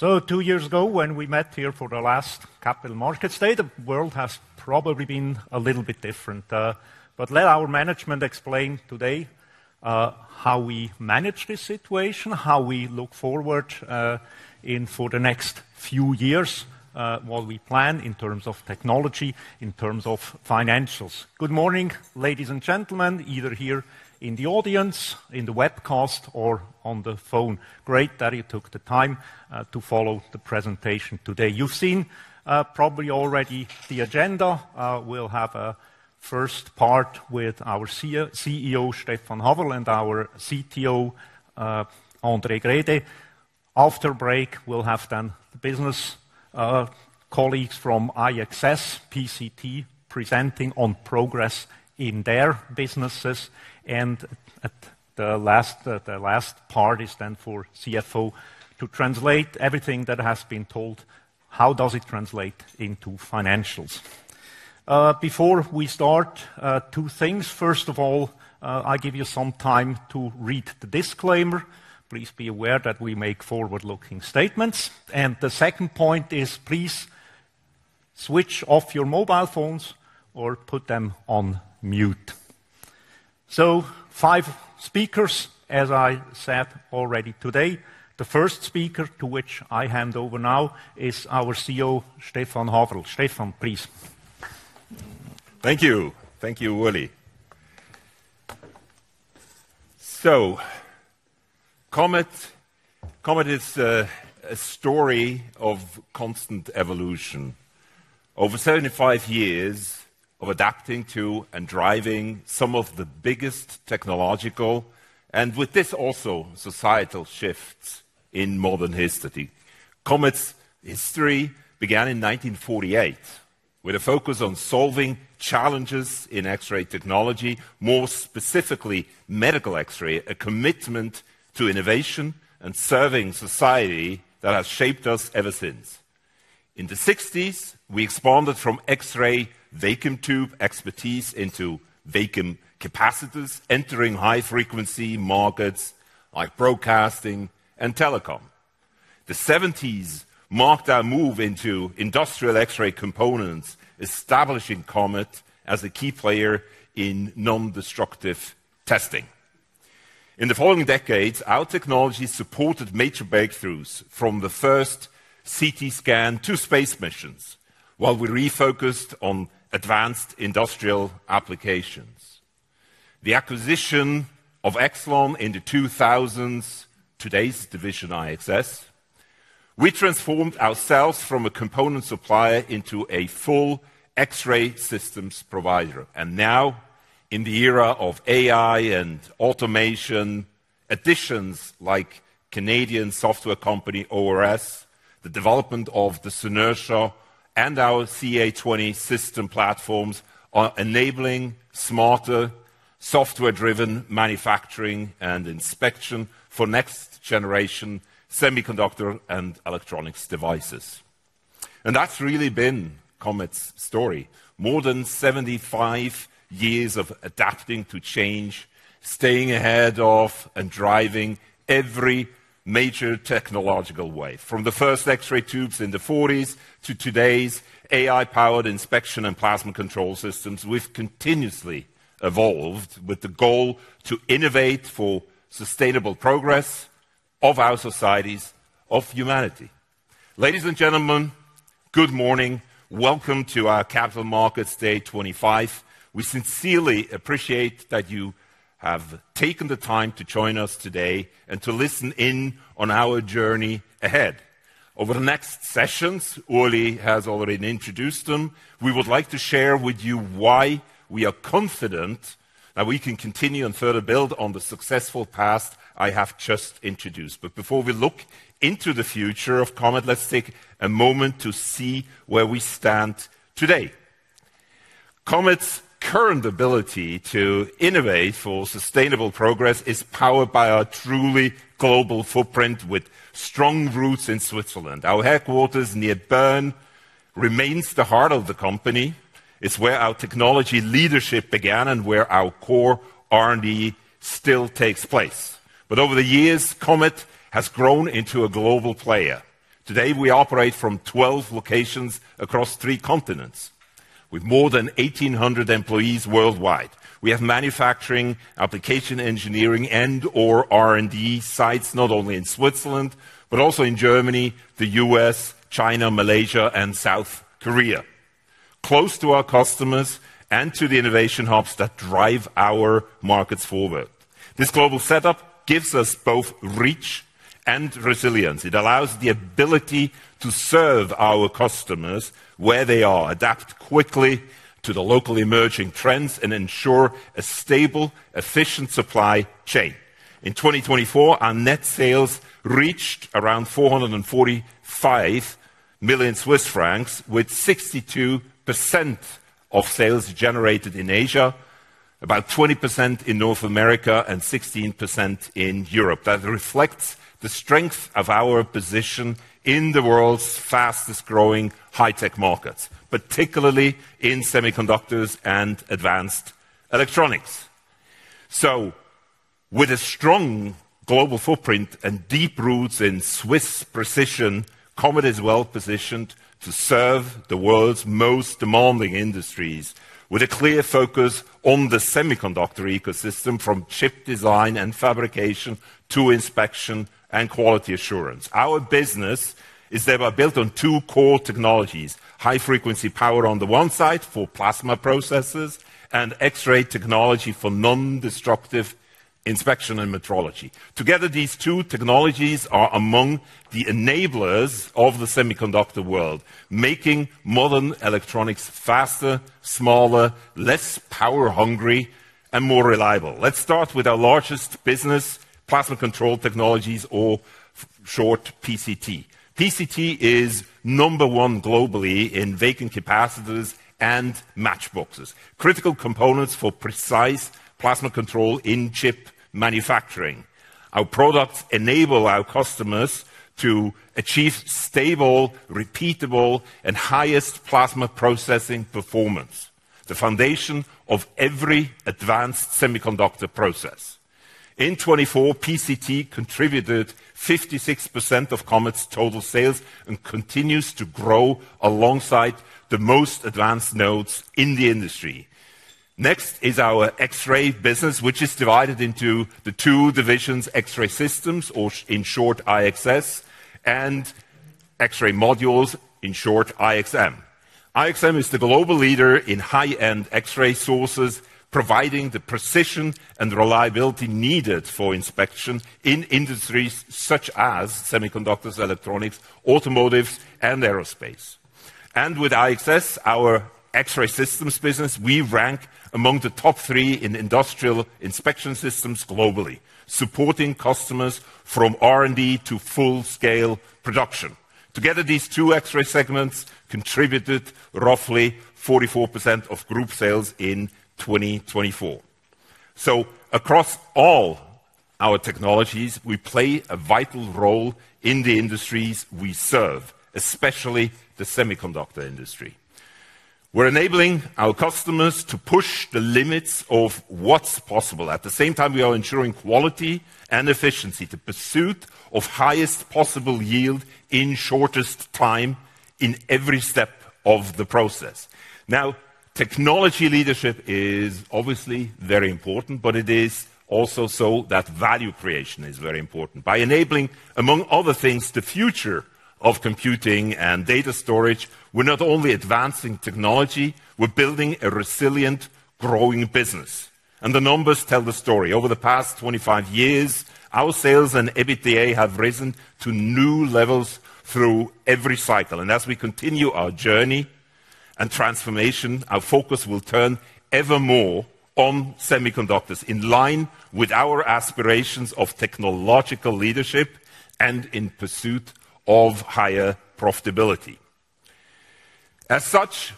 Two years ago, when we met here for the last Capital Markets Day, the world has probably been a little bit different. Let our management explain today how we manage this situation, how we look forward for the next few years, what we plan in terms of technology, in terms of financials. Good morning, ladies and gentlemen, either here in the audience, in the webcast, or on the phone. Great that you took the time to follow the presentation today. You have seen probably already the agenda. We will have a first part with our CEO, Stephan Haferl, and our CTO, André Grede. After the break, we will have the business colleagues from IXS, PCT, presenting on progress in their businesses. The last part is for CFO to translate everything that has been told. How does it translate into financials? Before we start, two things. First of all, I give you some time to read the disclaimer. Please be aware that we make forward-looking statements. The second point is, please switch off your mobile phones or put them on mute. Five speakers, as I said already today. The first speaker to which I hand over now is our CEO, Stephan Haferl. Stephan, please. Thank you. Thank you, Ueli. Comet is a story of constant evolution. Over 75 years of adapting to and driving some of the biggest technological and, with this, also societal shifts in modern history. Comet's history began in 1948 with a focus on solving challenges in X-ray technology, more specifically medical X-ray, a commitment to innovation and serving society that has shaped us ever since. In the 1960s, we expanded from X-ray vacuum tube expertise into vacuum capacitors, entering high-frequency markets like broadcasting and telecom. The 1970s marked our move into industrial X-ray components, establishing Comet as a key player in non-destructive testing. In the following decades, our technology supported major breakthroughs, from the first CT scan to space missions, while we refocused on advanced industrial applications. The acquisition of YXLON in the 2000s, today's division IXS, we transformed ourselves from a component supplier into a full X-ray systems provider. Now, in the era of AI and automation, additions like Canadian software company ORS, the development of the Synertia and our CA20 system platforms are enabling smarter, software-driven manufacturing and inspection for next-generation semiconductor and electronics devices. That is really been Comet's story. More than 75 years of adapting to change, staying ahead of and driving every major technological wave. From the first X-ray tubes in the 1940s to today's AI-powered inspection and plasma control systems, we have continuously evolved with the goal to innovate for sustainable progress of our societies, of humanity. Ladies and gentlemen, good morning. Welcome to our Capital Markets Day 2025. We sincerely appreciate that you have taken the time to join us today and to listen in on our journey ahead. Over the next sessions, Ueli has already introduced them, we would like to share with you why we are confident that we can continue and further build on the successful past I have just introduced. Before we look into the future of Comet, let's take a moment to see where we stand today. Comet's current ability to innovate for sustainable progress is powered by our truly global footprint with strong roots in Switzerland. Our headquarters near Bern remains the heart of the company. It is where our technology leadership began and where our core R&D still takes place. Over the years, Comet has grown into a global player. Today, we operate from 12 locations across three continents, with more than 1,800 employees worldwide. We have manufacturing, application engineering, and/or R&D sites not only in Switzerland, but also in Germany, the U.S., China, Malaysia, and South Korea. Close to our customers and to the innovation hubs that drive our markets forward. This global setup gives us both reach and resilience. It allows the ability to serve our customers where they are, adapt quickly to the local emerging trends, and ensure a stable, efficient supply chain. In 2024, our net sales reached around 445 million Swiss francs, with 62% of sales generated in Asia, about 20% in North America, and 16% in Europe. That reflects the strength of our position in the world's fastest-growing high-tech markets, particularly in semiconductors and advanced electronics. With a strong global footprint and deep roots in Swiss precision, Comet is well positioned to serve the world's most demanding industries, with a clear focus on the semiconductor ecosystem, from chip design and fabrication to inspection and quality assurance. Our business is thereby built on two core technologies: high-frequency power on the one side for plasma processes and X-ray technology for non-destructive inspection and metrology. Together, these two technologies are among the enablers of the semiconductor world, making modern electronics faster, smaller, less power-hungry, and more reliable. Let's start with our largest business, plasma control technologies, or short PCT. PCT is number one globally in vacuum capacitors and matchboxes, critical components for precise plasma control in chip manufacturing. Our products enable our customers to achieve stable, repeatable, and highest plasma processing performance, the foundation of every advanced semiconductor process. In 2024, PCT contributed 56% of Comet's total sales and continues to grow alongside the most advanced nodes in the industry. Next is our X-ray business, which is divided into the two divisions: X-ray systems, or in short, IXS, and X-ray modules, in short, IXM. IXM is the global leader in high-end X-ray sources, providing the precision and reliability needed for inspection in industries such as semiconductors, electronics, automotives, and aerospace. With IXS, our X-ray systems business, we rank among the top three in industrial inspection systems globally, supporting customers from R&D to full-scale production. Together, these two X-ray segments contributed roughly 44% of group sales in 2024. Across all our technologies, we play a vital role in the industries we serve, especially the semiconductor industry. We're enabling our customers to push the limits of what's possible. At the same time, we are ensuring quality and efficiency to pursuit of highest possible yield in shortest time in every step of the process. Now, technology leadership is obviously very important, but it is also so that value creation is very important. By enabling, among other things, the future of computing and data storage, we're not only advancing technology, we're building a resilient, growing business. The numbers tell the story. Over the past 25 years, our sales and EBITDA have risen to new levels through every cycle. As we continue our journey and transformation, our focus will turn ever more on semiconductors, in line with our aspirations of technological leadership and in pursuit of higher profitability. As such,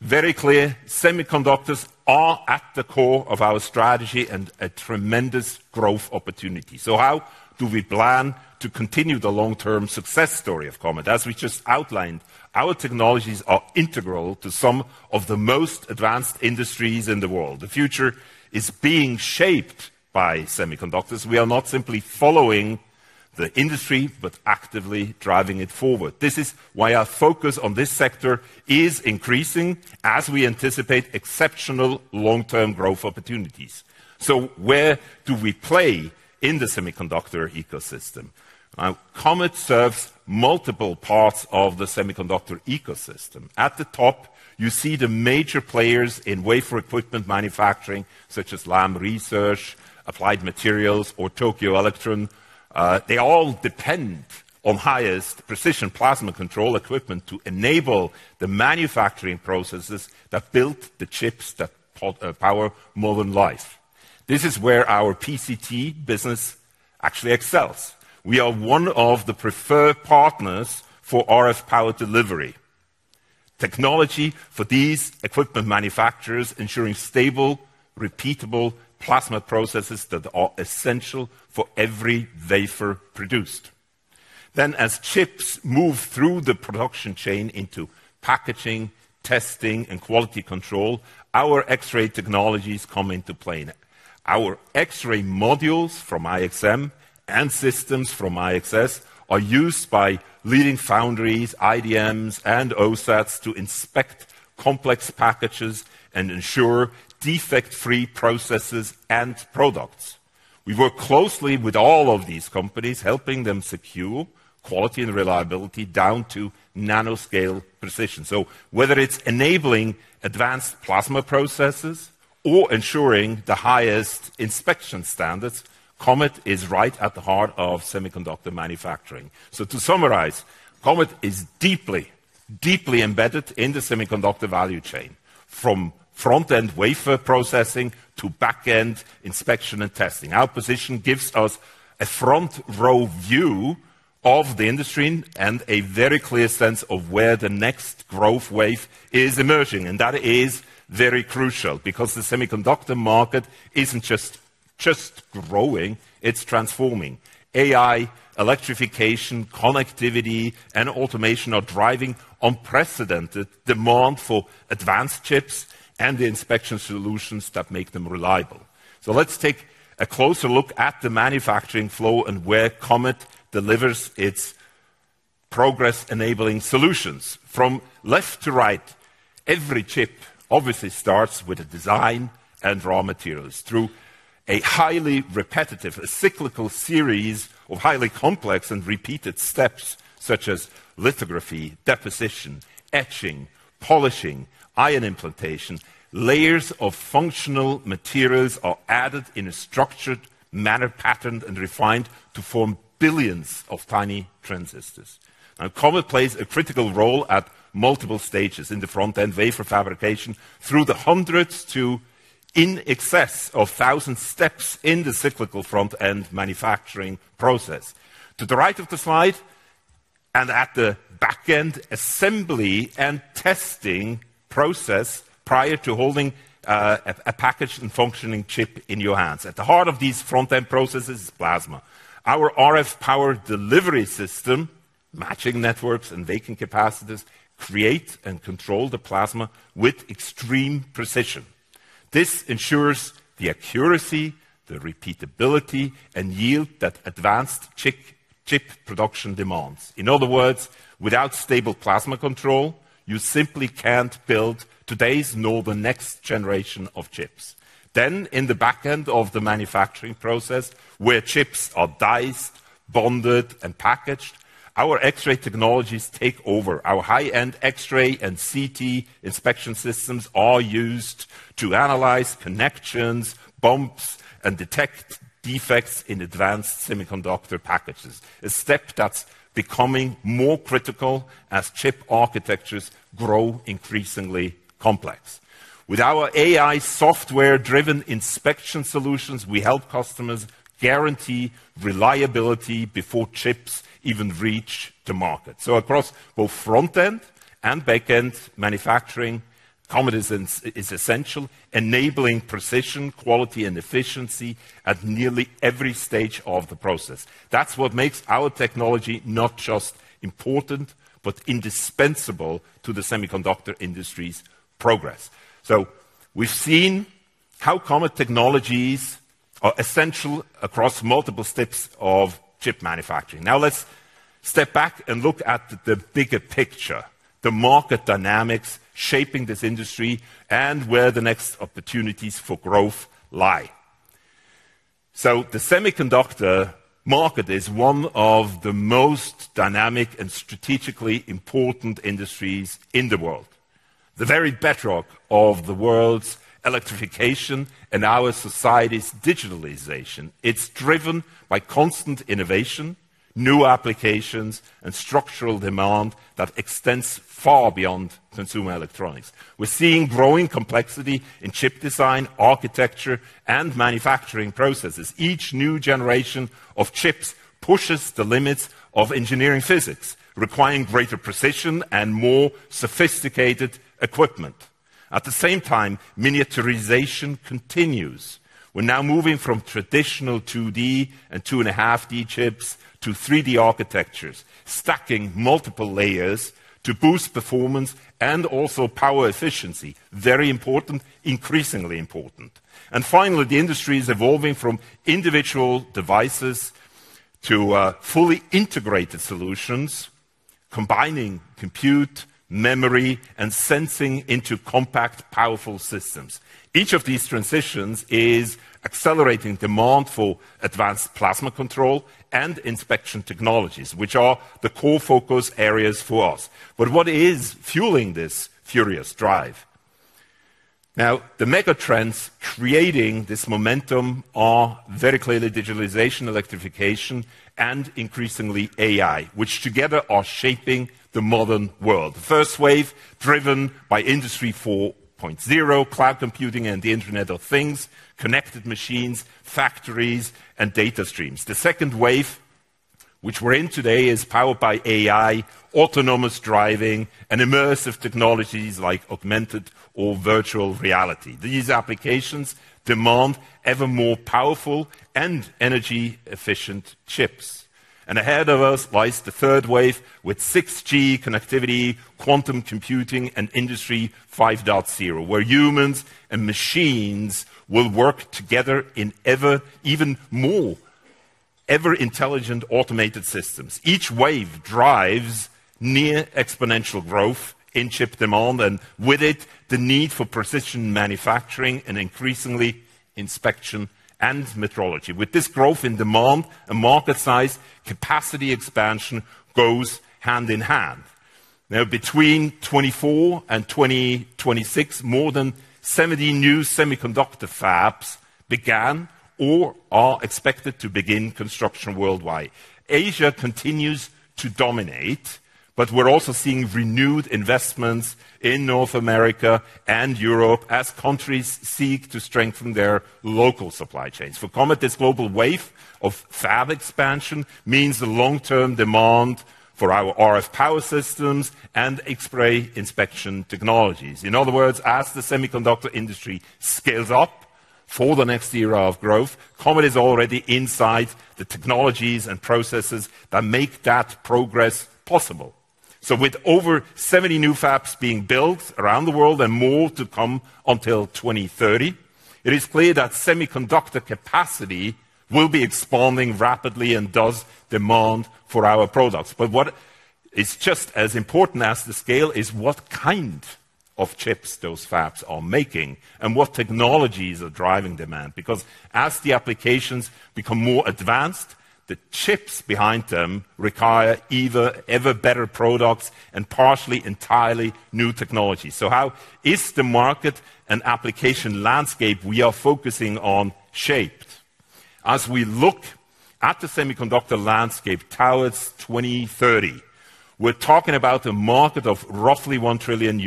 very clear, semiconductors are at the core of our strategy and a tremendous growth opportunity. How do we plan to continue the long-term success story of Comet? As we just outlined, our technologies are integral to some of the most advanced industries in the world. The future is being shaped by semiconductors. We are not simply following the industry, but actively driving it forward. This is why our focus on this sector is increasing, as we anticipate exceptional long-term growth opportunities. Where do we play in the semiconductor ecosystem? Comet serves multiple parts of the semiconductor ecosystem. At the top, you see the major players in wafer equipment manufacturing, such as Lam Research, Applied Materials, or Tokyo Electron. They all depend on highest precision plasma control equipment to enable the manufacturing processes that build the chips that power modern life. This is where our PCT business actually excels. We are one of the preferred partners for RF power delivery. Technology for these equipment manufacturers ensures stable, repeatable plasma processes that are essential for every wafer produced. As chips move through the production chain into packaging, testing, and quality control, our X-ray technologies come into play. Our X-ray modules from IXM and systems from IXS are used by leading foundries, IDMs, and OSATs to inspect complex packages and ensure defect-free processes and products. We work closely with all of these companies, helping them secure quality and reliability down to nanoscale precision. Whether it's enabling advanced plasma processes or ensuring the highest inspection standards, Comet is right at the heart of semiconductor manufacturing. To summarize, Comet is deeply, deeply embedded in the semiconductor value chain, from front-end wafer processing to back-end inspection and testing. Our position gives us a front-row view of the industry and a very clear sense of where the next growth wave is emerging. That is very crucial because the semiconductor market isn't just growing, it's transforming. AI, electrification, connectivity, and automation are driving unprecedented demand for advanced chips and the inspection solutions that make them reliable. Let's take a closer look at the manufacturing flow and where Comet delivers its progress-enabling solutions. From left to right, every chip obviously starts with a design and raw materials through a highly repetitive, cyclical series of highly complex and repeated steps, such as lithography, deposition, etching, polishing, ion implantation. Layers of functional materials are added in a structured manner, patterned, and refined to form billions of tiny transistors. Now, Comet plays a critical role at multiple stages in the front-end wafer fabrication, through the hundreds to in excess of 1,000 steps in the cyclical front-end manufacturing process. To the right of the slide and at the back end, assembly and testing process prior to holding a packaged and functioning chip in your hands. At the heart of these front-end processes is plasma. Our RF power delivery system, matching networks and vacuum capacitors, creates and controls the plasma with extreme precision. This ensures the accuracy, the repeatability, and yield that advanced chip production demands. In other words, without stable plasma control, you simply can't build today's nor the next generation of chips. In the back end of the manufacturing process, where chips are diced, bonded, and packaged, our X-ray technologies take over. Our high-end X-ray and CT inspection systems are used to analyze connections, bumps, and detect defects in advanced semiconductor packages, a step that's becoming more critical as chip architectures grow increasingly complex. With our AI software-driven inspection solutions, we help customers guarantee reliability before chips even reach the market. Across both front-end and back-end manufacturing, Comet is essential, enabling precision, quality, and efficiency at nearly every stage of the process. That's what makes our technology not just important, but indispensable to the semiconductor industry's progress. We've seen how Comet technologies are essential across multiple steps of chip manufacturing. Now, let's step back and look at the bigger picture, the market dynamics shaping this industry and where the next opportunities for growth lie. The semiconductor market is one of the most dynamic and strategically important industries in the world, the very bedrock of the world's electrification and our society's digitalization. It's driven by constant innovation, new applications, and structural demand that extends far beyond consumer electronics. We're seeing growing complexity in chip design, architecture, and manufacturing processes. Each new generation of chips pushes the limits of engineering physics, requiring greater precision and more sophisticated equipment. At the same time, miniaturization continues. We're now moving from traditional 2D and 2.5D chips to 3D architectures, stacking multiple layers to boost performance and also power efficiency. Very important, increasingly important. Finally, the industry is evolving from individual devices to fully integrated solutions, combining compute, memory, and sensing into compact, powerful systems. Each of these transitions is accelerating demand for advanced plasma control and inspection technologies, which are the core focus areas for us. What is fueling this furious drive? The mega trends creating this momentum are very clearly digitalization, electrification, and increasingly AI, which together are shaping the modern world. The first wave, driven by Industry 4.0, cloud computing, and the Internet of Things, connected machines, factories, and data streams. The second wave, which we're in today, is powered by AI, autonomous driving, and immersive technologies like augmented or virtual reality. These applications demand ever more powerful and energy-efficient chips. Ahead of us lies the third wave with 6G connectivity, quantum computing, and Industry 5.0, where humans and machines will work together in ever, even more, ever-intelligent automated systems. Each wave drives near-exponential growth in chip demand and, with it, the need for precision manufacturing and increasingly inspection and metrology. With this growth in demand, a market size capacity expansion goes hand in hand. Now, between 2024 and 2026, more than 70 new semiconductor fabs began or are expected to begin construction worldwide. Asia continues to dominate, but we're also seeing renewed investments in North America and Europe as countries seek to strengthen their local supply chains. For Comet, this global wave of fab expansion means the long-term demand for our RF Power systems and X-ray inspection technologies. In other words, as the semiconductor industry scales up for the next era of growth, Comet is already inside the technologies and processes that make that progress possible. With over 70 new fabs being built around the world and more to come until 2030, it is clear that semiconductor capacity will be expanding rapidly and so does demand for our products. What is just as important as the scale is what kind of chips those fabs are making and what technologies are driving demand. Because as the applications become more advanced, the chips behind them require ever better products and partially entirely new technologies. How is the market and application landscape we are focusing on shaped? As we look at the semiconductor landscape towards 2030, we're talking about a market of roughly $1 trillion.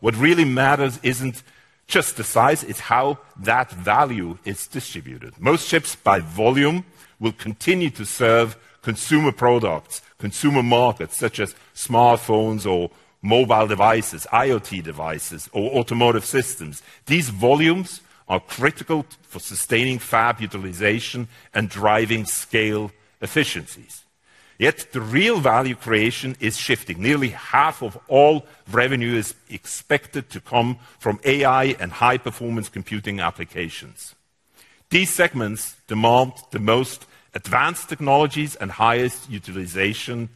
What really matters isn't just the size, it's how that value is distributed. Most chips by volume will continue to serve consumer products, consumer markets such as smartphones or mobile devices, IoT devices, or automotive systems. These volumes are critical for sustaining fab utilization and driving scale efficiencies. Yet the real value creation is shifting. Nearly half of all revenue is expected to come from AI and high-performance computing applications. These segments demand the most advanced technologies and highest utilization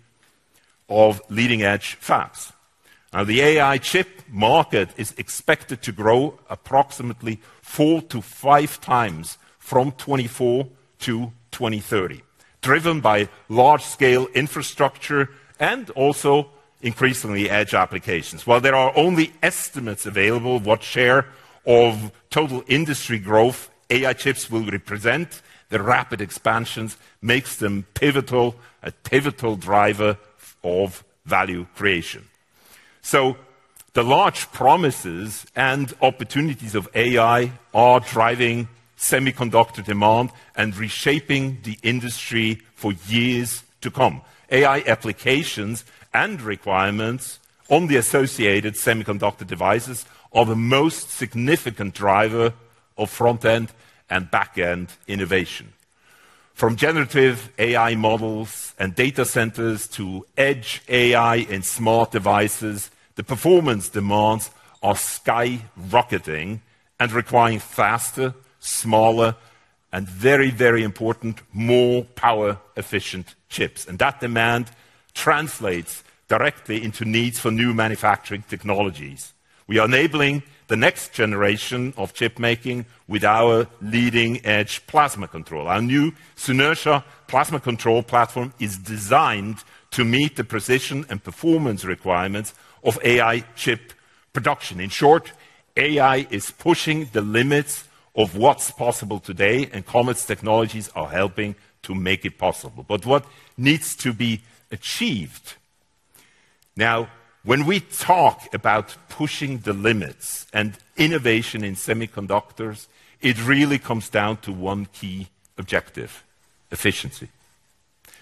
of leading-edge fabs. Now, the AI chip market is expected to grow approximately 4x-5x from 2024 to 2023, driven by large-scale infrastructure and also increasingly edge applications. While there are only estimates available of what share of total industry growth AI chips will represent, the rapid expansions make them pivotal, a pivotal driver of value creation. The large promises and opportunities of AI are driving semiconductor demand and reshaping the industry for years to come. AI applications and requirements on the associated semiconductor devices are the most significant driver of front-end and back-end innovation. From generative AI models and data centers to edge AI and smart devices, the performance demands are skyrocketing and requiring faster, smaller, and very, very important, more power-efficient chips. That demand translates directly into needs for new manufacturing technologies. We are enabling the next generation of chipmaking with our leading-edge plasma control. Our new Synertia plasma control platform is designed to meet the precision and performance requirements of AI chip production. In short, AI is pushing the limits of what's possible today, and Comet's technologies are helping to make it possible. What needs to be achieved? Now, when we talk about pushing the limits and innovation in semiconductors, it really comes down to one key objective: efficiency.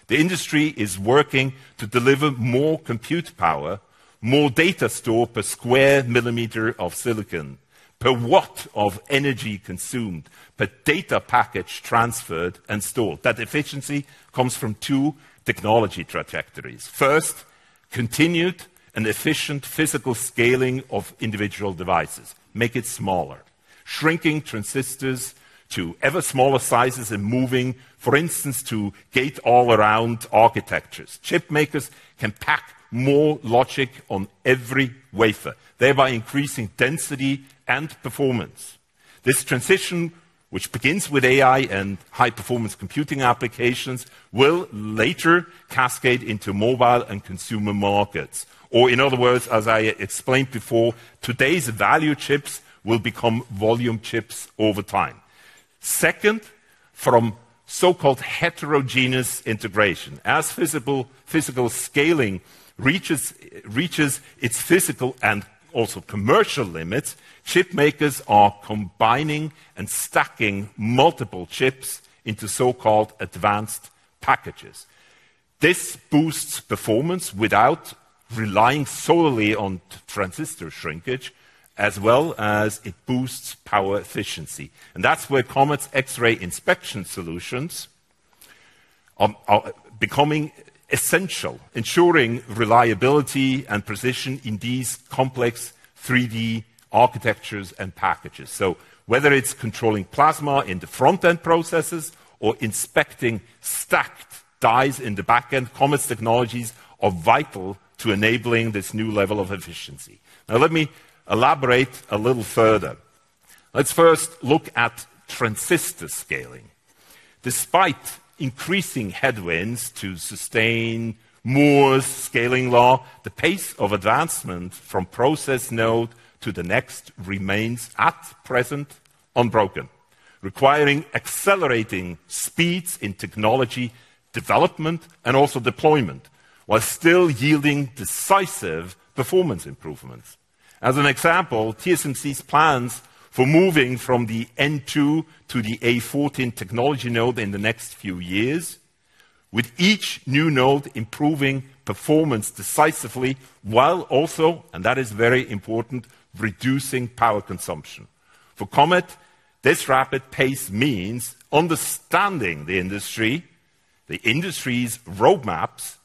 The industry is working to deliver more compute power, more data store per square millimeter of silicon, per watt of energy consumed, per data package transferred and stored. That efficiency comes from two technology trajectories. First, continued and efficient physical scaling of individual devices makes it smaller, shrinking transistors to ever smaller sizes and moving, for instance, to gate-all-around architectures. Chip makers can pack more logic on every wafer, thereby increasing density and performance. This transition, which begins with AI and high-performance computing applications, will later cascade into mobile and consumer markets. In other words, as I explained before, today's value chips will become volume chips over time. Second, from so-called heterogeneous integration. As physical scaling reaches its physical and also commercial limits, chip makers are combining and stacking multiple chips into so-called advanced packages. This boosts performance without relying solely on transistor shrinkage, as well as it boosts power efficiency. That is where Comet's X-ray inspection solutions are becoming essential, ensuring reliability and precision in these complex 3D architectures and packages. Whether it is controlling plasma in the front-end processes or inspecting stacked dies in the back-end, Comet's technologies are vital to enabling this new level of efficiency. Now, let me elaborate a little further. Let's first look at transistor scaling. Despite increasing headwinds to sustain Moore's scaling law, the pace of advancement from process node to the next remains at present unbroken, requiring accelerating speeds in technology development and also deployment while still yielding decisive performance improvements. As an example, TSMC's plans for moving from the N2 to the A14 technology node in the next few years, with each new node improving performance decisively while also, and that is very important, reducing power consumption. For Comet, this rapid pace means understanding the industry, the industry's roadmaps,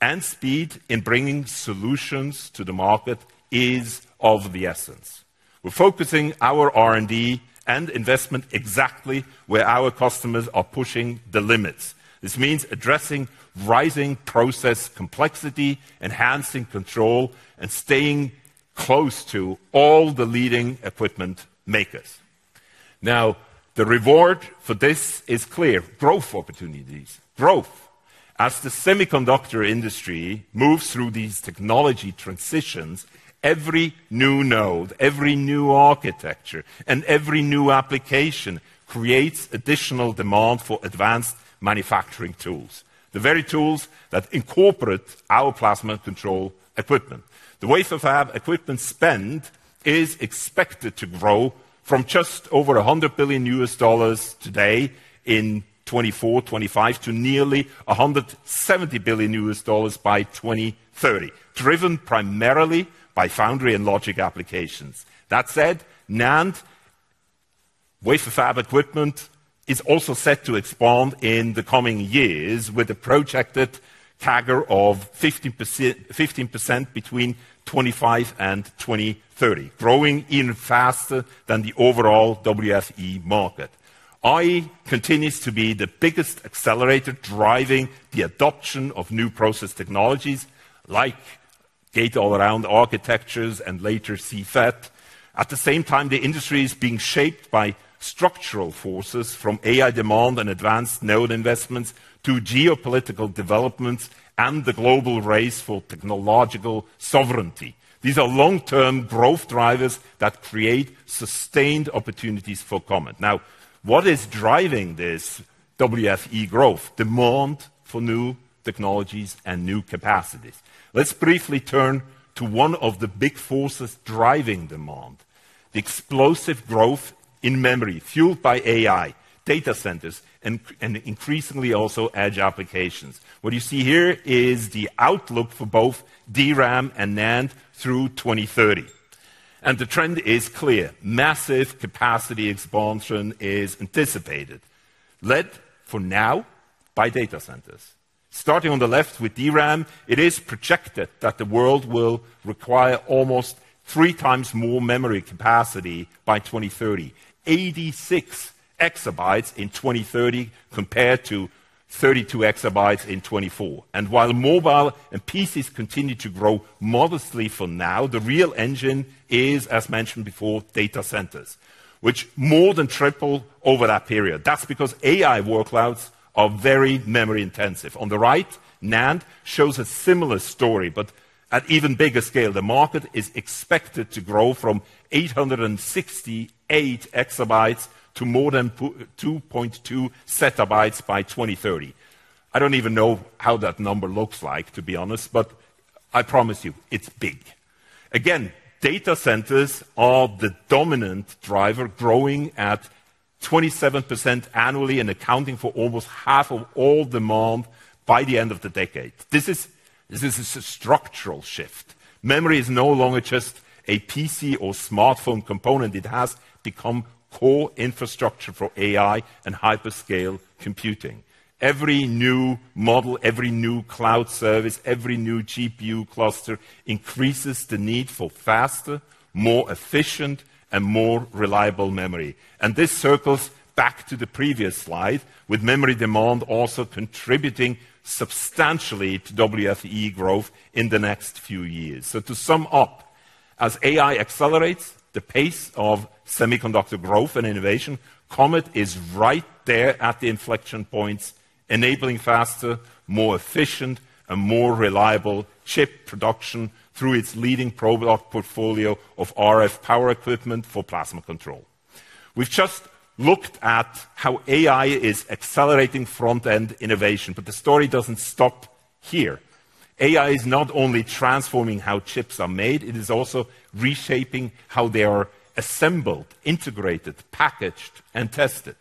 and speed in bringing solutions to the market is of the essence. We're focusing our R&D and investment exactly where our customers are pushing the limits. This means addressing rising process complexity, enhancing control, and staying close to all the leading equipment makers. Now, the reward for this is clear: growth opportunities, growth. As the semiconductor industry moves through these technology transitions, every new node, every new architecture, and every new application creates additional demand for advanced manufacturing tools, the very tools that incorporate our plasma control equipment. The wafer fab equipment spend is expected to grow from just over $100 billion today in 2024, 2025 to nearly $170 bililion by 2030, driven primarily by foundry and logic applications. That said, NAND wafer fab equipment is also set to expand in the coming years with a projected CAGR of 15% between 2025 and 2030, growing even faster than the overall WFE market. AI continues to be the biggest accelerator driving the adoption of new process technologies like gate-all-around architectures and later CFET. At the same time, the industry is being shaped by structural forces from AI demand and advanced node investments to geopolitical developments and the global race for technological sovereignty. These are long-term growth drivers that create sustained opportunities for Comet. Now, what is driving this WFE growth? Demand for new technologies and new capacities. Let's briefly turn to one of the big forces driving demand: the explosive growth in memory fueled by AI, data centers, and increasingly also edge applications. What you see here is the outlook for both DRAM and NAND through 2030. The trend is clear. Massive capacity expansion is anticipated, led for now by data centers. Starting on the left with DRAM, it is projected that the world will require almost three times more memory capacity by 2030, 86 exabytes in 2030 compared to 32 EB in 2024. While mobile and PCs continue to grow modestly for now, the real engine is, as mentioned before, data centers, which more than tripled over that period. That is because AI workloads are very memory intensive. On the right, NAND shows a similar story, but at an even bigger scale. The market is expected to grow from 868 EB to more than 2.2 ZB by 2030. I do not even know how that number looks like, to be honest, but I promise you it is big. Again, data centers are the dominant driver, growing at 27% annually and accounting for almost half of all demand by the end of the decade. This is a structural shift. Memory is no longer just a PC or smartphone component. It has become core infrastructure for AI and hyperscale computing. Every new model, every new cloud service, every new GPU cluster increases the need for faster, more efficient, and more reliable memory. This circles back to the previous slide, with memory demand also contributing substantially to WFE growth in the next few years. To sum up, as AI accelerates the pace of semiconductor growth and innovation, Comet is right there at the inflection points, enabling faster, more efficient, and more reliable chip production through its leading product portfolio of RF power equipment for plasma control. We've just looked at how AI is accelerating front-end innovation, but the story doesn't stop here. AI is not only transforming how chips are made, it is also reshaping how they are assembled, integrated, packaged, and tested.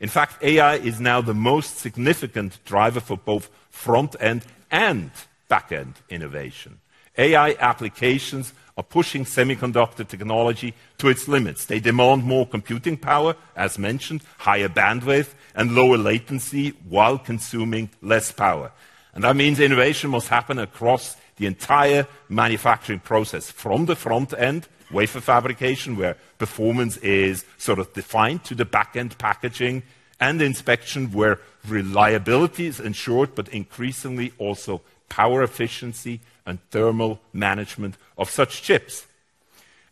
In fact, AI is now the most significant driver for both front-end and back-end innovation. AI applications are pushing semiconductor technology to its limits. They demand more computing power, as mentioned, higher bandwidth, and lower latency while consuming less power. That means innovation must happen across the entire manufacturing process, from the front-end wafer fabrication, where performance is sort of defined, to the back-end packaging and inspection, where reliability is ensured, but increasingly also power efficiency and thermal management of such chips.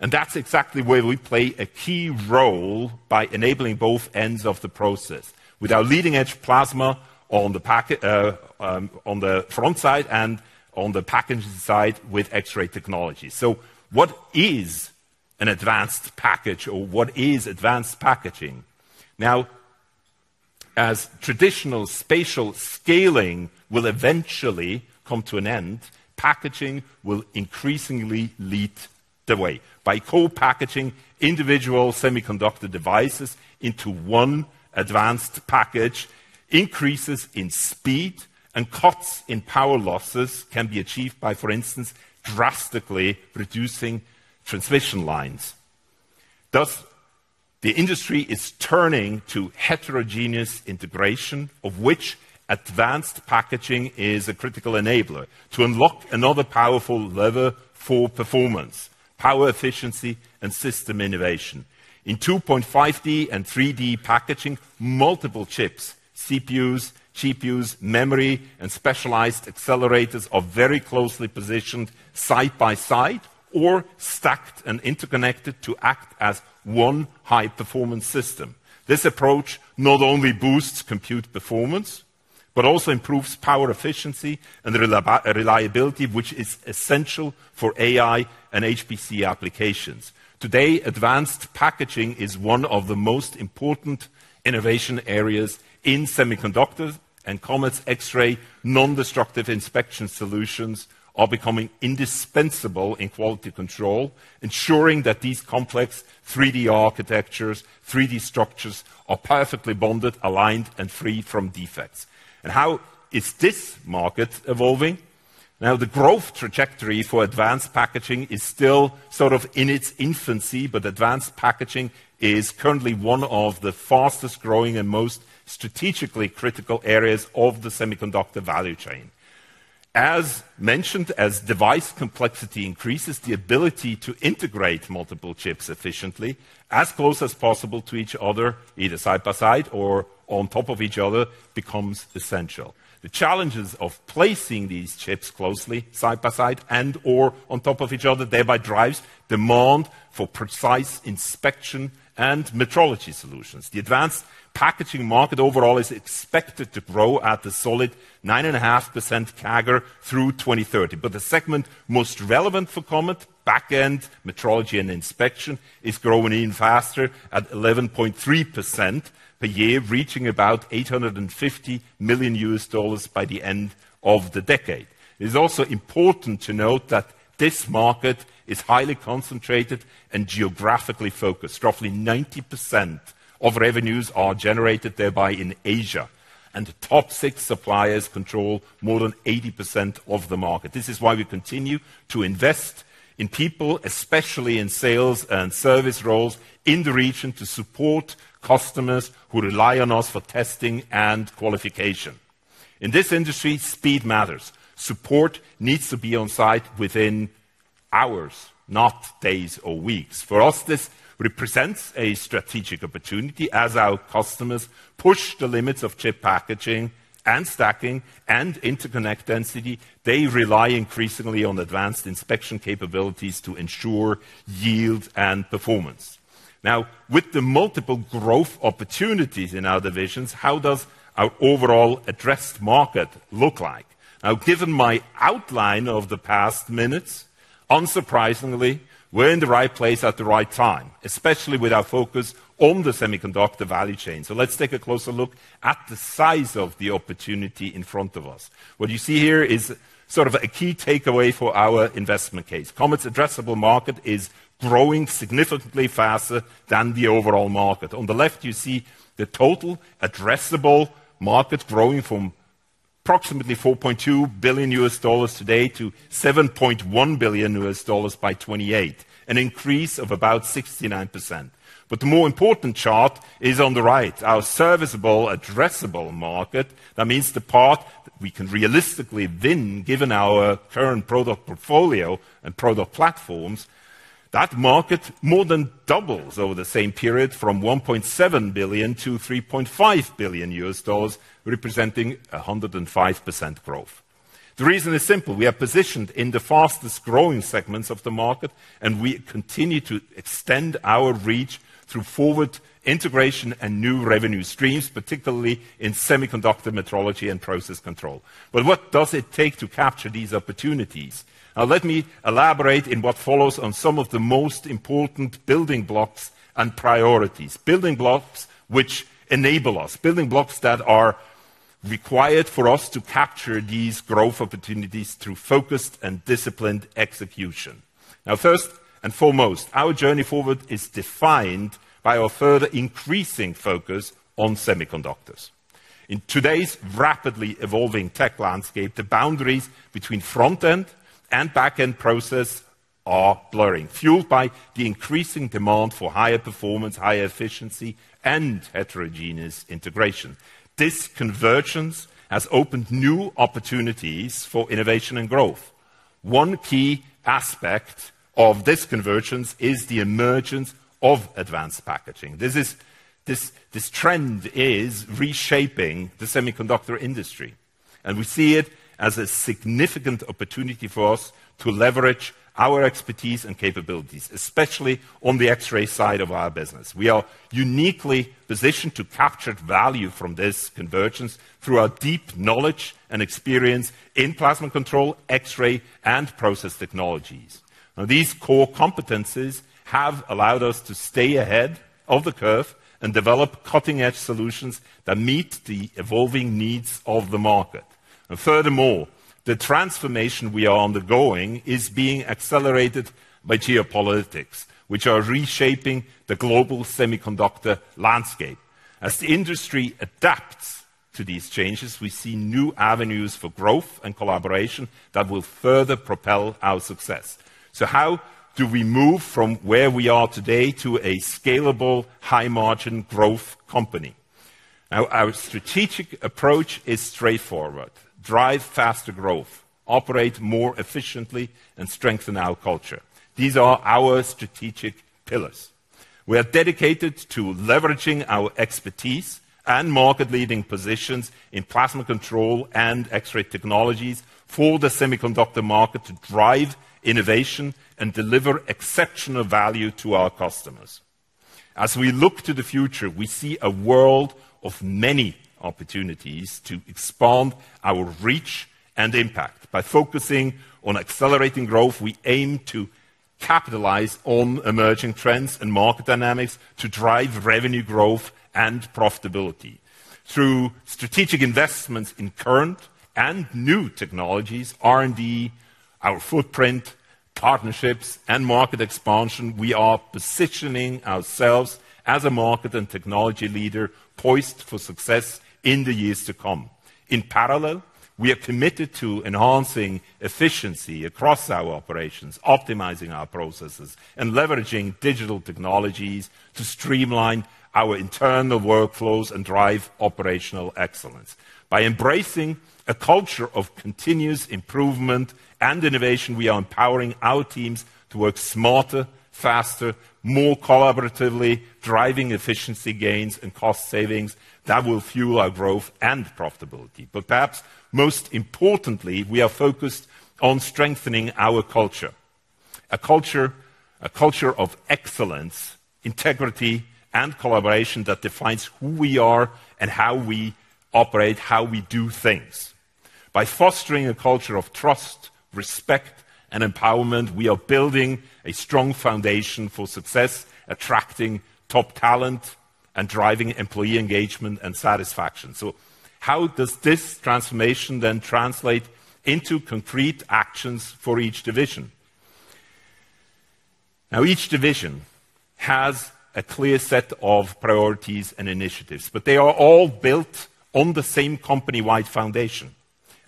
That is exactly where we play a key role by enabling both ends of the process, with our leading-edge plasma on the front side and on the packaging side with X-ray technology. What is an advanced package, or what is advanced packaging? Now, as traditional spatial scaling will eventually come to an end, packaging will increasingly lead the way. By co-packaging individual semiconductor devices into one advanced package, increases in speed and cuts in power losses can be achieved by, for instance, drastically reducing transmission lines. Thus, the industry is turning to heterogeneous integration, of which advanced packaging is a critical enabler to unlock another powerful lever for performance, power efficiency, and system innovation. In 2.5D and 3D packaging, multiple chips, CPUs, GPUs, memory, and specialized accelerators are very closely positioned side by side or stacked and interconnected to act as one high-performance system. This approach not only boosts compute performance, but also improves power efficiency and reliability, which is essential for AI and HPC applications. Today, advanced packaging is one of the most important innovation areas in semiconductors, and Comet's X-ray non-destructive inspection solutions are becoming indispensable in quality control, ensuring that these complex 3D architectures, 3D structures are perfectly bonded, aligned, and free from defects. How is this market evolving? Now, the growth trajectory for advanced packaging is still sort of in its infancy, but advanced packaging is currently one of the fastest growing and most strategically critical areas of the semiconductor value chain. As mentioned, as device complexity increases, the ability to integrate multiple chips efficiently, as close as possible to each other, either side by side or on top of each other, becomes essential. The challenges of placing these chips closely side by side and/or on top of each other thereby drive demand for precise inspection and metrology solutions. The advanced packaging market overall is expected to grow at a solid 9.5% CAGR through 2030. The segment most relevant for Comet's back-end metrology and inspection is growing even faster at 11.3% per year, reaching about $850 million by the end of the decade. It is also important to note that this market is highly concentrated and geographically focused. Roughly 90% of revenues are generated thereby in Asia, and the top six suppliers control more than 80% of the market. This is why we continue to invest in people, especially in sales and service roles in the region, to support customers who rely on us for testing and qualification. In this industry, speed matters. Support needs to be on site within hours, not days or weeks. For us, this represents a strategic opportunity as our customers push the limits of chip packaging and stacking and interconnect density. They rely increasingly on advanced inspection capabilities to ensure yield and performance. Now, with the multiple growth opportunities in our divisions, how does our overall addressed market look like? Now, given my outline of the past minutes, unsurprisingly, we're in the right place at the right time, especially with our focus on the semiconductor value chain. Let's take a closer look at the size of the opportunity in front of us. What you see here is sort of a key takeaway for our investment case. Comet's addressable market is growing significantly faster than the overall market. On the left, you see the total addressable market growing from approximately $4.2 billion today to $7.1 billion by 2028, an increase of about 69%. The more important chart is on the right. Our serviceable addressable market, that means the part that we can realistically win, given our current product portfolio and product platforms, that market more than doubles over the same period from $1.7 billion to $3.5 billion, representing 105% growth. The reason is simple. We are positioned in the fastest growing segments of the market, and we continue to extend our reach through forward integration and new revenue streams, particularly in semiconductor metrology and process control. What does it take to capture these opportunities? Now, let me elaborate in what follows on some of the most important building blocks and priorities, building blocks which enable us, building blocks that are required for us to capture these growth opportunities through focused and disciplined execution. First and foremost, our journey forward is defined by our further increasing focus on semiconductors. In today's rapidly evolving tech landscape, the boundaries between front-end and back-end process are blurring, fueled by the increasing demand for higher performance, higher efficiency, and heterogeneous integration. This convergence has opened new opportunities for innovation and growth. One key aspect of this convergence is the emergence of advanced packaging. This trend is reshaping the semiconductor industry, and we see it as a significant opportunity for us to leverage our expertise and capabilities, especially on the X-ray side of our business. We are uniquely positioned to capture value from this convergence through our deep knowledge and experience in plasma control, X-ray, and process technologies. Now, these core competencies have allowed us to stay ahead of the curve and develop cutting-edge solutions that meet the evolving needs of the market. Furthermore, the transformation we are undergoing is being accelerated by geopolitics, which are reshaping the global semiconductor landscape. As the industry adapts to these changes, we see new avenues for growth and collaboration that will further propel our success. How do we move from where we are today to a scalable, high-margin growth company? Now, our strategic approach is straightforward: drive faster growth, operate more efficiently, and strengthen our culture. These are our strategic pillars. We are dedicated to leveraging our expertise and market-leading positions in plasma control and X-ray technologies for the semiconductor market to drive innovation and deliver exceptional value to our customers. As we look to the future, we see a world of many opportunities to expand our reach and impact. By focusing on accelerating growth, we aim to capitalize on emerging trends and market dynamics to drive revenue growth and profitability. Through strategic investments in current and new technologies, R&D, our footprint, partnerships, and market expansion, we are positioning ourselves as a market and technology leader poised for success in the years to come. In parallel, we are committed to enhancing efficiency across our operations, optimizing our processes, and leveraging digital technologies to streamline our internal workflows and drive operational excellence. By embracing a culture of continuous improvement and innovation, we are empowering our teams to work smarter, faster, more collaboratively, driving efficiency gains and cost savings that will fuel our growth and profitability. Perhaps most importantly, we are focused on strengthening our culture, a culture of excellence, integrity, and collaboration that defines who we are and how we operate, how we do things. By fostering a culture of trust, respect, and empowerment, we are building a strong foundation for success, attracting top talent, and driving employee engagement and satisfaction. How does this transformation then translate into concrete actions for each division? Each division has a clear set of priorities and initiatives, but they are all built on the same company-wide foundation: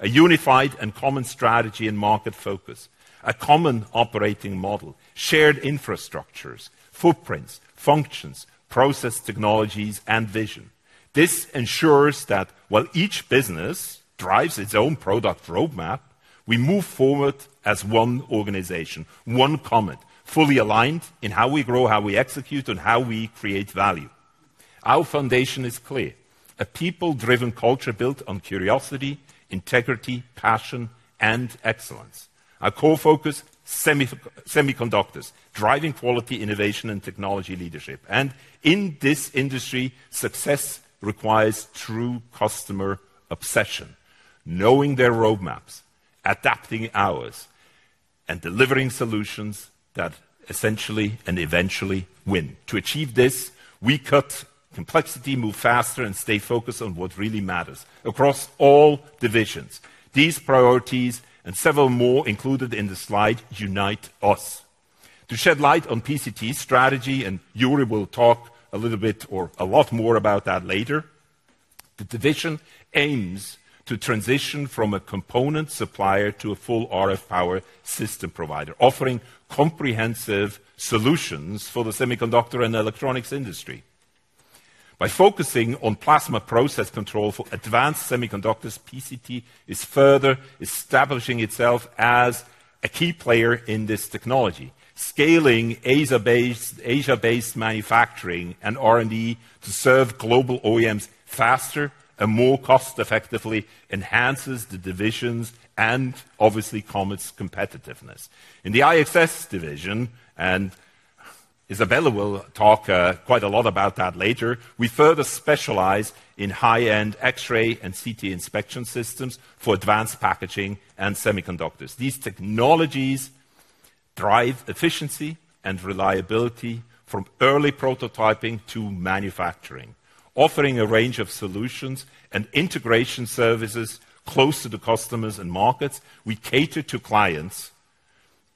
a unified and common strategy and market focus, a common operating model, shared infrastructures, footprints, functions, process technologies, and vision. This ensures that while each business drives its own product roadmap, we move forward as one organization, one Comet, fully aligned in how we grow, how we execute, and how we create value. Our foundation is clear: a people-driven culture built on curiosity, integrity, passion, and excellence. Our core focus is semiconductors, driving quality, innovation, and technology leadership. In this industry, success requires true customer obsession, knowing their roadmaps, adapting ours, and delivering solutions that essentially and eventually win. To achieve this, we cut complexity, move faster, and stay focused on what really matters across all divisions. These priorities and several more included in the slide unite us. To shed light on PCT strategy, and Joeri will talk a little bit or a lot more about that later, the division aims to transition from a component supplier to a full RF power system provider, offering comprehensive solutions for the semiconductor and electronics industry. By focusing on plasma process control for advanced semiconductors, PCT is further establishing itself as a key player in this technology. Scaling Asia-based manufacturing and R&D to serve global OEMs faster and more cost-effectively enhances the division's and obviously Comet's competitiveness. In the IXS division, and Isabella will talk quite a lot about that later, we further specialize in high-end X-ray and CT inspection systems for advanced packaging and semiconductors. These technologies drive efficiency and reliability from early prototyping to manufacturing, offering a range of solutions and integration services close to the customers and markets. We cater to clients'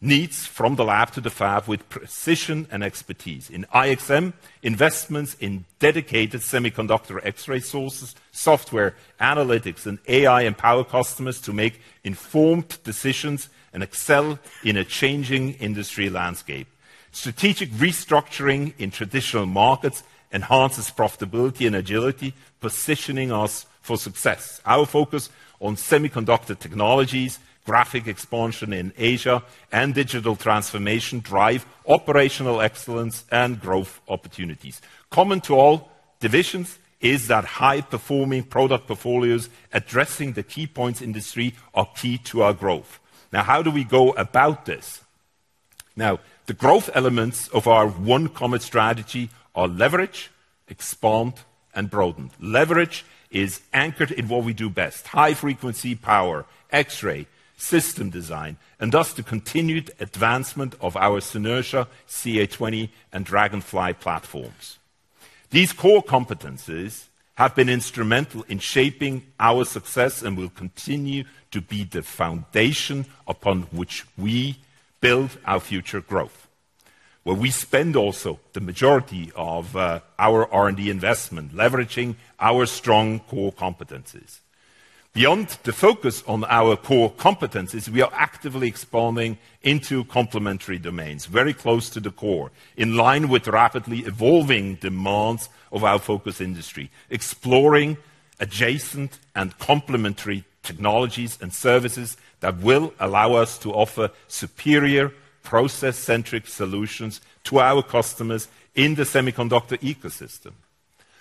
needs from the lab to the fab with precision and expertise. In IXM, investments in dedicated semiconductor X-ray sources, software analytics, and AI empower customers to make informed decisions and excel in a changing industry landscape. Strategic restructuring in traditional markets enhances profitability and agility, positioning us for success. Our focus on semiconductor technologies, graphic expansion in Asia, and digital transformation drive operational excellence and growth opportunities. Common to all divisions is that high-performing product portfolios addressing the key points industry are key to our growth. Now, how do we go about this? Now, the growth elements of our One Comet strategy are leverage, expand, and broaden. Leverage is anchored in what we do best: high-frequency power, X-ray system design, and thus the continued advancement of our Synertia, CA20, and Dragonfly platforms. These core competencies have been instrumental in shaping our success and will continue to be the foundation upon which we build our future growth, where we spend also the majority of our R&D investment leveraging our strong core competencies. Beyond the focus on our core competencies, we are actively expanding into complementary domains very close to the core, in line with rapidly evolving demands of our focus industry, exploring adjacent and complementary technologies and services that will allow us to offer superior process-centric solutions to our customers in the semiconductor ecosystem.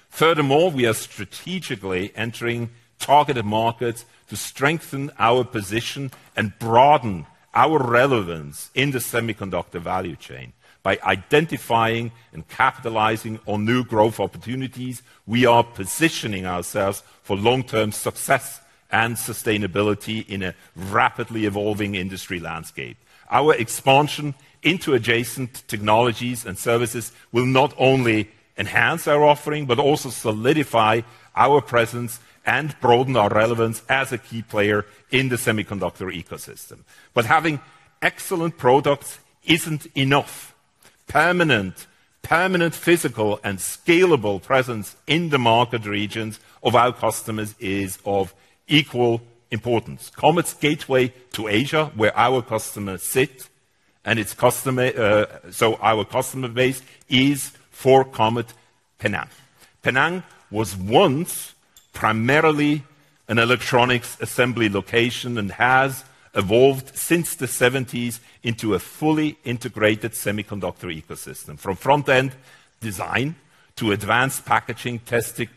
Furthermore, we are strategically entering targeted markets to strengthen our position and broaden our relevance in the semiconductor value chain. By identifying and capitalizing on new growth opportunities, we are positioning ourselves for long-term success and sustainability in a rapidly evolving industry landscape. Our expansion into adjacent technologies and services will not only enhance our offering but also solidify our presence and broaden our relevance as a key player in the semiconductor ecosystem. Having excellent products is not enough. Permanent, physical, and scalable presence in the market regions of our customers is of equal importance. Comet's gateway to Asia, where our customers sit and its customer, so our customer base, is for Comet Penang. Penang was once primarily an electronics assembly location and has evolved since the 1970s into a fully integrated semiconductor ecosystem, from front-end design to advanced packaging, testing,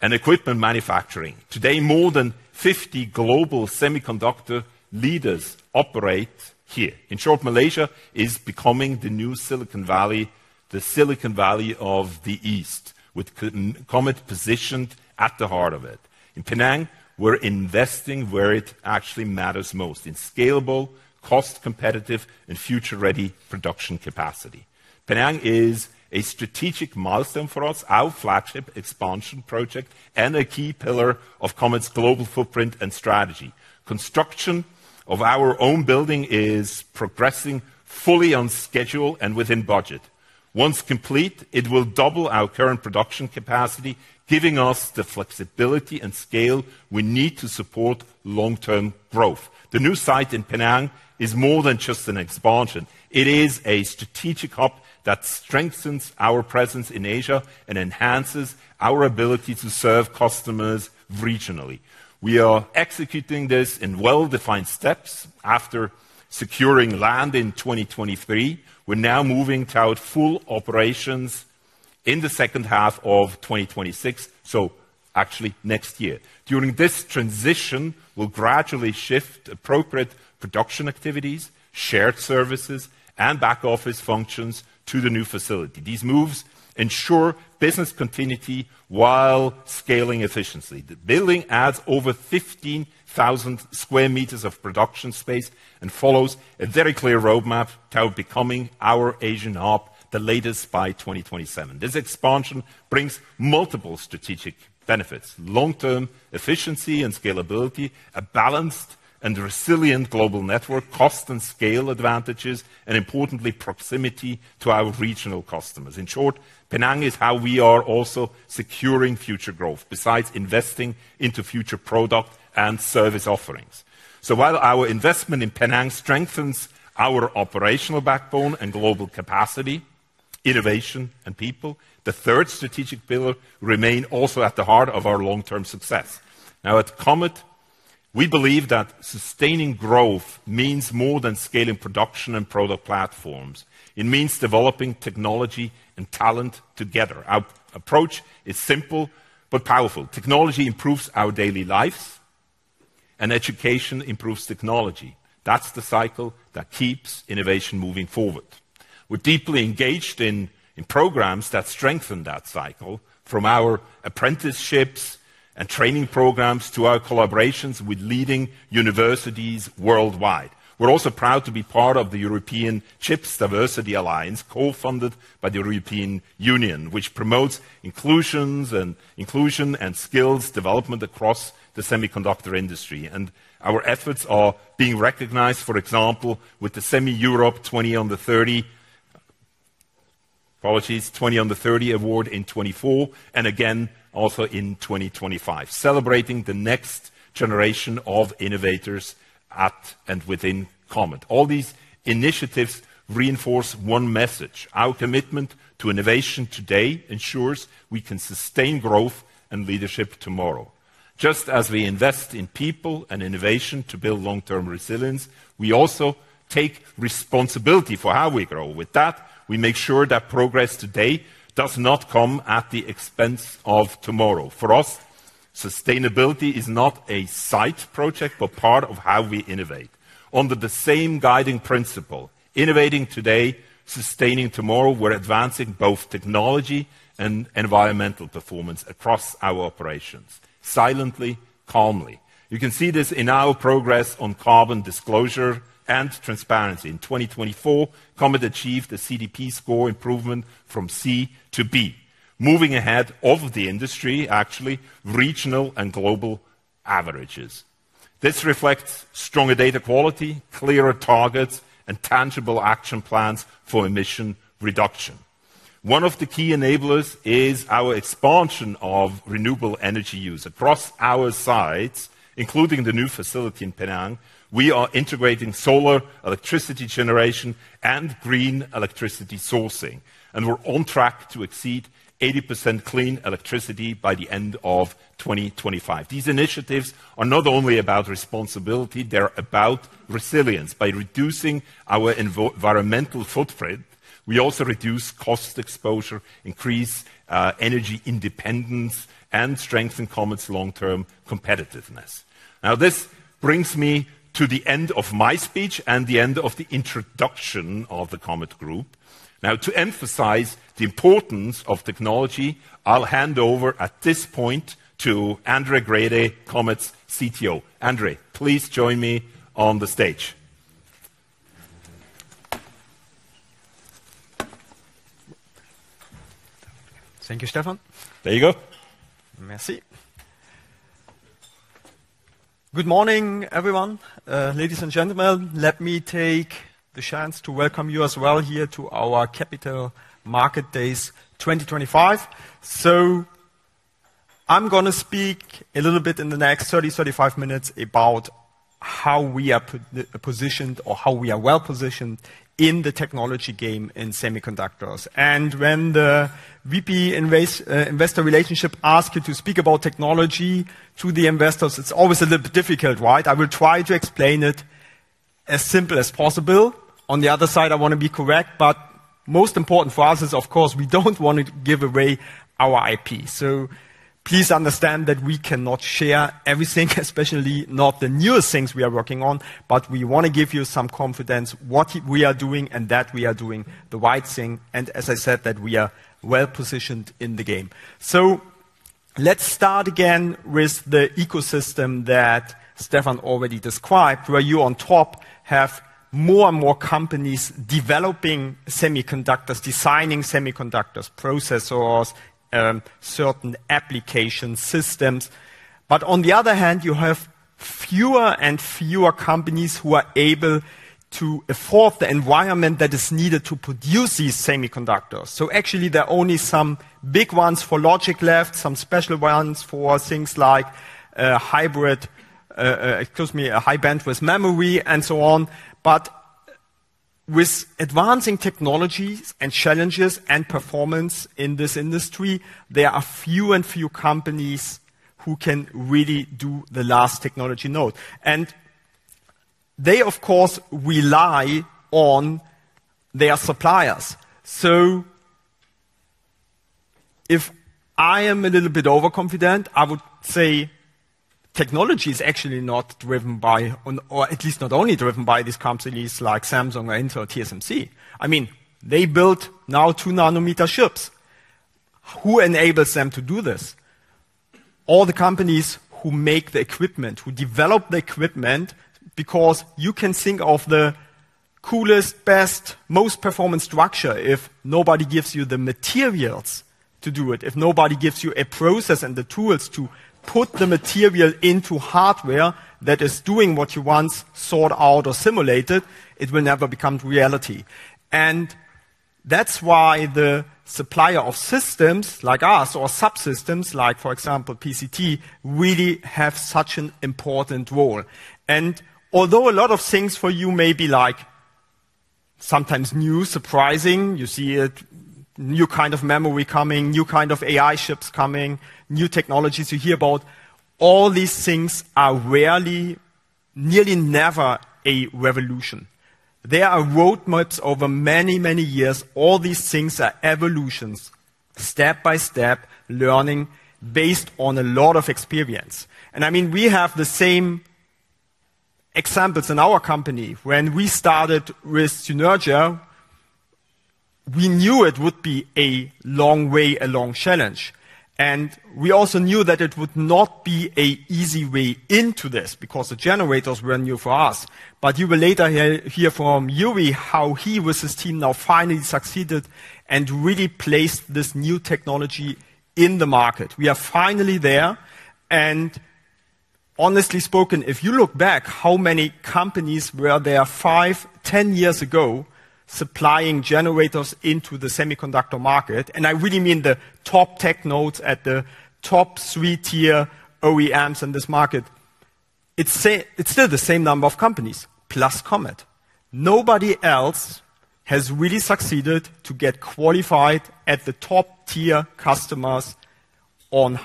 and equipment manufacturing. Today, more than 50 global semiconductor leaders operate here. In short, Malaysia is becoming the new Silicon Valley, the Silicon Valley of the East, with Comet positioned at the heart of it. In Penang, we're investing where it actually matters most: in scalable, cost-competitive, and future-ready production capacity. Penang is a strategic milestone for us, our flagship expansion project and a key pillar of Comet's global footprint and strategy. Construction of our own building is progressing fully on schedule and within budget. Once complete, it will double our current production capacity, giving us the flexibility and scale we need to support long-term growth. The new site in Penang is more than just an expansion. It is a strategic hub that strengthens our presence in Asia and enhances our ability to serve customers regionally. We are executing this in well-defined steps. After securing land in 2023, we're now moving to our full operations in the second half of 2026, so actually next year. During this transition, we'll gradually shift appropriate production activities, shared services, and back office functions to the new facility. These moves ensure business continuity while scaling efficiently. The building adds over 15,000 sq m of production space and follows a very clear roadmap to becoming our Asian hub the latest by 2027. This expansion brings multiple strategic benefits: long-term efficiency and scalability, a balanced and resilient global network, cost and scale advantages, and importantly, proximity to our regional customers. In short, Penang is how we are also securing future growth, besides investing into future product and service offerings. While our investment in Penang strengthens our operational backbone and global capacity, innovation, and people, the third strategic pillar remains also at the heart of our long-term success. At Comet, we believe that sustaining growth means more than scaling production and product platforms. It means developing technology and talent together. Our approach is simple but powerful. Technology improves our daily lives, and education improves technology. That is the cycle that keeps innovation moving forward. We're deeply engaged in programs that strengthen that cycle, from our apprenticeships and training programs to our collaborations with leading universities worldwide. We're also proud to be part of the European Chips Diversity Alliance, co-funded by the European Union, which promotes inclusion and skills development across the semiconductor industry. Our efforts are being recognized, for example, with the Semi-Europe 20 Under 30, apologies, 20 Under 30 award in 2024 and again also in 2025, celebrating the next generation of innovators at and within Comet. All these initiatives reinforce one message: our commitment to innovation today ensures we can sustain growth and leadership tomorrow. Just as we invest in people and innovation to build long-term resilience, we also take responsibility for how we grow. With that, we make sure that progress today does not come at the expense of tomorrow. For us, sustainability is not a side project but part of how we innovate. Under the same guiding principle, innovating today, sustaining tomorrow, we're advancing both technology and environmental performance across our operations, silently, calmly. You can see this in our progress on carbon disclosure and transparency. In 2024, Comet achieved a CDP score improvement from C to B, moving ahead of the industry, actually regional and global averages. This reflects stronger data quality, clearer targets, and tangible action plans for emission reduction. One of the key enablers is our expansion of renewable energy use across our sites, including the new facility in Penang. We are integrating solar electricity generation and green electricity sourcing, and we're on track to exceed 80% clean electricity by the end of 2025. These initiatives are not only about responsibility; they're about resilience. By reducing our environmental footprint, we also reduce cost exposure, increase energy independence, and strengthen Comet's long-term competitiveness. This brings me to the end of my speech and the end of the introduction of the Comet Group. To emphasize the importance of technology, I'll hand over at this point to André Grede, Comet's CTO. André, please join me on the stage. Thank you, Stephan. There you go. Merci. Good morning, everyone. Ladies and gentlemen, let me take the chance to welcome you as well here to our Capital Market Days 2025. I'm going to speak a little bit in the next 30 minutes-35 minutes about how we are positioned or how we are well positioned in the technology game in semiconductors. When the VP Investor Relationship asks you to speak about technology to the investors, it's always a little bit difficult, right? I will try to explain it as simple as possible. On the other side, I want to be correct, but most important for us is, of course, we do not want to give away our IP. Please understand that we cannot share everything, especially not the newest things we are working on, but we want to give you some confidence in what we are doing and that we are doing the right thing. As I said, we are well positioned in the game. Let's start again with the ecosystem that Stephan already described, where you on top have more and more companies developing semiconductors, designing semiconductors, processors, certain application systems. On the other hand, you have fewer and fewer companies who are able to afford the environment that is needed to produce these semiconductors. Actually, there are only some big ones for logic left, some special ones for things like high bandwidth memory and so on. With advancing technologies and challenges and performance in this industry, there are few and few companies who can really do the last technology node. They, of course, rely on their suppliers. If I am a little bit overconfident, I would say technology is actually not driven by, or at least not only driven by these companies like Samsung or Intel or TSMC. I mean, they build now two-nanometer chips. Who enables them to do this? All the companies who make the equipment, who develop the equipment, because you can think of the coolest, best, most performant structure if nobody gives you the materials to do it. If nobody gives you a process and the tools to put the material into hardware that is doing what you once sought out or simulated, it will never become reality. That is why the supplier of systems like us or subsystems, like for example, PCT, really have such an important role. Although a lot of things for you may be like sometimes new, surprising, you see a new kind of memory coming, new kind of AI chips coming, new technologies you hear about, all these things are rarely, nearly never a revolution. There are roadmaps over many, many years. All these things are evolutions, step by step, learning based on a lot of experience. I mean, we have the same examples in our company. When we started with Synertia, we knew it would be a long way, a long challenge. We also knew that it would not be an easy way into this because the generators were new for us. You will later hear from Joeri how he with his team now finally succeeded and really placed this new technology in the market. We are finally there. Honestly spoken, if you look back, how many companies were there five, ten years ago supplying generators into the semiconductor market? I really mean the top tech nodes at the top three-tier OEMs in this market. It is still the same number of companies plus Comet. Nobody else has really succeeded to get qualified at the top-tier customers on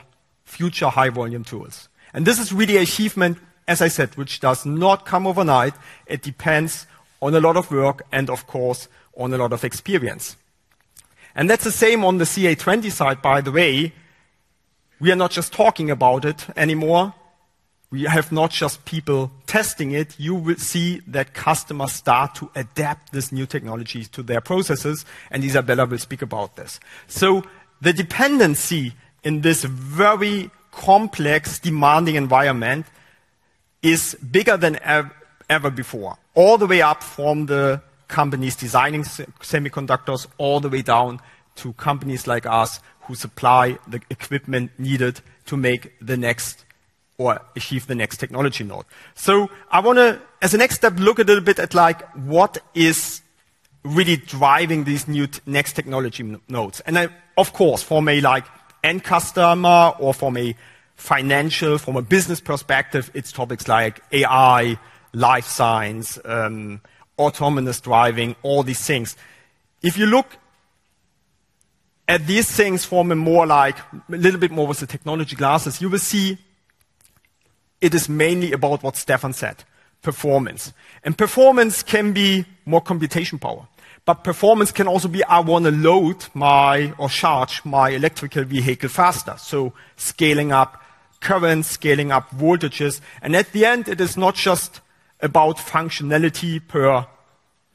future high-volume tools. This is really an achievement, as I said, which does not come overnight. It depends on a lot of work and, of course, on a lot of experience. That is the same on the CA20 side, by the way. We are not just talking about it anymore. We have not just people testing it. You will see that customers start to adapt this new technology to their processes. Isabella will speak about this. The dependency in this very complex, demanding environment is bigger than ever before, all the way up from the companies designing semiconductors all the way down to companies like us who supply the equipment needed to make the next or achieve the next technology node. I want to, as a next step, look a little bit at what is really driving these new next technology nodes. Of course, for me, like end customer or for me financial, from a business perspective, it is topics like AI, life science, autonomous driving, all these things. If you look at these things from a more, like, a little bit more with the technology glasses, you will see it is mainly about what Stephan said, performance. Performance can be more computation power, but performance can also be, I want to load my or charge my electrical vehicle faster. Scaling up currents, scaling up voltages. At the end, it is not just about functionality per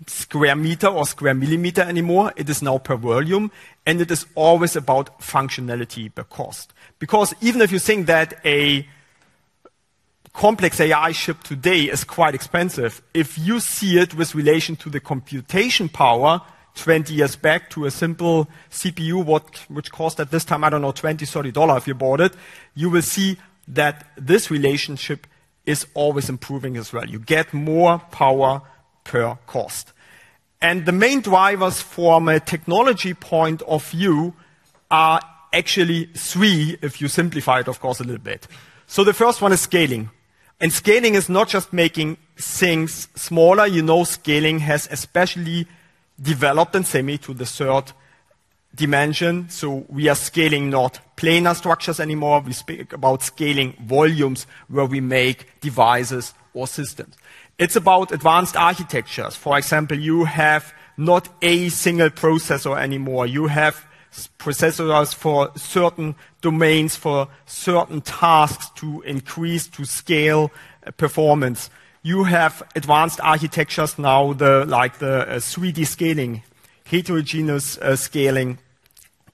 square meter or square millimeter anymore. It is now per volume. It is always about functionality, the cost. Because even if you think that a complex AI chip today is quite expensive, if you see it with relation to the computation power 20 years back to a simple CPU, which cost at this time, I don't know, $20, $30 if you bought it, you will see that this relationship is always improving as well. You get more power per cost. The main drivers from a technology point of view are actually three, if you simplify it, of course, a little bit. The first one is scaling. Scaling is not just making things smaller. You know, scaling has especially developed in semi to the third dimension. We are scaling not planar structures anymore. We speak about scaling volumes where we make devices or systems. It is about advanced architectures. For example, you have not a single processor anymore. You have processors for certain domains, for certain tasks to increase, to scale performance. You have advanced architectures now, like the 3D scaling, heterogeneous scaling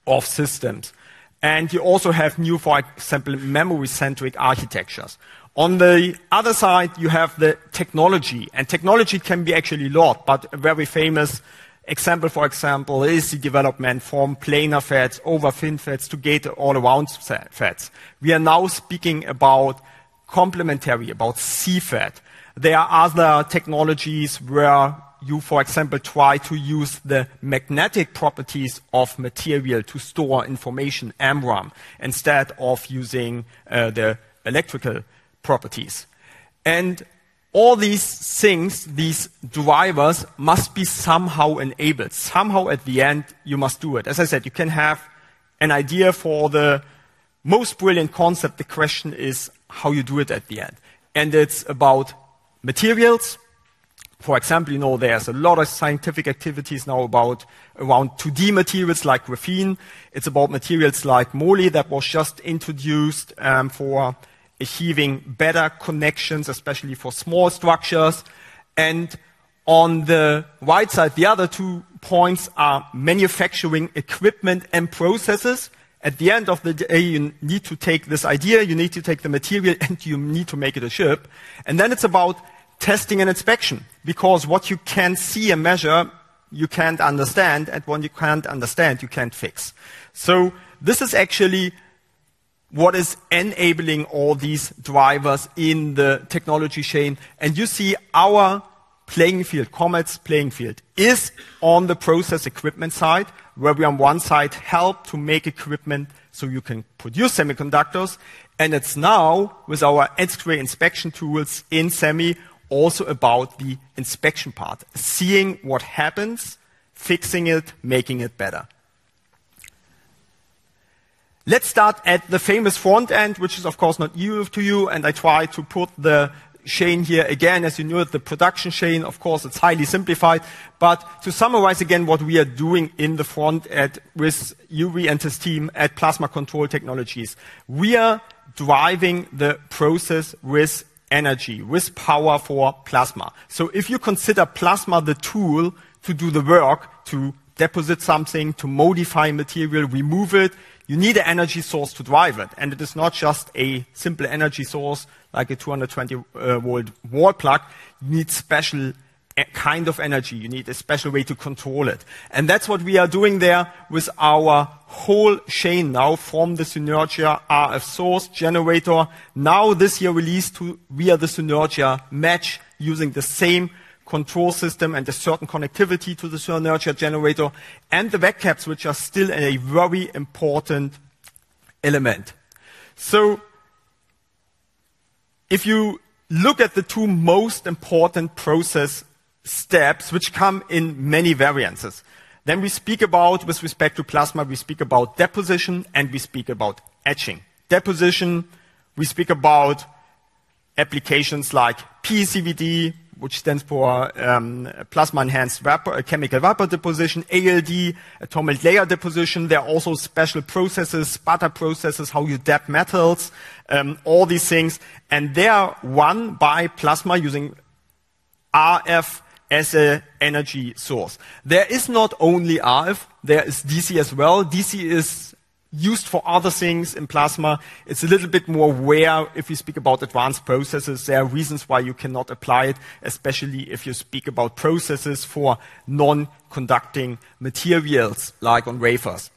of systems. You also have new, for example, memory-centric architectures. On the other side, you have the technology. Technology can be actually a lot, but a very famous example, for example, is the development from planar FETs over FinFETs to gate all around FETs. We are now speaking about complementary, about CFET. There are other technologies where you, for example, try to use the magnetic properties of material to store information, MRAM, instead of using the electrical properties. All these things, these drivers must be somehow enabled. Somehow at the end, you must do it. As I said, you can have an idea for the most brilliant concept. The question is how you do it at the end. It is about materials. For example, you know, there is a lot of scientific activities now around 2D materials like graphene. It is about materials like Moly that was just introduced for achieving better connections, especially for small structures. On the right side, the other two points are manufacturing equipment and processes. At the end of the day, you need to take this idea, you need to take the material, and you need to make it a chip. Then it is about testing and inspection because what you can see and measure, you can't understand, and what you can't understand, you can't fix. This is actually what is enabling all these drivers in the technology chain. You see our playing field, Comet's playing field, is on the process equipment side, where we on one side help to make equipment so you can produce semiconductors. It is now with our X-ray inspection tools in semi, also about the inspection part, seeing what happens, fixing it, making it better. Let's start at the famous front end, which is, of course, not new to you. I try to put the chain here again. As you know, the production chain, of course, is highly simplified. To summarize again what we are doing in the front end with Joeri and his team at Plasma Control Technologies, we are driving the process with energy, with power for plasma. If you consider plasma the tool to do the work, to deposit something, to modify material, remove it, you need an energy source to drive it. It is not just a simple energy source like a 220-volt wall plug. You need a special kind of energy. You need a special way to control it. That is what we are doing there with our whole chain now from the Synertia RF source generator. Now this year released, we are the Synertia match using the same control system and a certain connectivity to the Synertia generator and the Vaccaps, which are still a very important element. If you look at the two most important process steps, which come in many variances, we speak about, with respect to plasma, we speak about deposition and we speak about etching. Deposition, we speak about applications like PECVD, which stands for Plasma Enhanced Chemical Vapor Deposition, ALD, Atomic Layer Deposition. There are also special processes, sputter processes, how you depth metals, all these things. They are run by plasma using RF as an energy source. There is not only RF, there is DC as well. DC is used for other things in plasma. It's a little bit more rare if we speak about advanced processes. There are reasons why you cannot apply it, especially if you speak about processes for non-conducting materials like on wafers.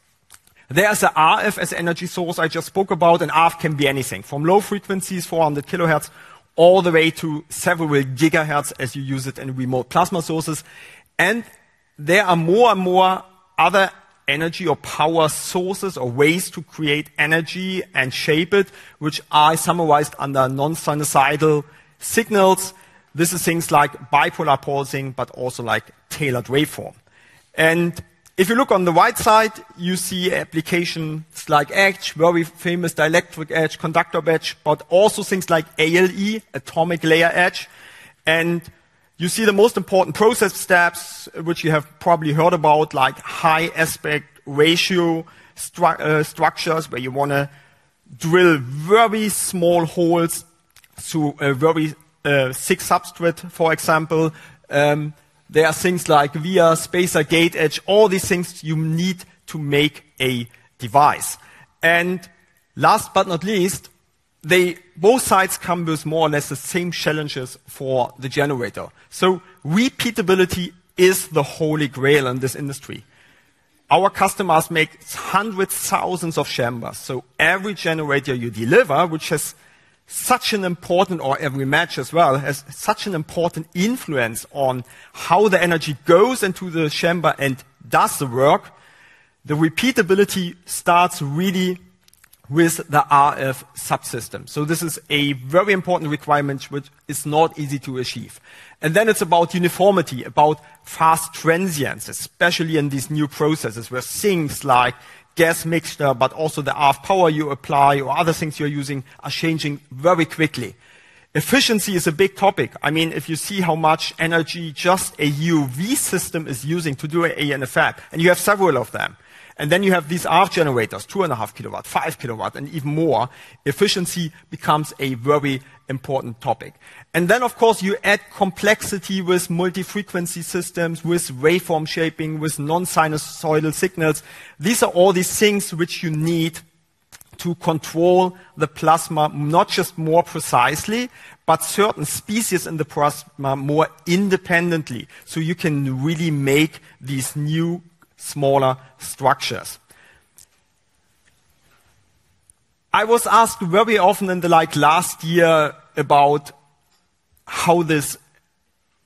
There is an RF as an energy source I just spoke about, and RF can be anything from low frequencies, 400 kHz, all the way to several gigahertz as you use it in remote plasma sources. There are more and more other energy or power sources or ways to create energy and shape it, which I summarized under non-sinusoidal signals. This is things like bipolar pulsing, but also like tailored waveform. If you look on the right side, you see applications like etch, very famous dielectric etch, conductor batch, but also things like ALE, atomic layer etch. You see the most important process steps, which you have probably heard about, like high aspect ratio structures where you want to drill very small holes through a very thick substrate, for example. There are things like Via-, spacer-, gate-etch, all these things you need to make a device. Last but not least, both sides come with more or less the same challenges for the generator. Repeatability is the Holy Grail in this industry. Our customers make hundreds of thousands of chambers. Every generator you deliver, which has such an important, or every match as well, has such an important influence on how the energy goes into the chamber and does the work. The repeatability starts really with the RF subsystem. This is a very important requirement, which is not easy to achieve. Then it's about uniformity, about fast transience, especially in these new processes where things like gas mixture, but also the RF power you apply or other things you're using are changing very quickly. Efficiency is a big topic. I mean, if you see how much energy just a UV system is using to do an ANFF, and you have several of them, and then you have these RF generators, two and a half kilowatt, five kilowatt, and even more, efficiency becomes a very important topic. Of course, you add complexity with multi-frequency systems, with waveform shaping, with non-sinusoidal signals. These are all these things which you need to control the plasma, not just more precisely, but certain species in the plasma more independently. You can really make these new smaller structures. I was asked very often in the last year about how this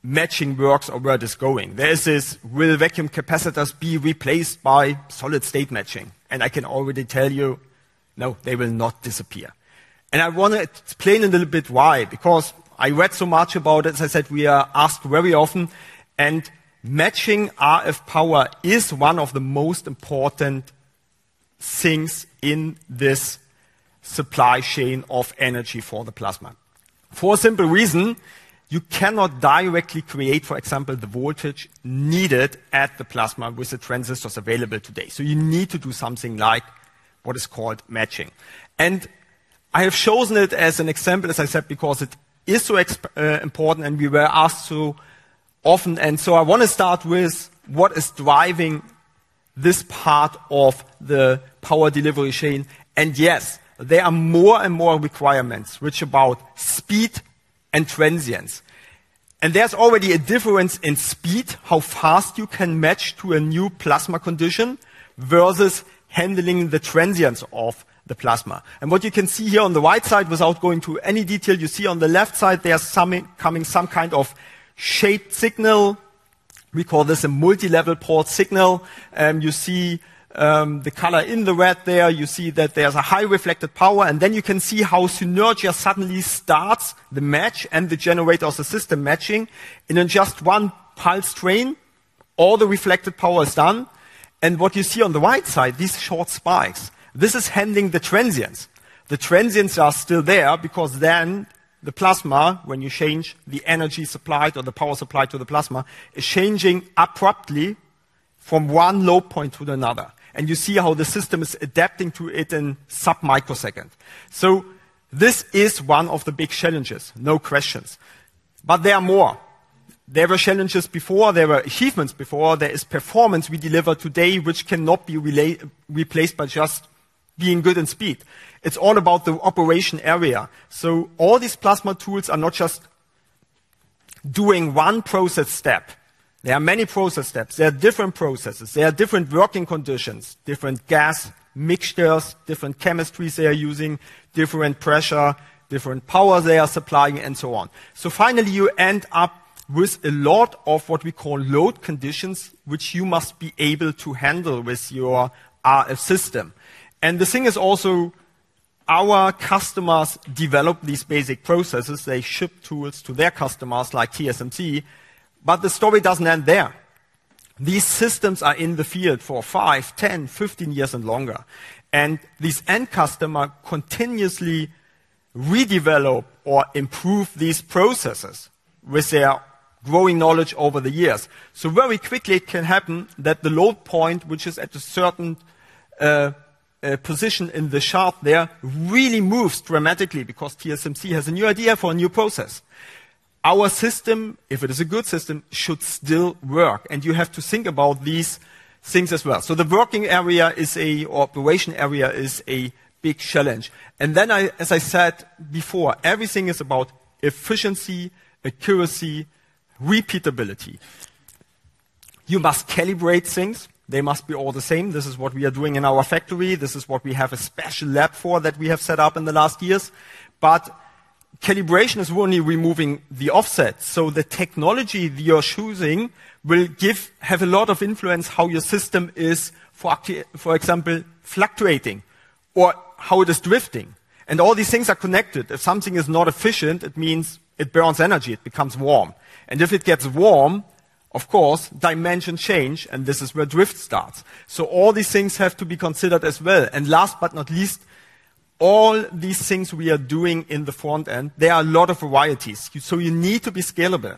matching works or where it is going. There is this, will vacuum capacitors be replaced by solid-state matching? I can already tell you, no, they will not disappear. I want to explain a little bit why, because I read so much about it. As I said, we are asked very often, and matching RF power is one of the most important things in this supply chain of energy for the plasma. For a simple reason, you cannot directly create, for example, the voltage needed at the plasma with the transistors available today. You need to do something like what is called matching. I have chosen it as an example, as I said, because it is so important and we were asked too often. I want to start with what is driving this part of the power delivery chain. Yes, there are more and more requirements which are about speed and transience. There is already a difference in speed, how fast you can match to a new plasma condition versus handling the transience of the plasma. What you can see here on the right side, without going to any detail, you see on the left side, there is coming some kind of shaped signal. We call this a multilevel port signal. You see the color in the red there. You see that there is a high reflected power. Then you can see how Synertia suddenly starts the match and the generator of the system matching in just one pulse train. All the reflected power is done. What you see on the right side, these short spikes, this is handling the transience. The transience are still there because when the plasma, when you change the energy supplied or the power supplied to the plasma, is changing abruptly from one low point to another. You see how the system is adapting to it in sub-microseconds. This is one of the big challenges, no questions. There are more. There were challenges before. There were achievements before. There is performance we deliver today, which cannot be replaced by just being good in speed. It is all about the operation area. All these plasma tools are not just doing one process step. There are many process steps. There are different processes. There are different working conditions, different gas mixtures, different chemistries they are using, different pressure, different power they are supplying, and so on. Finally, you end up with a lot of what we call load conditions, which you must be able to handle with your RF system. The thing is also, our customers develop these basic processes. They ship tools to their customers like TSMC, but the story does not end there. These systems are in the field for 5, 10, 15 years and longer. These end customers continuously redevelop or improve these processes with their growing knowledge over the years. Very quickly, it can happen that the load point, which is at a certain position in the shaft there, really moves dramatically because TSMC has a new idea for a new process. Our system, if it is a good system, should still work. You have to think about these things as well. The working area, the operation area, is a big challenge. As I said before, everything is about efficiency, accuracy, repeatability. You must calibrate things. They must be all the same. This is what we are doing in our factory. This is what we have a special lab for that we have set up in the last years. Calibration is only removing the offset. The technology you're choosing will have a lot of influence on how your system is, for example, fluctuating or how it is drifting. All these things are connected. If something is not efficient, it means it burns energy. It becomes warm. If it gets warm, of course, dimension change, and this is where drift starts. All these things have to be considered as well. Last but not least, all these things we are doing in the front end, there are a lot of varieties. You need to be scalable.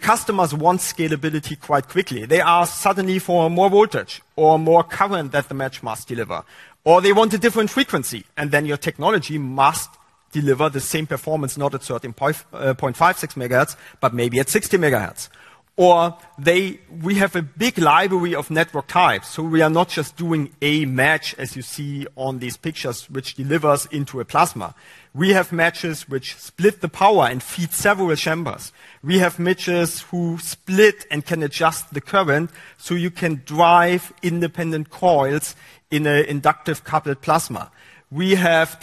Customers want scalability quite quickly. They are suddenly for more voltage or more current that the match must deliver, or they want a different frequency. Your technology must deliver the same performance, not at certain 0.56 MHz, but maybe at 60 MHz. We have a big library of network types. We are not just doing a match, as you see on these pictures, which delivers into a plasma. We have matches which split the power and feed several chambers. We have matches who split and can adjust the current so you can drive independent coils in an inductive coupled plasma. We have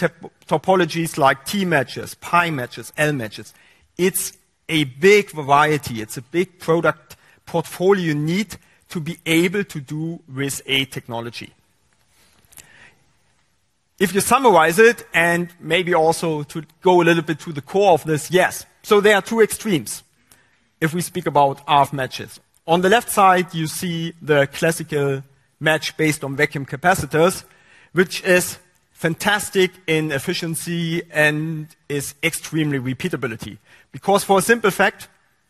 topologies like T matches, Pi matches, L matches. It is a big variety. It is a big product portfolio you need to be able to do with a technology. If you summarize it, and maybe also to go a little bit to the core of this, yes. There are two extremes if we speak about RF matches. On the left side, you see the classical match based on vacuum capacitors, which is fantastic in efficiency and is extremely repeatable because for a simple fact,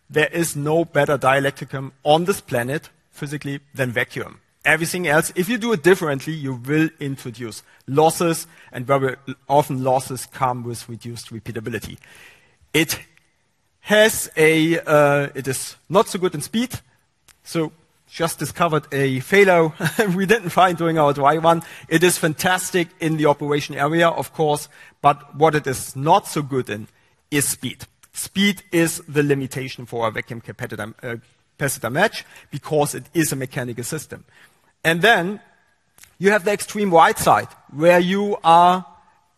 there is no better dielectric on this planet physically than vacuum. Everything else, if you do it differently, you will introduce losses, and very often losses come with reduced repeatability. It is not so good in speed. Just discovered a failure we did not find during our dry run. It is fantastic in the operation area, of course, but what it is not so good in is speed. Speed is the limitation for a vacuum capacitor match because it is a mechanical system. You have the extreme right side where you have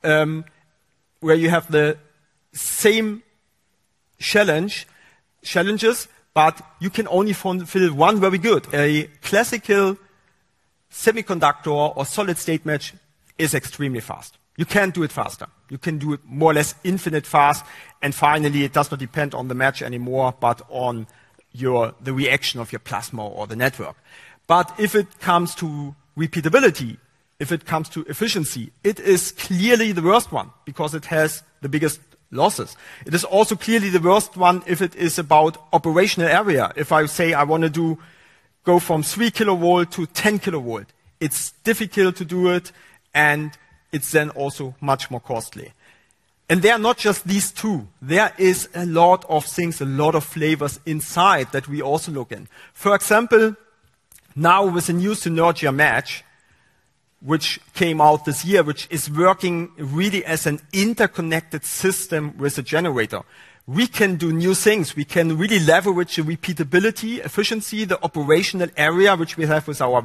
the same challenges, but you can only fulfill one very good. A classical semiconductor or solid-state match is extremely fast. You cannot do it faster. You can do it more or less infinite fast. Finally, it does not depend on the match anymore, but on the reaction of your plasma or the network. If it comes to repeatability, if it comes to efficiency, it is clearly the worst one because it has the biggest losses. It is also clearly the worst one if it is about operational area. If I say I want to go from 3 kV to 10 kV, it is difficult to do it, and it is then also much more costly. There are not just these two. There are a lot of things, a lot of flavors inside that we also look in. For example, now with the new Synertia match, which came out this year, which is working really as an interconnected system with a generator, we can do new things. We can really leverage the repeatability, efficiency, the operational area which we have with our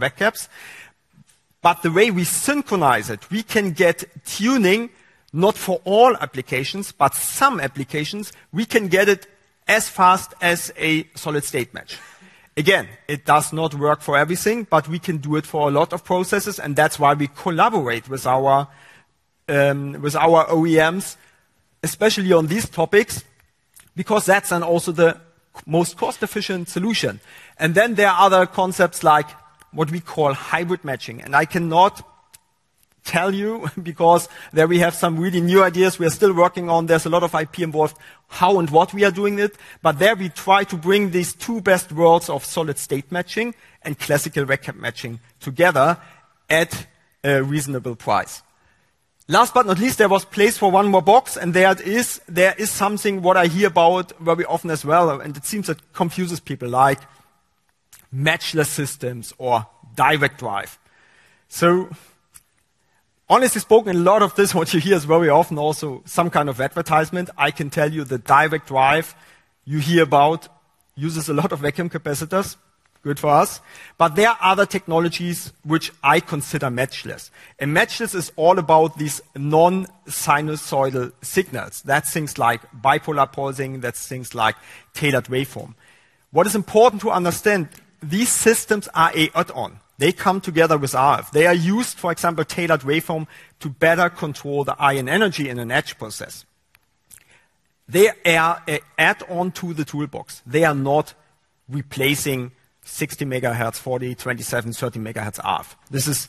Vaccaps. The way we synchronize it, we can get tuning not for all applications, but some applications. We can get it as fast as a solid-state match. Again, it does not work for everything, but we can do it for a lot of processes. That is why we collaborate with our OEMs, especially on these topics, because that is then also the most cost-efficient solution. There are other concepts like what we call hybrid matching. I cannot tell you because there we have some really new ideas we are still working on. There's a lot of IP involved, how and what we are doing it. There we try to bring these two best worlds of solid-state matching and classical Vaccap matching together at a reasonable price. Last but not least, there was place for one more box, and there is something what I hear about very often as well, and it seems it confuses people like matchless systems or direct drive. Honestly spoken, a lot of this what you hear is very often also some kind of advertisement. I can tell you the direct drive you hear about uses a lot of vacuum capacitors. Good for us. There are other technologies which I consider matchless. Matchless is all about these non-sinusoidal signals. That's things like bipolar pulsing. That's things like tailored waveform. What is important to understand, these systems are an add-on. They come together with RF. They are used, for example, tailored waveform to better control the ion energy in an etch process. They are an add-on to the toolbox. They are not replacing 60 MHz, 40 MHz, 27 MHz, 30 MHz RF. This is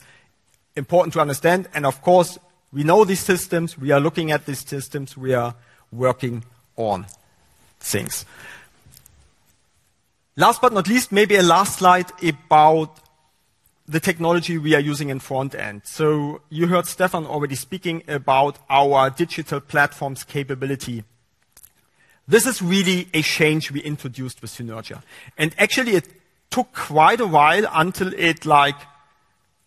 important to understand. Of course, we know these systems. We are looking at these systems. We are working on things. Last but not least, maybe a last slide about the technology we are using in front end. You heard Stephan already speaking about our digital platform's capability. This is really a change we introduced with Synertia. Actually, it took quite a while until it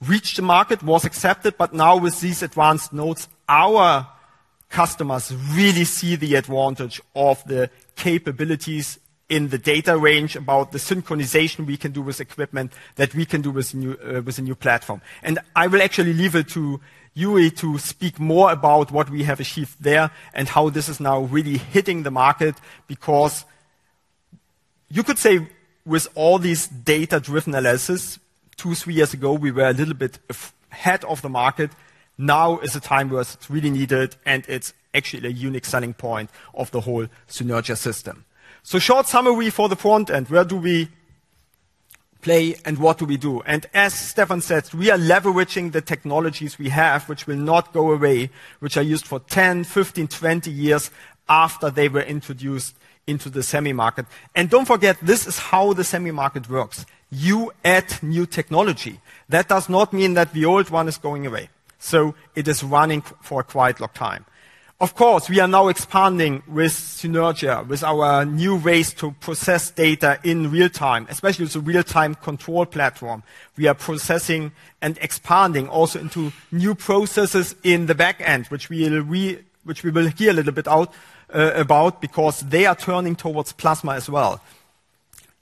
reached the market, was accepted. Now with these advanced nodes, our customers really see the advantage of the capabilities in the data range about the synchronization we can do with equipment that we can do with a new platform. I will actually leave it to Joeri to speak more about what we have achieved there and how this is now really hitting the market because you could say with all these data-driven analysis, two, three years ago, we were a little bit ahead of the market. Now is a time where it is really needed, and it is actually a unique selling point of the whole Synertia system. Short summary for the front end, where do we play and what do we do? As Stephan said, we are leveraging the technologies we have, which will not go away, which are used for 10, 15, 20 years after they were introduced into the semi-market. Do not forget, this is how the semi-market works. You add new technology. That does not mean that the old one is going away. It is running for quite a long time. Of course, we are now expanding with Synertia, with our new ways to process data in real time, especially with a real-time control platform. We are processing and expanding also into new processes in the back end, which we will hear a little bit about because they are turning towards plasma as well.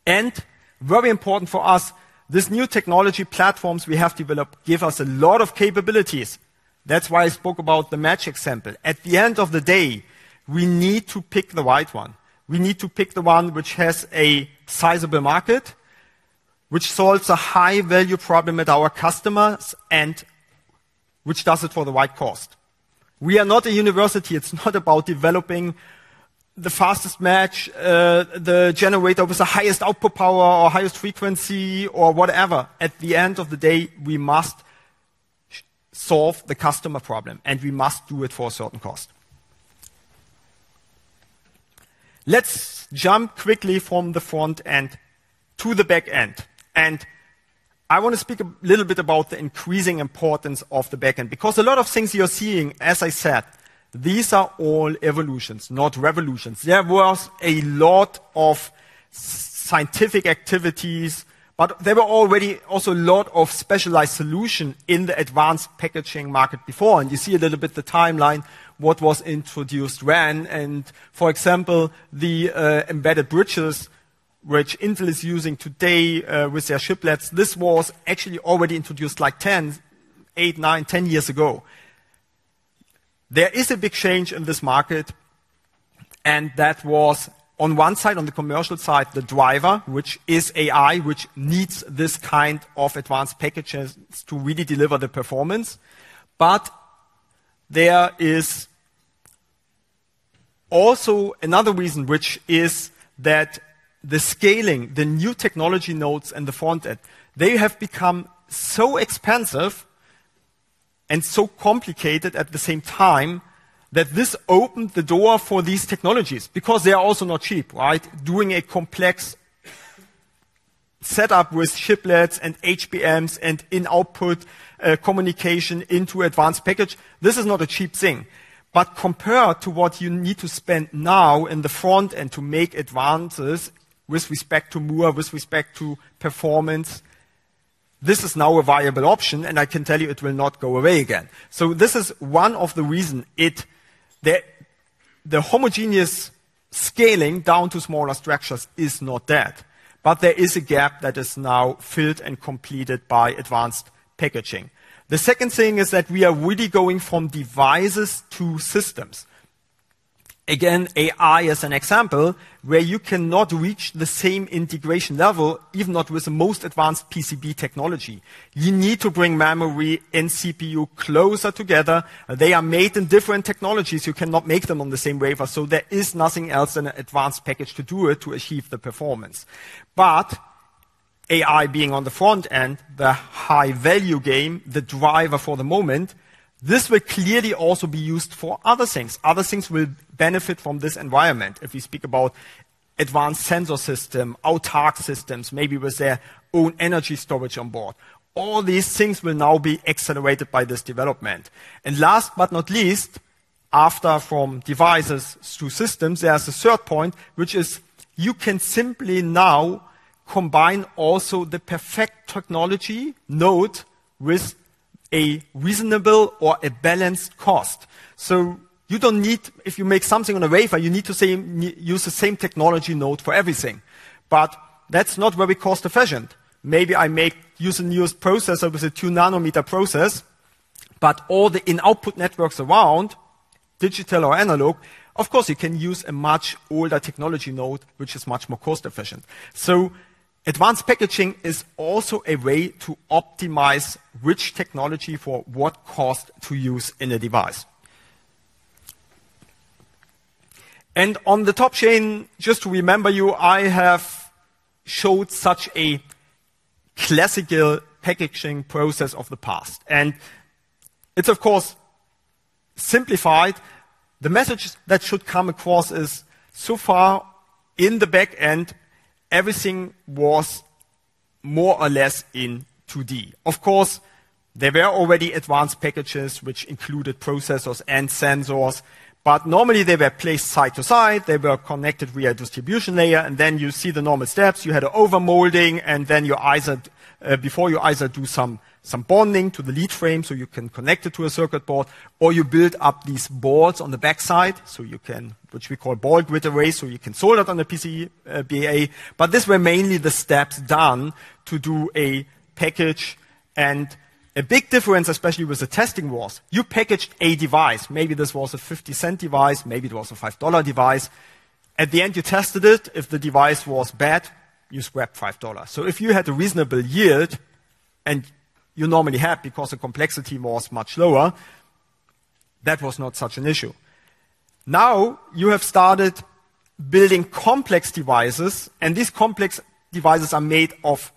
Very important for us, this new technology platforms we have developed give us a lot of capabilities. That is why I spoke about the match example. At the end of the day, we need to pick the right one. We need to pick the one which has a sizable market, which solves a high-value problem at our customers and which does it for the right cost. We are not a university. It is not about developing the fastest match, the generator with the highest output power or highest frequency or whatever. At the end of the day, we must solve the customer problem, and we must do it for a certain cost. Let's jump quickly from the front end to the back end. I want to speak a little bit about the increasing importance of the back end because a lot of things you're seeing, as I said, these are all evolutions, not revolutions. There was a lot of scientific activities, but there were already also a lot of specialized solutions in the advanced packaging market before. You see a little bit the timeline, what was introduced when. For example, the embedded bridges which Intel is using today with their chiplets, this was actually already introduced like 10, 8, 9, 10 years ago. There is a big change in this market, and that was on one side, on the commercial side, the driver, which is AI, which needs this kind of advanced packages to really deliver the performance. There is also another reason, which is that the scaling, the new technology nodes and the front end, they have become so expensive and so complicated at the same time that this opened the door for these technologies because they are also not cheap, right? Doing a complex setup with chiplets and HBMs and in-output communication into advanced package, this is not a cheap thing. Compared to what you need to spend now in the front end to make advances with respect to MUA, with respect to performance, this is now a viable option. I can tell you it will not go away again. This is one of the reasons the homogeneous scaling down to smaller structures is not dead. There is a gap that is now filled and completed by advanced packaging. The second thing is that we are really going from devices to systems. Again, AI as an example, where you cannot reach the same integration level, even not with the most advanced PCB technology. You need to bring memory and CPU closer together. They are made in different technologies. You cannot make them on the same wafer. There is nothing else than an advanced package to do it to achieve the performance. AI being on the front end, the high-value game, the driver for the moment, this will clearly also be used for other things. Other things will benefit from this environment. If we speak about advanced sensor systems, autark systems, maybe with their own energy storage on board, all these things will now be accelerated by this development. Last but not least, after from devices to systems, there's a third point, which is you can simply now combine also the perfect technology node with a reasonable or a balanced cost. You don't need, if you make something on a wafer, you need to use the same technology node for everything. That's not very cost-efficient. Maybe I make use a new processor with a 2 nm process, but all the in-output networks around digital or analog, of course, you can use a much older technology node, which is much more cost-efficient. Advanced packaging is also a way to optimize which technology for what cost to use in a device. On the top chain, just to remember you, I have showed such a classical packaging process of the past. It is, of course, simplified. The message that should come across is so far in the back end, everything was more or less in 2D. Of course, there were already advanced packages which included processors and sensors, but normally they were placed side to side. They were connected via distribution layer. You see the normal steps. You had an overmolding, and then before you either do some bonding to the lead frame so you can connect it to a circuit board, or you build up these boards on the backside, which we call ball grid array, so you can solder it on the PCBA. These were mainly the steps done to do a package. A big difference, especially with the testing, was you packaged a device. Maybe this was a $0.5 device. Maybe it was a $5 device. At the end, you tested it. If the device was bad, you swept $5. If you had a reasonable yield, and you normally had because the complexity was much lower, that was not such an issue. Now you have started building complex devices, and these complex devices are made of,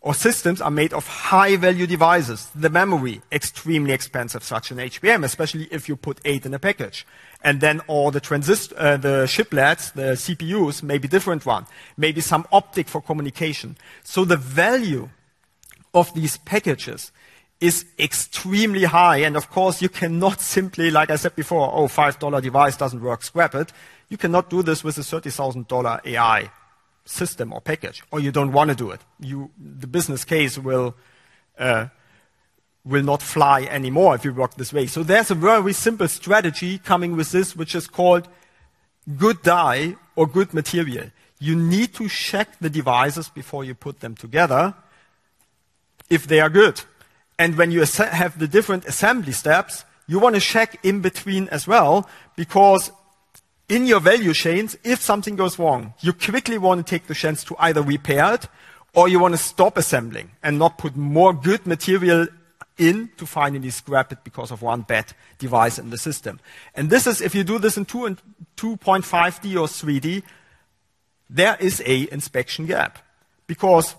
or systems are made of high-value devices. The memory, extremely expensive, such an HBM, especially if you put eight in a package. All the chiplets, the CPUs, maybe different one, maybe some optic for communication. The value of these packages is extremely high. Of course, you cannot simply, like I said before, "Oh, $5 device doesn't work, scrap it." You cannot do this with a $30,000 AI system or package, or you don't want to do it. The business case will not fly anymore if you work this way. There is a very simple strategy coming with this, which is called good die or good material. You need to check the devices before you put them together if they are good. When you have the different assembly steps, you want to check in between as well because in your value chains, if something goes wrong, you quickly want to take the chance to either repair it or you want to stop assembling and not put more good material in to finally scrap it because of one bad device in the system. If you do this in 2.5D or 3D, there is an inspection gap because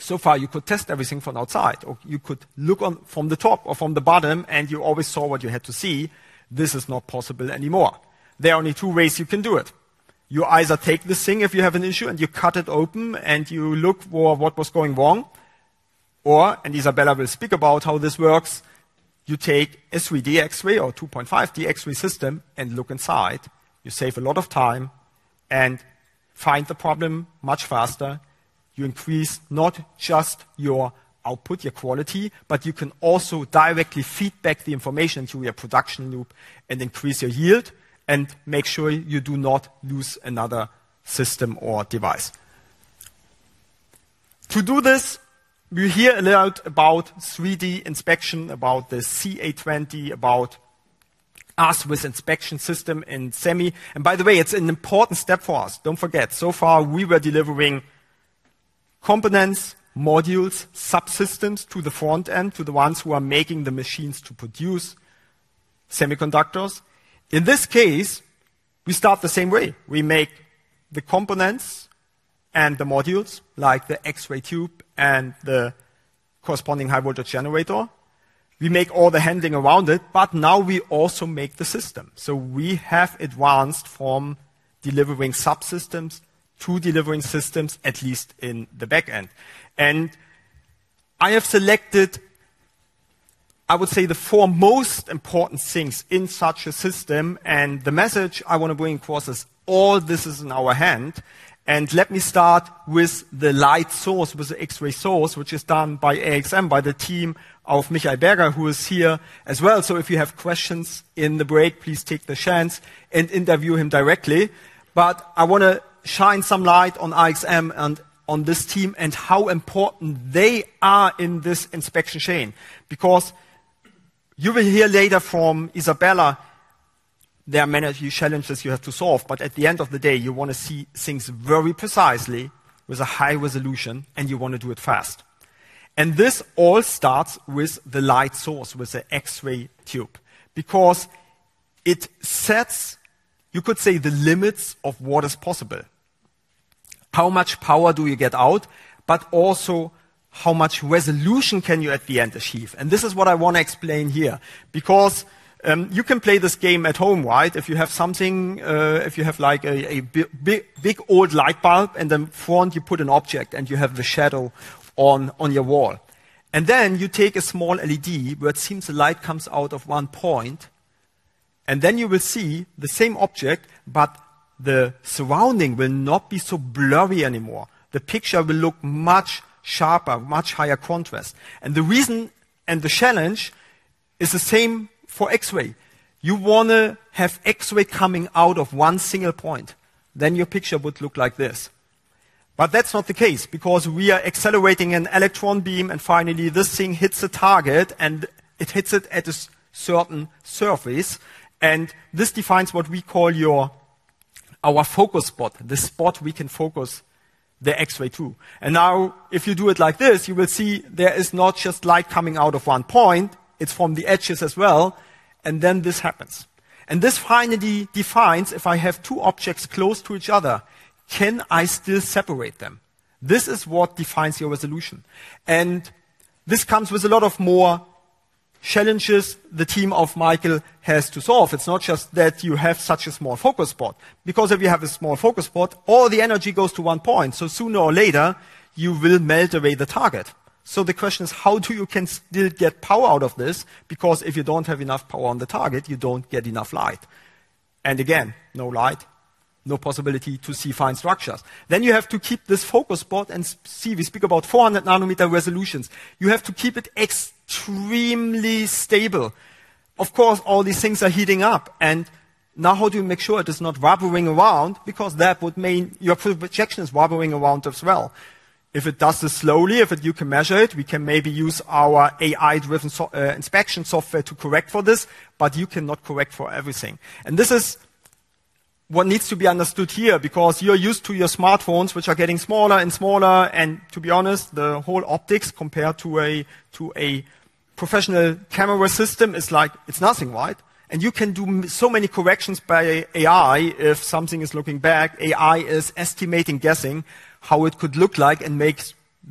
so far you could test everything from outside or you could look from the top or from the bottom, and you always saw what you had to see. This is not possible anymore. There are only two ways you can do it. You either take this thing if you have an issue and you cut it open and you look for what was going wrong, or, and Isabella will speak about how this works, you take a 3D X-ray or 2.5D X-ray system and look inside. You save a lot of time and find the problem much faster. You increase not just your output, your quality, but you can also directly feed back the information through your production loop and increase your yield and make sure you do not lose another system or device. To do this, we hear a lot about 3D inspection, about the CA20, about us with inspection system in semi. By the way, it is an important step for us. Do not forget, so far we were delivering components, modules, subsystems to the front end, to the ones who are making the machines to produce semiconductors. In this case, we start the same way. We make the components and the modules, like the X-ray tube and the corresponding high-voltage generator. We make all the handling around it, but now we also make the system. We have advanced from delivering subsystems to delivering systems, at least in the back end. I have selected, I would say, the four most important things in such a system. The message I want to bring across is all this is in our hand. Let me start with the light source, with the X-ray source, which is done by IXM, by the team of Michael Berger, who is here as well. If you have questions in the break, please take the chance and interview him directly. I want to shine some light on IXM and on this team and how important they are in this inspection chain. You will hear later from Isabella, there are many challenges you have to solve. At the end of the day, you want to see things very precisely with a high resolution, and you want to do it fast. This all starts with the light source, with the X-ray tube, because it sets, you could say, the limits of what is possible. How much power do you get out, but also how much resolution can you at the end achieve? This is what I want to explain here, because you can play this game at home, right? If you have something, if you have like a big old light bulb and then in front you put an object and you have the shadow on your wall. Then you take a small LED where it seems the light comes out of one point, and you will see the same object, but the surrounding will not be so blurry anymore. The picture will look much sharper, much higher contrast. The reason and the challenge is the same for X-ray. You want to have X-ray coming out of one single point. Your picture would look like this. That is not the case because we are accelerating an electron beam, and finally this thing hits a target, and it hits it at a certain surface. This defines what we call our focus spot, the spot we can focus the X-ray to. If you do it like this, you will see there is not just light coming out of one point, it is from the edges as well. This happens. This finally defines if I have two objects close to each other, can I still separate them? This is what defines your resolution. This comes with a lot more challenges the team of Michael has to solve. It is not just that you have such a small focus spot. Because if you have a small focus spot, all the energy goes to one point. So sooner or later, you will melt away the target. The question is, how do you can still get power out of this? Because if you do not have enough power on the target, you do not get enough light. Again, no light, no possibility to see fine structures. You have to keep this focus spot and see, we speak about 400 nm resolutions. You have to keep it extremely stable. Of course, all these things are heating up. Now how do you make sure it is not wobbling around? Because that would mean your projection is wobbling around as well. If it does this slowly, if you can measure it, we can maybe use our AI-driven inspection software to correct for this, but you cannot correct for everything. This is what needs to be understood here because you're used to your smartphones, which are getting smaller and smaller. To be honest, the whole optics compared to a professional camera system is like, it's nothing, right? You can do so many corrections by AI if something is looking bad. AI is estimating, guessing how it could look like and make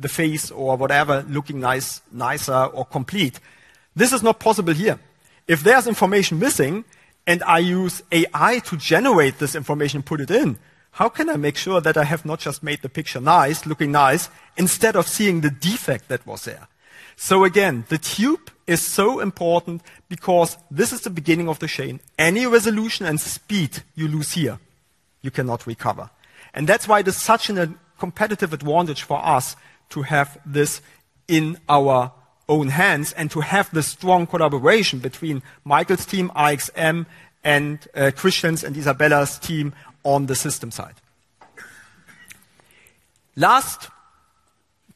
the face or whatever looking nicer or complete. This is not possible here. If there's information missing and I use AI to generate this information and put it in, how can I make sure that I have not just made the picture nice, looking nice, instead of seeing the defect that was there? Again, the tube is so important because this is the beginning of the chain. Any resolution and speed you lose here, you cannot recover. That is why there is such a competitive advantage for us to have this in our own hands and to have this strong collaboration between Michael's team, IXM, and Christian's and Isabella's team on the system side. Last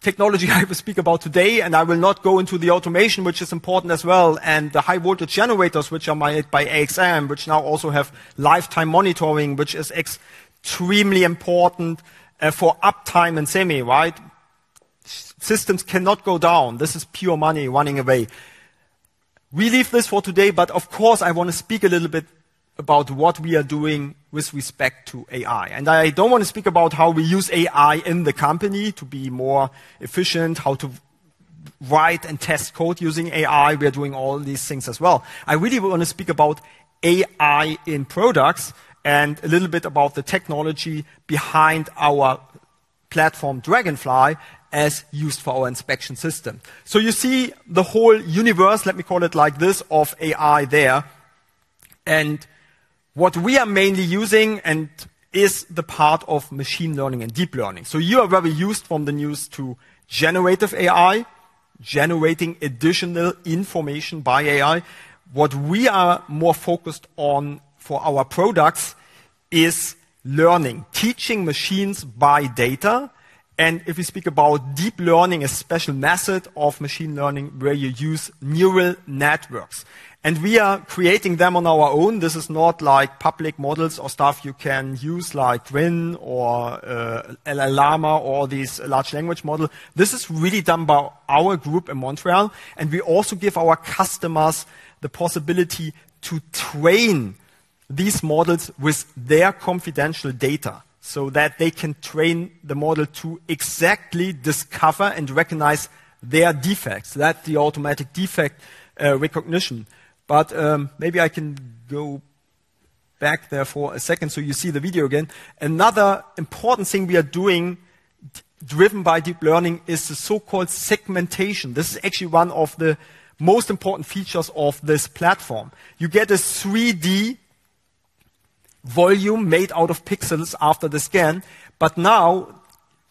technology I will speak about today, and I will not go into the automation, which is important as well, and the high-voltage generators, which are made by IXM, which now also have lifetime monitoring, which is extremely important for uptime and semi, right? Systems cannot go down. This is pure money running away. We leave this for today, but of course, I want to speak a little bit about what we are doing with respect to AI. I do not want to speak about how we use AI in the company to be more efficient, how to write and test code using AI. We are doing all these things as well. I really want to speak about AI in products and a little bit about the technology behind our platform, Dragonfly, as used for our inspection system. You see the whole universe, let me call it like this, of AI there. What we are mainly using is the part of machine learning and deep learning. You are very used from the news to generative AI, generating additional information by AI. What we are more focused on for our products is learning, teaching machines by data. If we speak about deep learning, a special method of machine learning where you use neural networks. We are creating them on our own. This is not like public models or stuff you can use like Twin or LLM or these large language models. This is really done by our group in Montreal. We also give our customers the possibility to train these models with their confidential data so that they can train the model to exactly discover and recognize their defects, that is the automatic defect recognition. Maybe I can go back there for a second so you see the video again. Another important thing we are doing driven by deep learning is the so-called segmentation. This is actually one of the most important features of this platform. You get a 3D volume made out of pixels after the scan, but now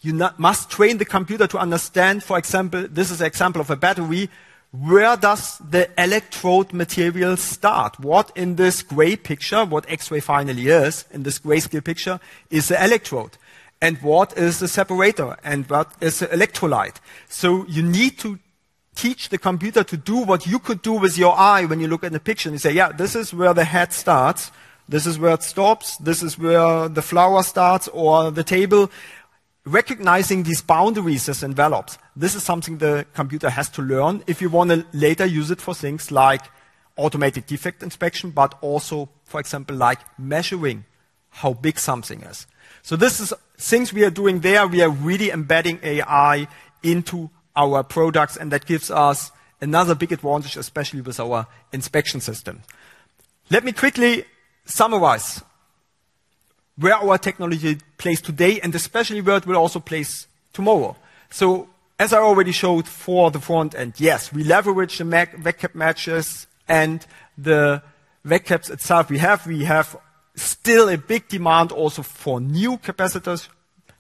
you must train the computer to understand, for example, this is an example of a battery. Where does the electrode material start? What in this gray picture, what X-ray finally is in this gray scale picture, is the electrode? What is the separator? What is the electrolyte? So you need to teach the computer to do what you could do with your eye when you look at the picture and you say, "Yeah, this is where the head starts. This is where it stops. This is where the flower starts or the table." Recognizing these boundaries as envelopes, this is something the computer has to learn if you want to later use it for things like automatic defect inspection, but also, for example, like measuring how big something is. These are things we are doing there. We are really embedding AI into our products, and that gives us another big advantage, especially with our inspection system. Let me quickly summarize where our technology plays today and especially where it will also play tomorrow. As I already showed for the front end, yes, we leverage the Vaccap matches and the Vaccaps itself we have. We have still a big demand also for new capacitors.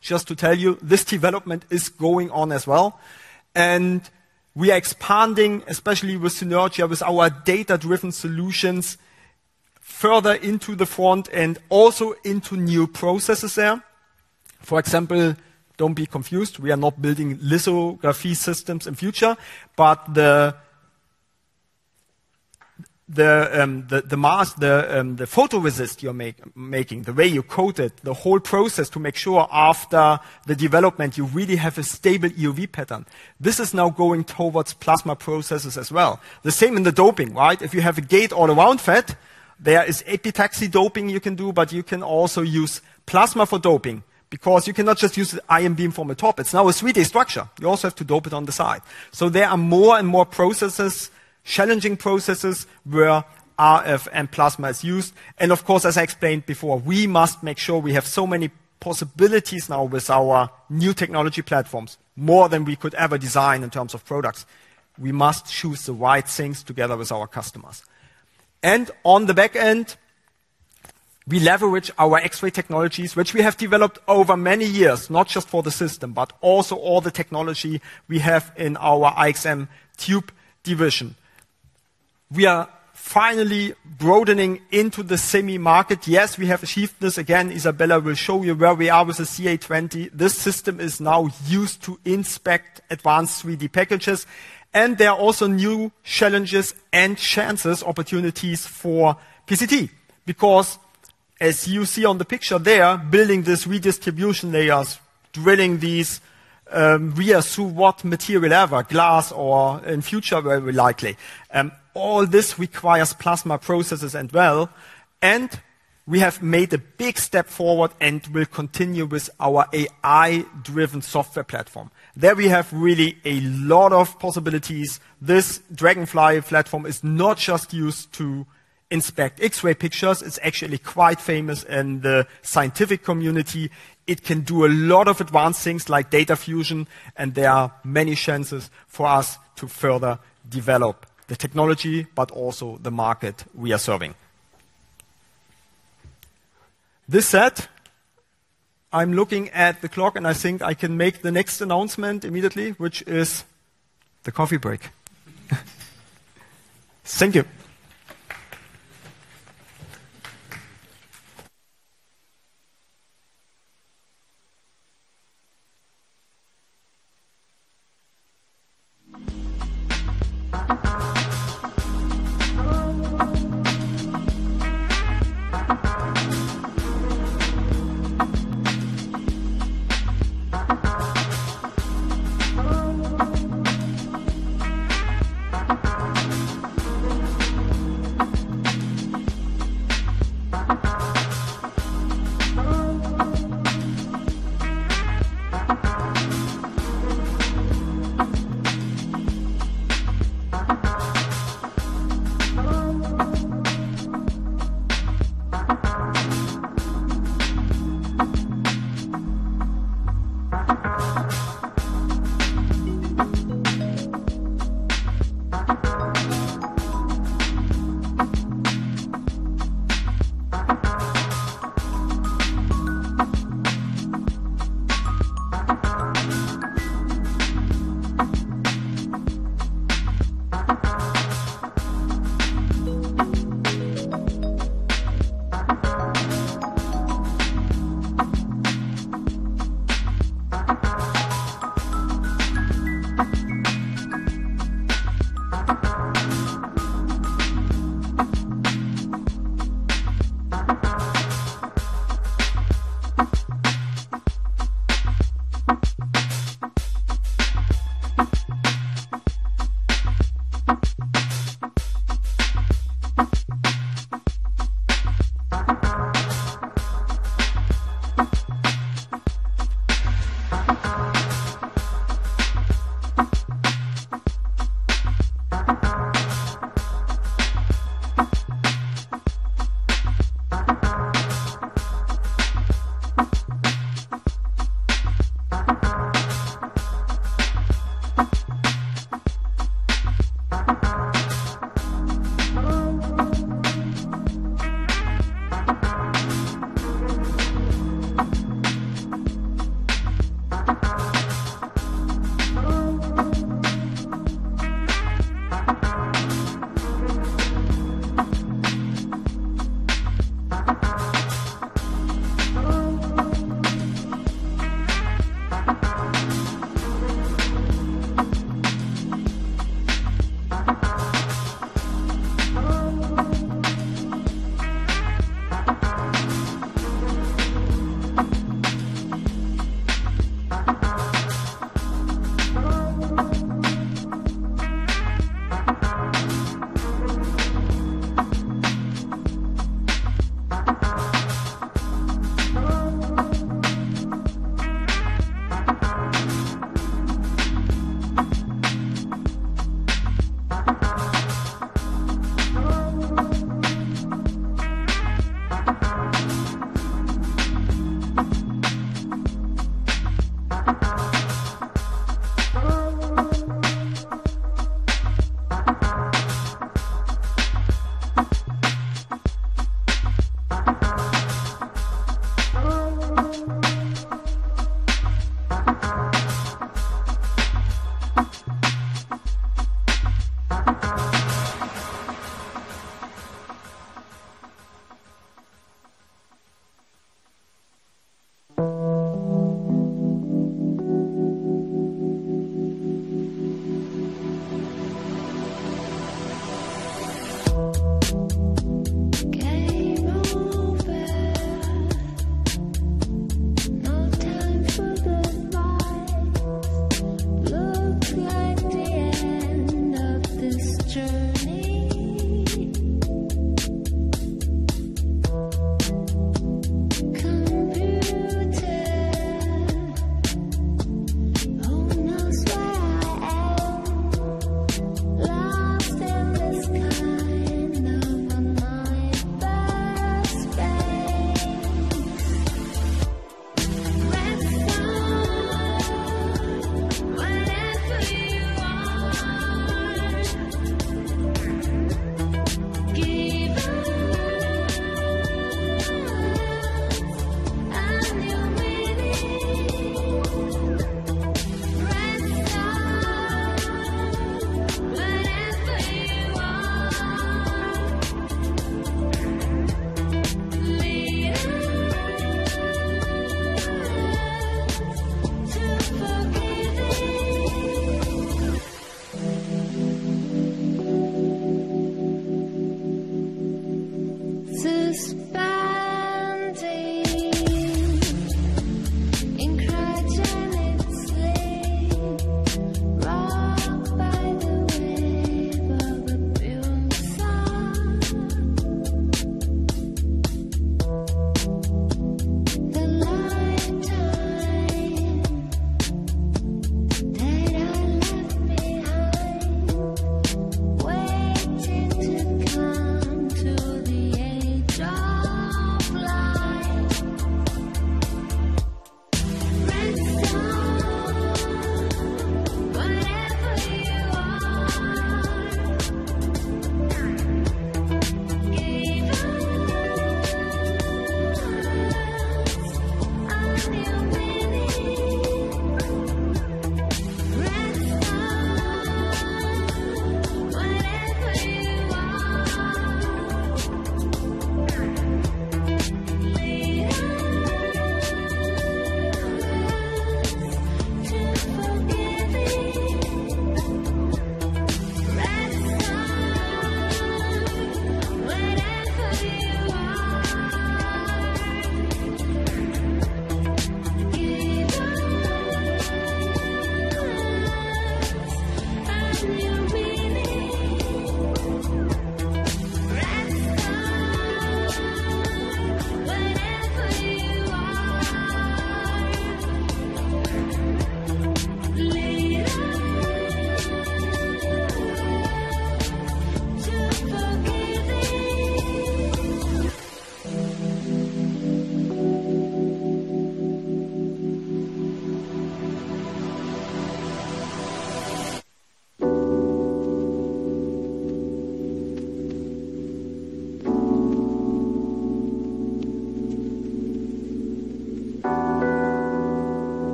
Just to tell you, this development is going on as well. We are expanding, especially with Synertia, with our data-driven solutions further into the front and also into new processes there. For example, do not be confused, we are not building lithography systems in the future, but the photoresist you are making, the way you coat it, the whole process to make sure after the development you really have a stable EUV pattern. This is now going towards plasma processes as well. The same in the doping, right? If you have a gate all around FET, there is epitaxy doping you can do, but you can also use plasma for doping because you cannot just use the ion beam from the top. It is now a 3D structure. You also have to dope it on the side. There are more and more processes, challenging processes where RF and plasma is used. Of course, as I explained before, we must make sure we have so many possibilities now with our new technology platforms, more than we could ever design in terms of products. We must choose the right things together with our customers. On the back end, we leverage our X-ray technologies, which we have developed over many years, not just for the system, but also all the technology we have in our IXM tube division. We are finally broadening into the semi market. Yes, we have achieved this again. Isabella will show you where we are with the CA20. This system is now used to inspect advanced 3D packages. There are also new challenges and chances, opportunities for PCT. Because as you see on the picture there, building these redistribution layers, drilling these, we assume what material ever, glass or in future very likely. All this requires plasma processes as well. We have made a big step forward and will continue with our AI-driven software platform. There we have really a lot of possibilities. This Dragonfly platform is not just used to inspect X-ray pictures. It's actually quite famous in the scientific community. It can do a lot of advanced things like data fusion, and there are many chances for us to further develop the technology, but also the market we are serving. This said, I'm looking at the clock, and I think I can make the next announcement immediately, which is the coffee break. Thank you.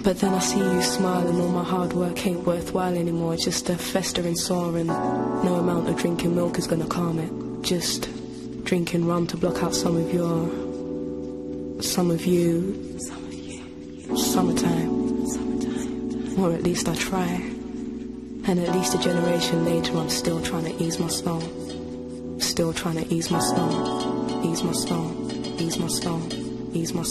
I need to chill. Then I see you smiling, all my hard work ain't worthwhile anymore. Just a festering sore. No amount of drinking milk is going to calm it. Just drinking rum to block out some of your, some of you, summertime. At least I try. At least a generation later, I'm still trying to ease my stone. Still trying to ease my stone. Ease my stone. Ease my stone. Ease my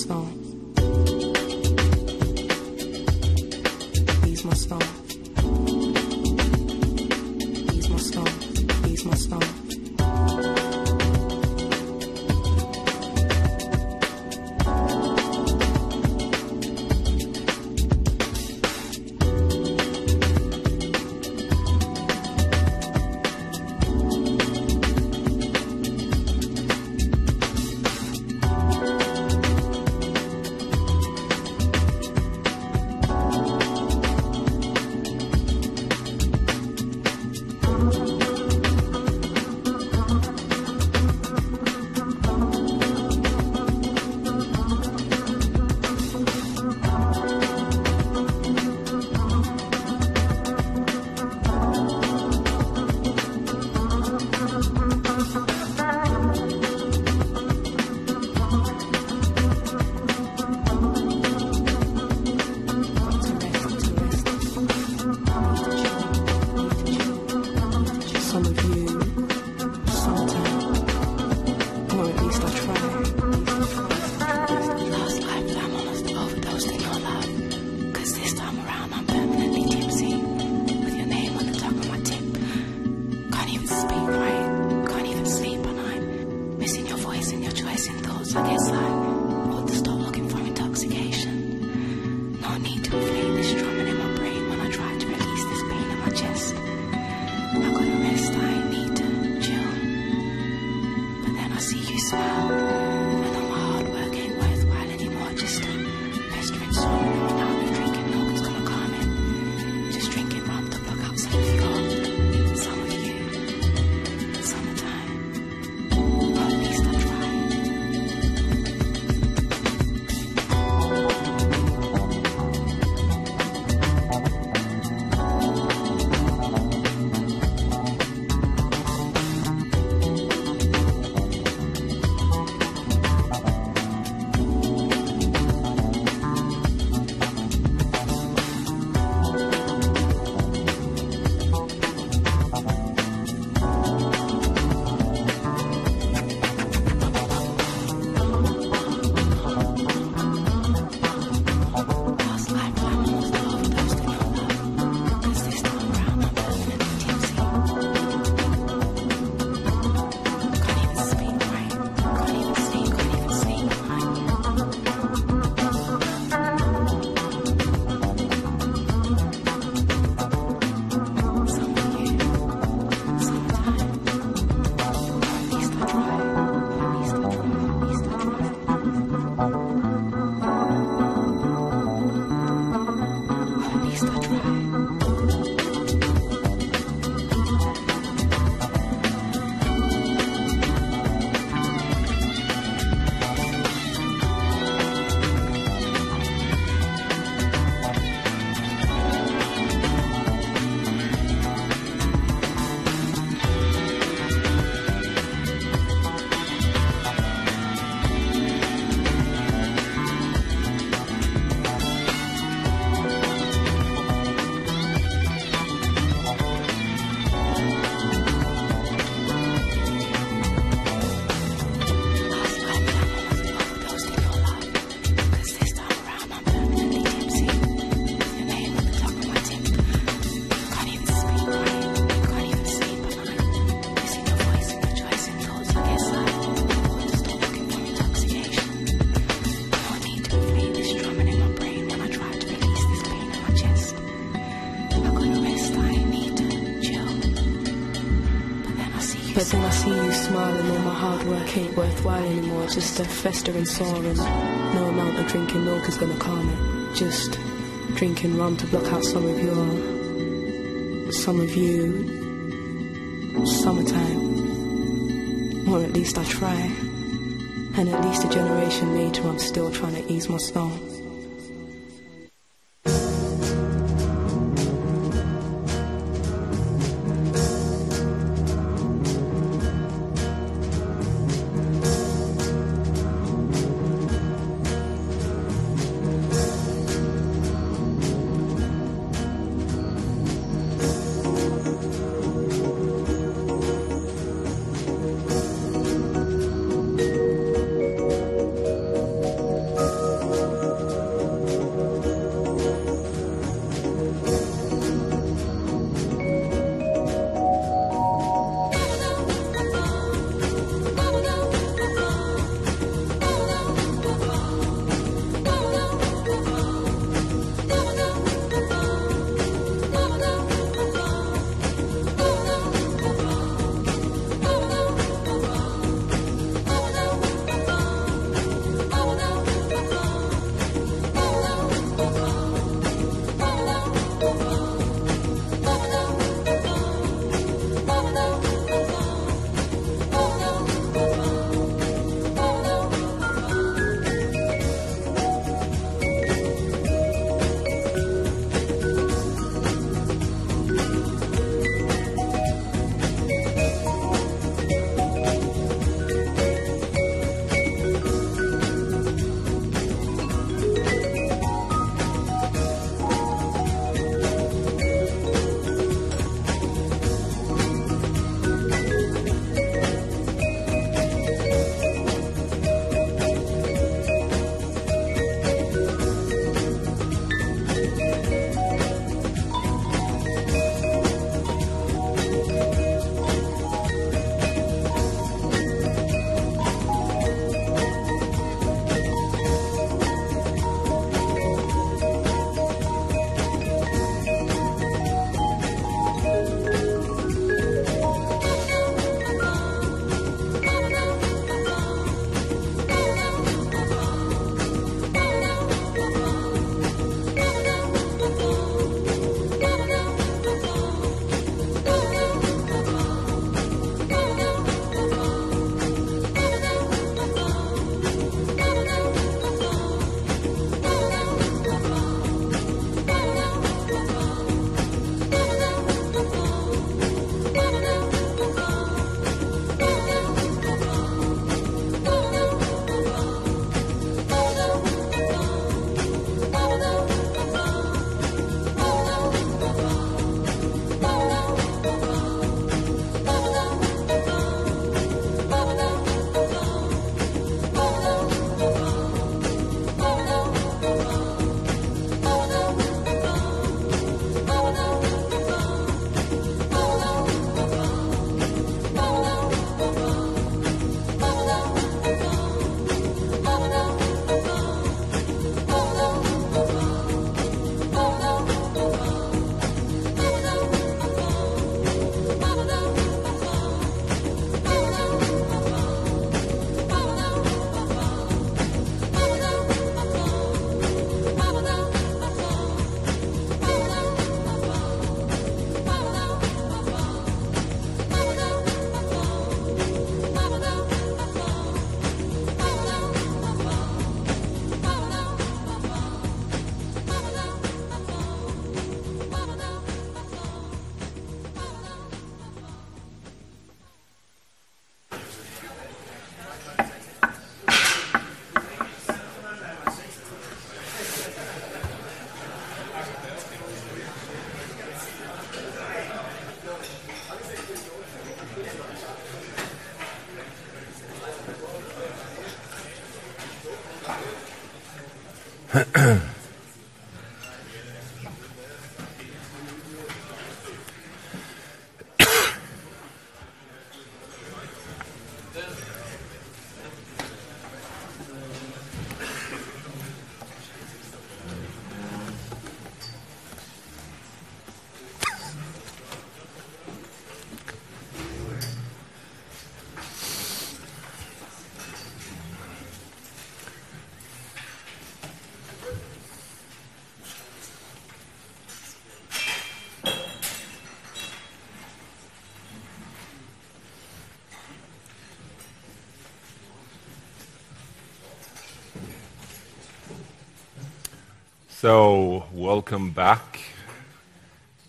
stone. Welcome back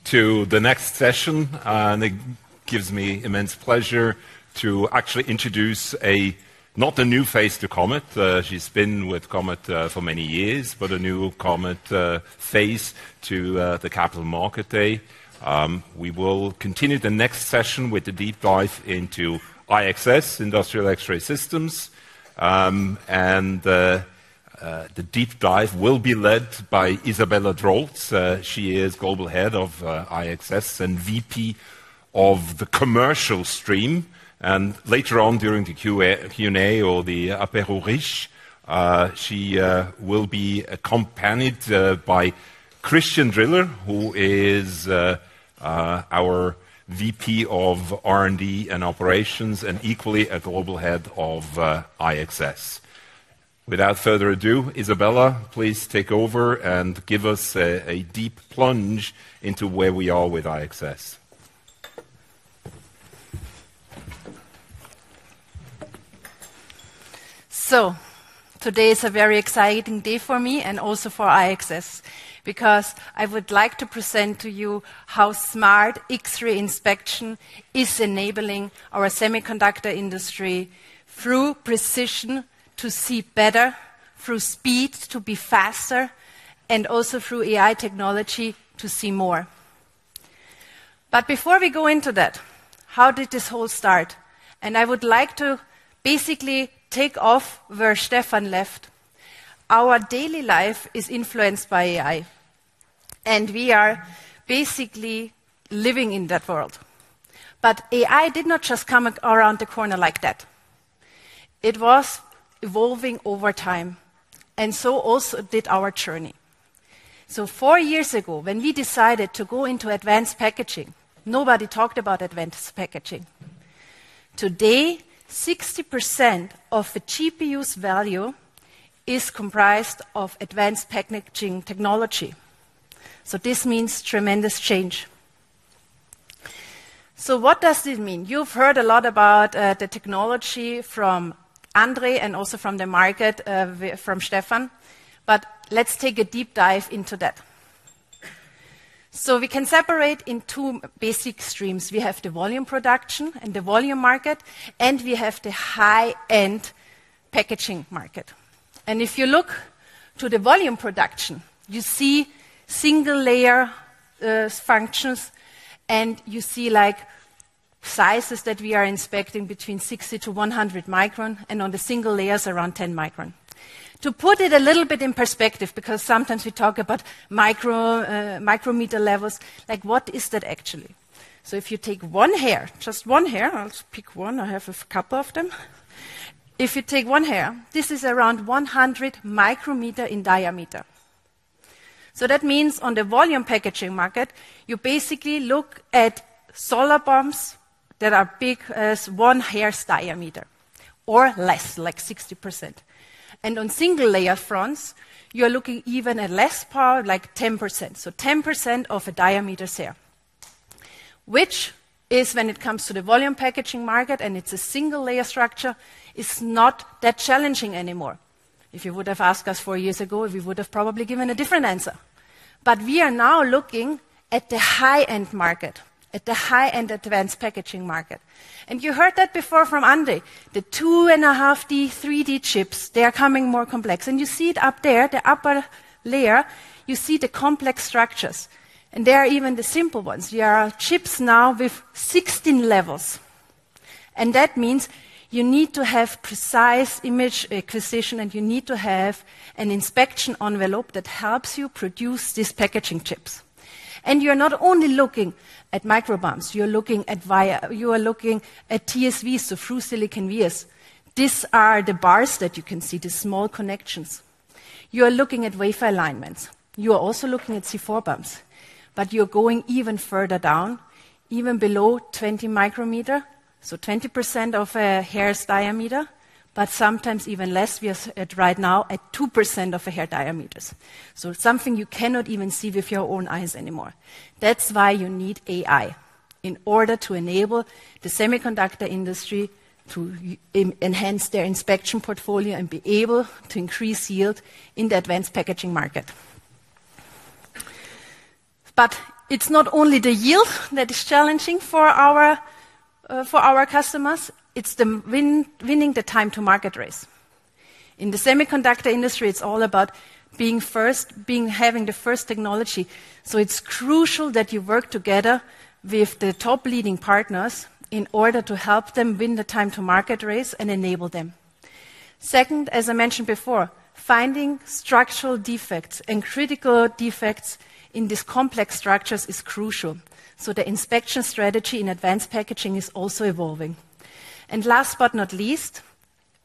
to the next session. It gives me immense pleasure to actually introduce not a new face to Comet. She has been with Comet for many years, but a new Comet face to the Capital Market Day. We will continue the next session with the deep dive into IXS, Industrial X-ray Systems. The deep dive will be led by Isabella Drolz. She is Global Head of IXS and VP of the Commercial Stream. Later on during the Q&A or the Apéro Riche, she will be accompanied by Christian Driller, who is our VP of R&D and Operations and equally a Global Head of IXS. Without further ado, Isabella, please take over and give us a deep plunge into where we are with IXS. Today is a very exciting day for me and also for IXS because I would like to present to you how smart X-ray inspection is enabling our semiconductor industry through precision to see better, through speed to be faster, and also through AI technology to see more. Before we go into that, how did this whole start? I would like to basically take off where Stephan left. Our daily life is influenced by AI, and we are basically living in that world. AI did not just come around the corner like that. It was evolving over time, and so also did our journey. Four years ago, when we decided to go into advanced packaging, nobody talked about advanced packaging. Today, 60% of the GPU's value is comprised of advanced packaging technology. This means tremendous change. What does this mean? You've heard a lot about the technology from André and also from the market from Stephan. Let's take a deep dive into that. We can separate in two basic streams. We have the volume production and the volume market, and we have the high-end packaging market. If you look to the volume production, you see single-layer functions, and you see sizes that we are inspecting between 60 microns-100 microns, and on the single layers, around 10 microns. To put it a little bit in perspective, because sometimes we talk about micrometer levels, like what is that actually? If you take one hair, just one hair, I'll just pick one. I have a couple of them. If you take one hair, this is around 100 micrometers in diameter. That means on the volume packaging market, you basically look at solder bumps that are as big as one hair's diameter or less, like 60%. On single-layer fronts, you're looking even at less power, like 10%. So 10% of a hair's diameter, which is when it comes to the volume packaging market, and it's a single-layer structure, it's not that challenging anymore. If you would have asked us four years ago, we would have probably given a different answer. We are now looking at the high-end market, at the high-end advanced packaging market. You heard that before from André. The 2.5D, 3D chips, they are becoming more complex. You see it up there, the upper layer, you see the complex structures. There are even the simple ones. There are chips now with 16 levels. That means you need to have precise image acquisition, and you need to have an inspection envelope that helps you produce these packaging chips. You're not only looking at microbumps. You're looking at via, you are looking at TSVs, so through silicon vias. These are the bars that you can see, the small connections. You are looking at wafer alignments. You are also looking at C4 bumps. You're going even further down, even below 20 micrometers, so 20% of a hair's diameter, but sometimes even less. We are right now at 2% of a hair diameter. Something you cannot even see with your own eyes anymore. That's why you need AI in order to enable the semiconductor industry to enhance their inspection portfolio and be able to increase yield in the advanced packaging market. It's not only the yield that is challenging for our customers. It's winning the time-to-market race. In the semiconductor industry, it's all about being first, having the first technology. It is crucial that you work together with the top leading partners in order to help them win the time-to-market race and enable them. Second, as I mentioned before, finding structural defects and critical defects in these complex structures is crucial. The inspection strategy in advanced packaging is also evolving. Last but not least,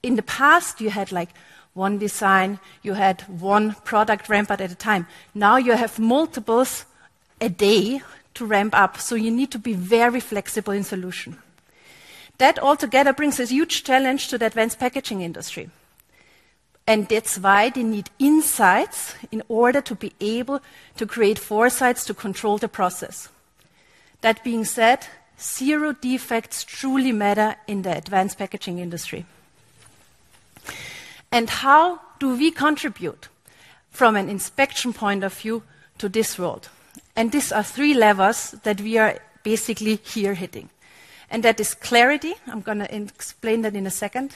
in the past, you had like one design. You had one product ramped up at a time. Now you have multiples a day to ramp up. You need to be very flexible in solution. That altogether brings a huge challenge to the advanced packaging industry. That is why they need insights in order to be able to create foresights to control the process. That being said, zero defects truly matter in the advanced packaging industry. How do we contribute from an inspection point of view to this world? These are three levers that we are basically here hitting. That is clarity. I'm going to explain that in a second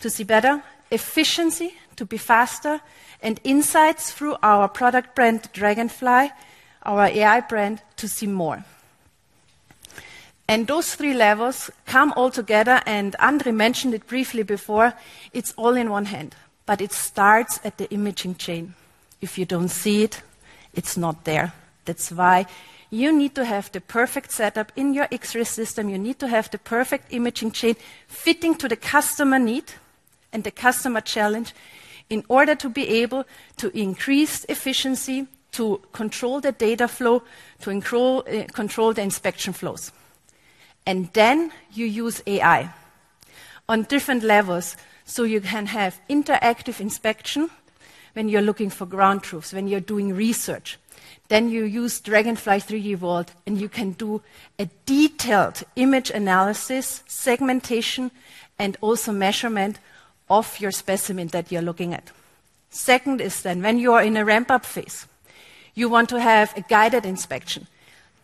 to see better. Efficiency to be faster and insights through our product brand, Dragonfly, our AI brand, to see more. Those three levers come all together. And André mentioned it briefly before. It's all in one hand. It starts at the imaging chain. If you don't see it, it's not there. That's why you need to have the perfect setup in your X-ray system. You need to have the perfect imaging chain fitting to the customer need and the customer challenge in order to be able to increase efficiency, to control the data flow, to control the inspection flows. Then you use AI on different levels. You can have interactive inspection when you're looking for ground truths, when you're doing research. Then you use Dragonfly 3D Vault, and you can do a detailed image analysis, segmentation, and also measurement of your specimen that you're looking at. Second is when you are in a ramp-up phase, you want to have a guided inspection.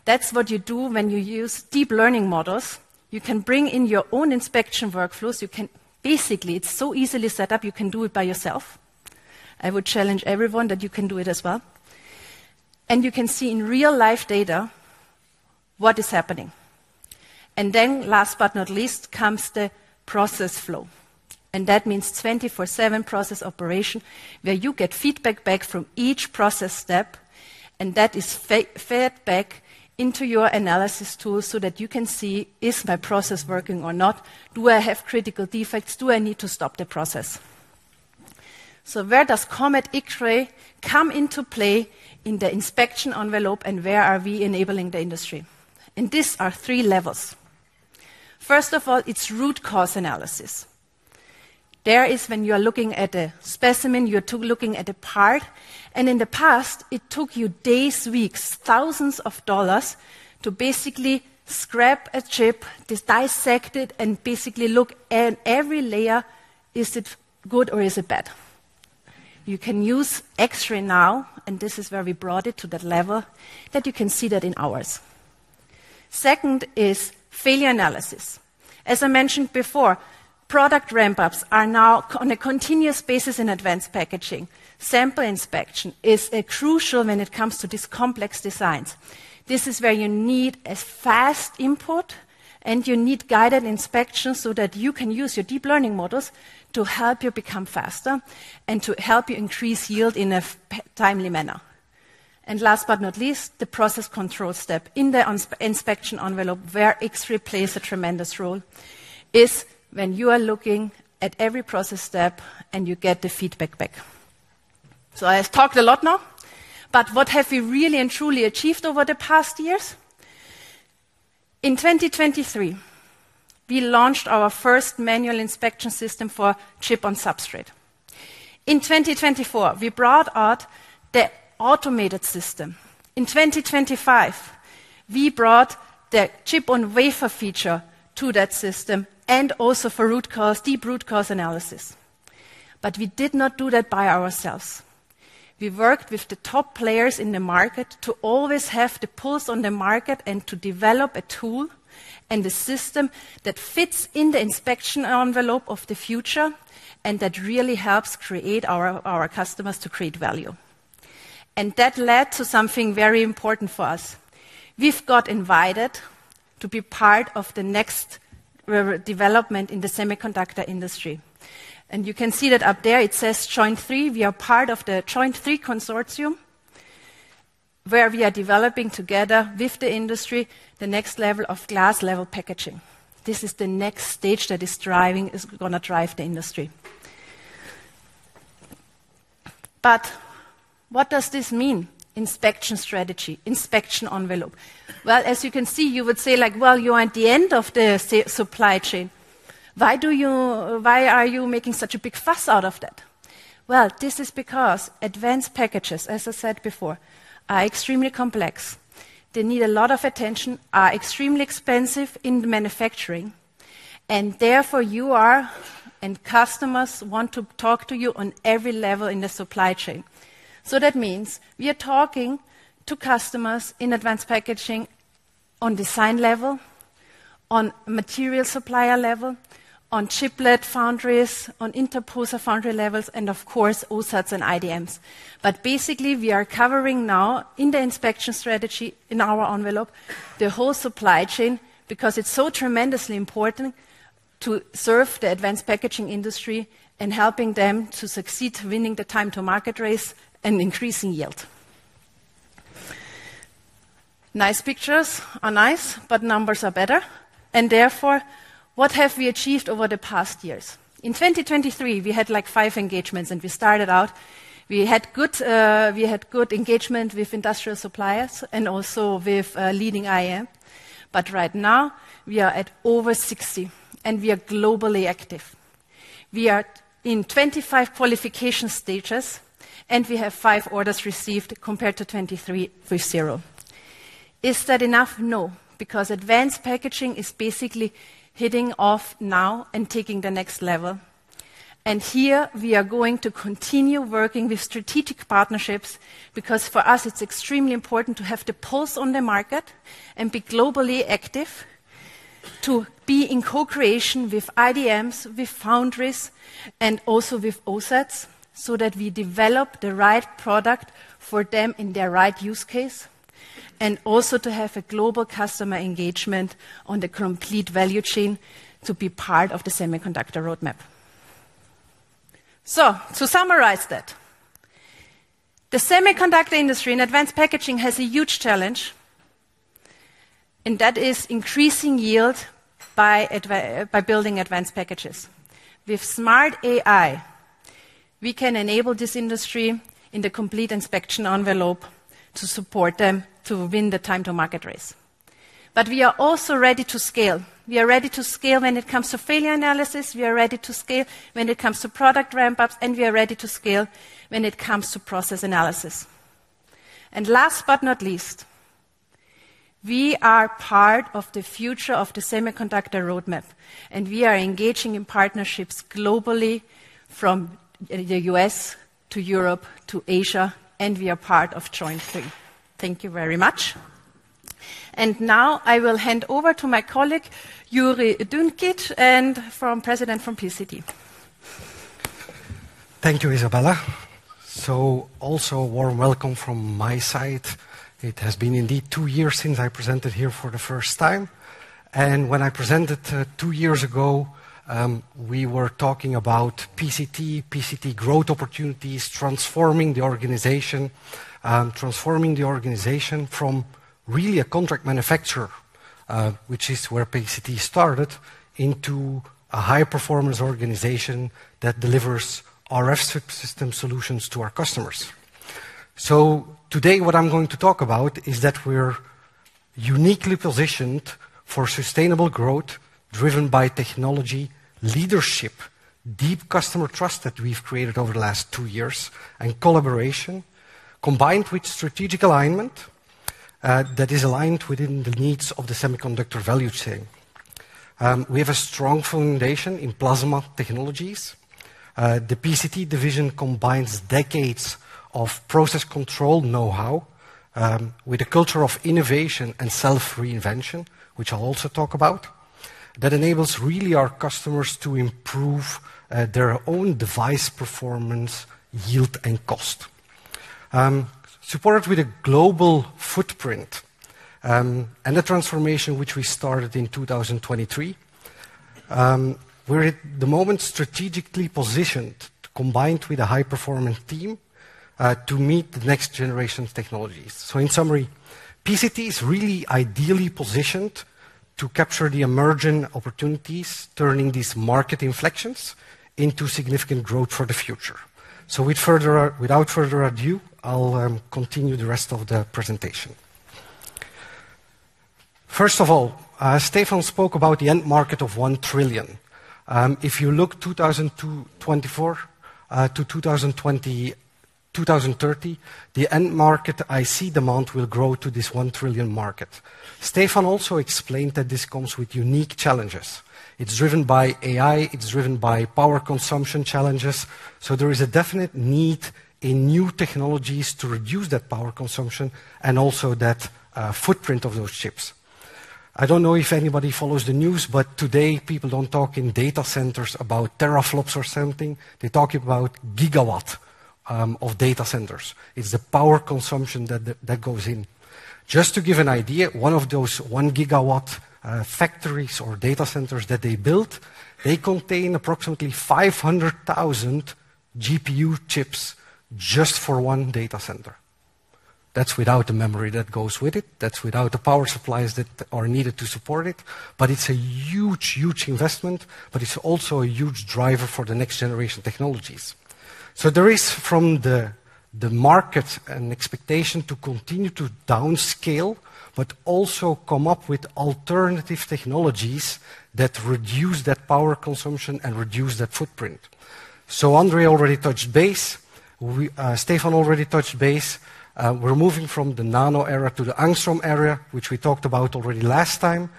That's what you do when you use deep learning models. You can bring in your own inspection workflows. You can basically, it's so easily set up. You can do it by yourself. I would challenge everyone that you can do it as well. You can see in real-life data what is happening. Last but not least comes the process flow. That means 24/7 process operation where you get feedback back from each process step. That is fed back into your analysis tool so that you can see, is my process working or not? Do I have critical defects? Do I need to stop the process? Where does Comet X-ray come into play in the inspection envelope and where are we enabling the industry? These are three levels. First of all, it's root cause analysis. There is when you are looking at a specimen, you're looking at a part. In the past, it took you days, weeks, thousands of dollars to basically scrap a chip, dissect it, and basically look at every layer. Is it good or is it bad? You can use X-ray now, and this is where we brought it to that level that you can see that in hours. Second is failure analysis. As I mentioned before, product ramp-ups are now on a continuous basis in advanced packaging. Sample inspection is crucial when it comes to these complex designs. This is where you need a fast input, and you need guided inspection so that you can use your deep learning models to help you become faster and to help you increase yield in a timely manner. Last but not least, the process control step in the inspection envelope where X-ray plays a tremendous role is when you are looking at every process step and you get the feedback back. I have talked a lot now. What have we really and truly achieved over the past years? In 2023, we launched our first manual inspection system for chip-on-substrate. In 2024, we brought out the automated system. In 2025, we brought the chip-on-wafer feature to that system and also for root cause, deep root cause analysis. We did not do that by ourselves. We worked with the top players in the market to always have the pulse on the market and to develop a tool and a system that fits in the inspection envelope of the future and that really helps create our customers to create value. That led to something very important for us. We got invited to be part of the next development in the semiconductor industry. You can see that up there it says JOINT3. We are part of the JOINT3 consortium where we are developing together with the industry the next level of glass-level packaging. This is the next stage that is going to drive the industry. What does this mean? Inspection strategy, inspection envelope. As you can see, you would say like, well, you are at the end of the supply chain. Why are you making such a big fuss out of that? This is because advanced packages, as I said before, are extremely complex. They need a lot of attention, are extremely expensive in manufacturing. Therefore, you are and customers want to talk to you on every level in the supply chain. That means we are talking to customers in advanced packaging on design level, on material supplier level, on chiplet foundries, on interposer foundry levels, and of course, OSATs and IDMs. Basically, we are covering now in the inspection strategy in our envelope the whole supply chain because it is so tremendously important to serve the advanced packaging industry and helping them to succeed winning the time-to-market race and increasing yield. Nice pictures are nice, but numbers are better. Therefore, what have we achieved over the past years? In 2023, we had like five engagements, and we started out. We had good engagement with industrial suppliers and also with leading IDM. Right now, we are at over 60, and we are globally active. We are in 25 qualification stages, and we have five orders received compared to 2023 with zero. Is that enough? No. Advanced packaging is basically hitting off now and taking the next level. Here, we are going to continue working with strategic partnerships because for us, it's extremely important to have the pulse on the market and be globally active to be in co-creation with IDMs, with foundries, and also with OSATs so that we develop the right product for them in their right use case and also to have a global customer engagement on the complete value chain to be part of the semiconductor roadmap. To summarize that, the semiconductor industry in advanced packaging has a huge challenge, and that is increasing yield by building advanced packages. With smart AI, we can enable this industry in the complete inspection envelope to support them to win the time-to-market race. We are also ready to scale. We are ready to scale when it comes to failure analysis. We are ready to scale when it comes to product ramp-ups, and we are ready to scale when it comes to process analysis. Last but not least, we are part of the future of the semiconductor roadmap, and we are engaging in partnerships globally from the U.S. to Europe to Asia, and we are part of JOINT3. Thank you very much. Now I will hand over to my colleague, Joeri Durinckx, President from PCT. Thank you, Isabella. Also a warm welcome from my side. It has been indeed two years since I presented here for the first time. When I presented two years ago, we were talking about PCT, PCT growth opportunities, transforming the organization, transforming the organization from really a contract manufacturer, which is where PCT started, into a high-performance organization that delivers RF system solutions to our customers. Today, what I'm going to talk about is that we're uniquely positioned for sustainable growth driven by technology leadership, deep customer trust that we've created over the last two years, and collaboration combined with strategic alignment that is aligned within the needs of the semiconductor value chain. We have a strong foundation in plasma technologies. The PCT division combines decades of process control know-how with a culture of innovation and self-reinvention, which I'll also talk about, that enables really our customers to improve their own device performance, yield, and cost. Supported with a global footprint and a transformation which we started in 2023, we're at the moment strategically positioned combined with a high-performance team to meet the next generation technologies. In summary, PCT is really ideally positioned to capture the emerging opportunities, turning these market inflections into significant growth for the future. Without further ado, I'll continue the rest of the presentation. First of all, Stephan spoke about the end market of $1 trillion. If you look 2024 to 2030, the end market IC demand will grow to this $1 trillion market. Stephan also explained that this comes with unique challenges. It's driven by AI. It's driven by power consumption challenges. There is a definite need in new technologies to reduce that power consumption and also that footprint of those chips. I don't know if anybody follows the news, but today, people don't talk in data centers about teraflops or something. They talk about gigawatts of data centers. It's the power consumption that goes in. Just to give an idea, one of those 1 GW factories or data centers that they built, they contain approximately 500,000 GPU chips just for one data center. That's without the memory that goes with it. That's without the power supplies that are needed to support it. It's a huge, huge investment, but it's also a huge driver for the next generation technologies. There is from the market an expectation to continue to downscale, but also come up with alternative technologies that reduce that power consumption and reduce that footprint. André already touched base. Stephan already touched base. We're moving from the nano area to the angstrom area, which we talked about already last time.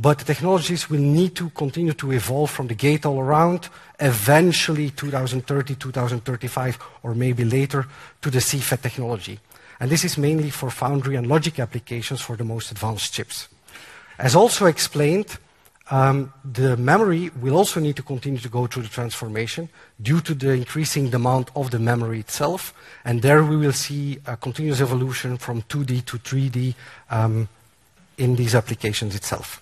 The technologies will need to continue to evolve from the gate all around, eventually 2030, 2035, or maybe later to the CFET technology. This is mainly for foundry and logic applications for the most advanced chips. As also explained, the memory will also need to continue to go through the transformation due to the increasing demand of the memory itself. There we will see a continuous evolution from 2D to 3D in these applications itself.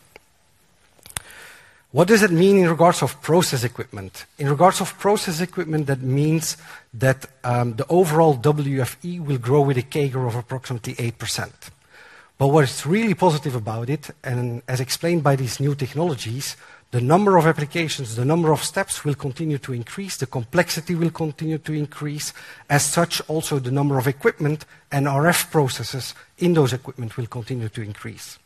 What does it mean in regards of process equipment? In regards of process equipment, that means that the overall WFE will grow with a CAGR of approximately 8%. What is really positive about it, and as explained by these new technologies, the number of applications, the number of steps will continue to increase. The complexity will continue to increase. As such, also the number of equipment and RF processes in those equipment will continue to increase.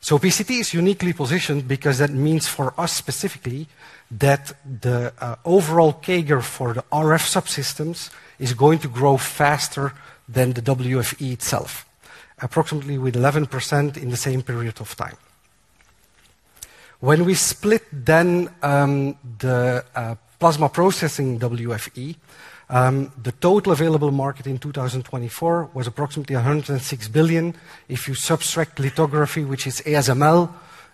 PCT is uniquely positioned because that means for us specifically that the overall CAGR for the RF subsystems is going to grow faster than the WFE itself, approximately with 11% in the same period of time. When we split then the plasma processing WFE, the total available market in 2024 was approximately $106 billion. If you subtract lithography, which is ASML,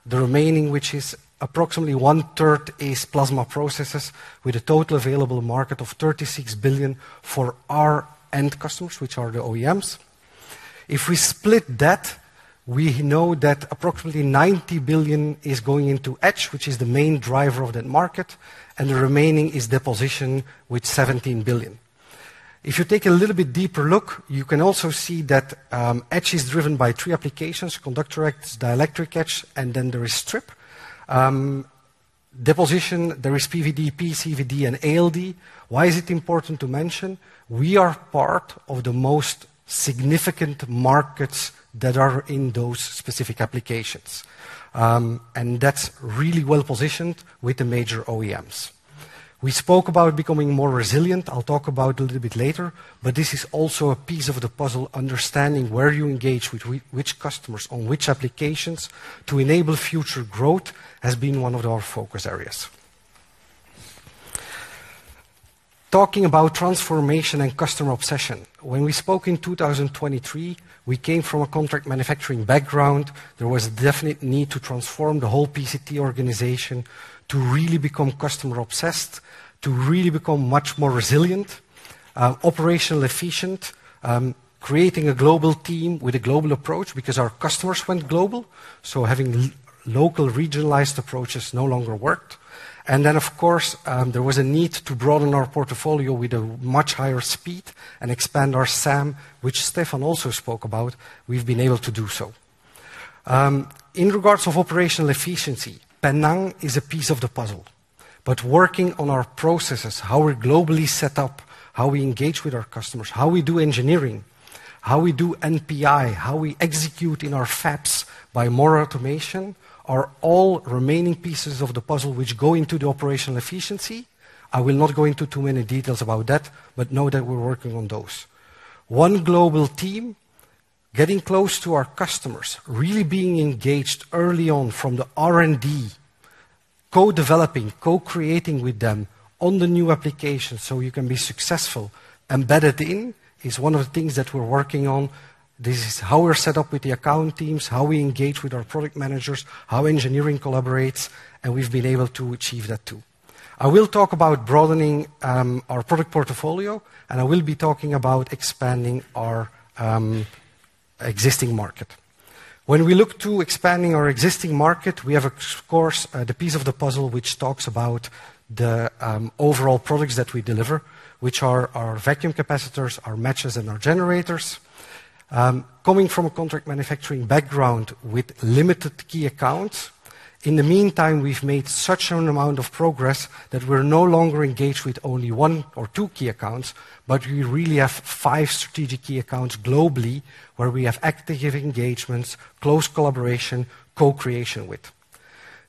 the remaining, which is approximately one-third, is plasma processes with a total available market of $36 billion for our end customers, which are the OEMs. If we split that, we know that approximately $90 billion is going into Etch, which is the main driver of that market, and the remaining is deposition with $17 billion. If you take a little bit deeper look, you can also see that Etch is driven by three applications: conductor Etch, dielectric Etch, and then there is strip. Deposition, there is PVD, CVD, and ALD. Why is it important to mention? We are part of the most significant markets that are in those specific applications. That is really well positioned with the major OEMs. We spoke about becoming more resilient. I'll talk about it a little bit later, but this is also a piece of the puzzle. Understanding where you engage with which customers on which applications to enable future growth has been one of our focus areas. Talking about transformation and customer obsession, when we spoke in 2023, we came from a contract manufacturing background. There was a definite need to transform the whole PCT organization to really become customer obsessed, to really become much more resilient, operationally efficient, creating a global team with a global approach because our customers went global. Having local regionalized approaches no longer worked. Of course, there was a need to broaden our portfolio with a much higher speed and expand our SAM, which Stephan also spoke about. We have been able to do so. In regards of operational efficiency, Penang is a piece of the puzzle. Working on our processes, how we're globally set up, how we engage with our customers, how we do engineering, how we do NPI, how we execute in our FAPS by more automation are all remaining pieces of the puzzle which go into the operational efficiency. I will not go into too many details about that, but know that we're working on those. One global team getting close to our customers, really being engaged early on from the R&D, co-developing, co-creating with them on the new applications so you can be successful, embedded in is one of the things that we're working on. This is how we're set up with the account teams, how we engage with our product managers, how engineering collaborates, and we've been able to achieve that too. I will talk about broadening our product portfolio, and I will be talking about expanding our existing market. When we look to expanding our existing market, we have, of course, the piece of the puzzle which talks about the overall products that we deliver, which are our vacuum capacitors, our matches, and our generators. Coming from a contract manufacturing background with limited key accounts, in the meantime, we've made such an amount of progress that we're no longer engaged with only one or two key accounts, but we really have five strategic key accounts globally where we have active engagements, close collaboration, co-creation with.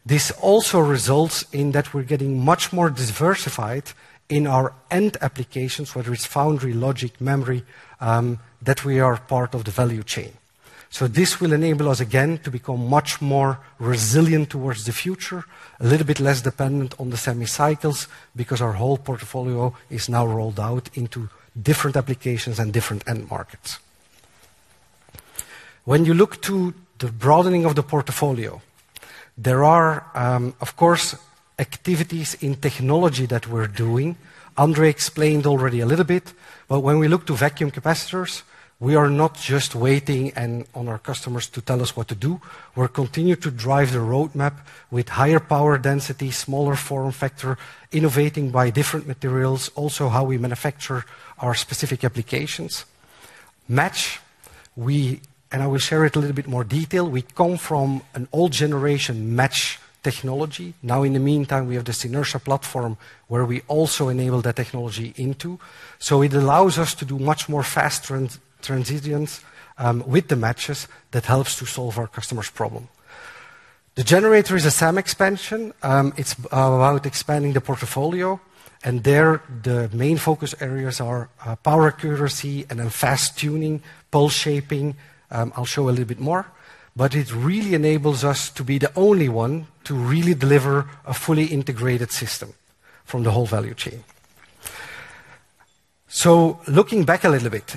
This also results in that we're getting much more diversified in our end applications, whether it's foundry, logic, memory, that we are part of the value chain. This will enable us again to become much more resilient towards the future, a little bit less dependent on the semi-cycles because our whole portfolio is now rolled out into different applications and different end markets. When you look to the broadening of the portfolio, there are, of course, activities in technology that we're doing. André explained already a little bit. When we look to vacuum capacitors, we are not just waiting on our customers to tell us what to do. We're continuing to drive the roadmap with higher power density, smaller form factor, innovating by different materials, also how we manufacture our specific applications. Match, and I will share it in a little bit more detail. We come from an old generation match technology. Now, in the meantime, we have this Synertia platform where we also enable that technology into. It allows us to do much more fast transitions with the matches that helps to solve our customers' problem. The generator is a SAM expansion. It's about expanding the portfolio. There, the main focus areas are power accuracy and then fast tuning, pulse shaping. I'll show a little bit more. It really enables us to be the only one to really deliver a fully integrated system from the whole value chain. Looking back a little bit,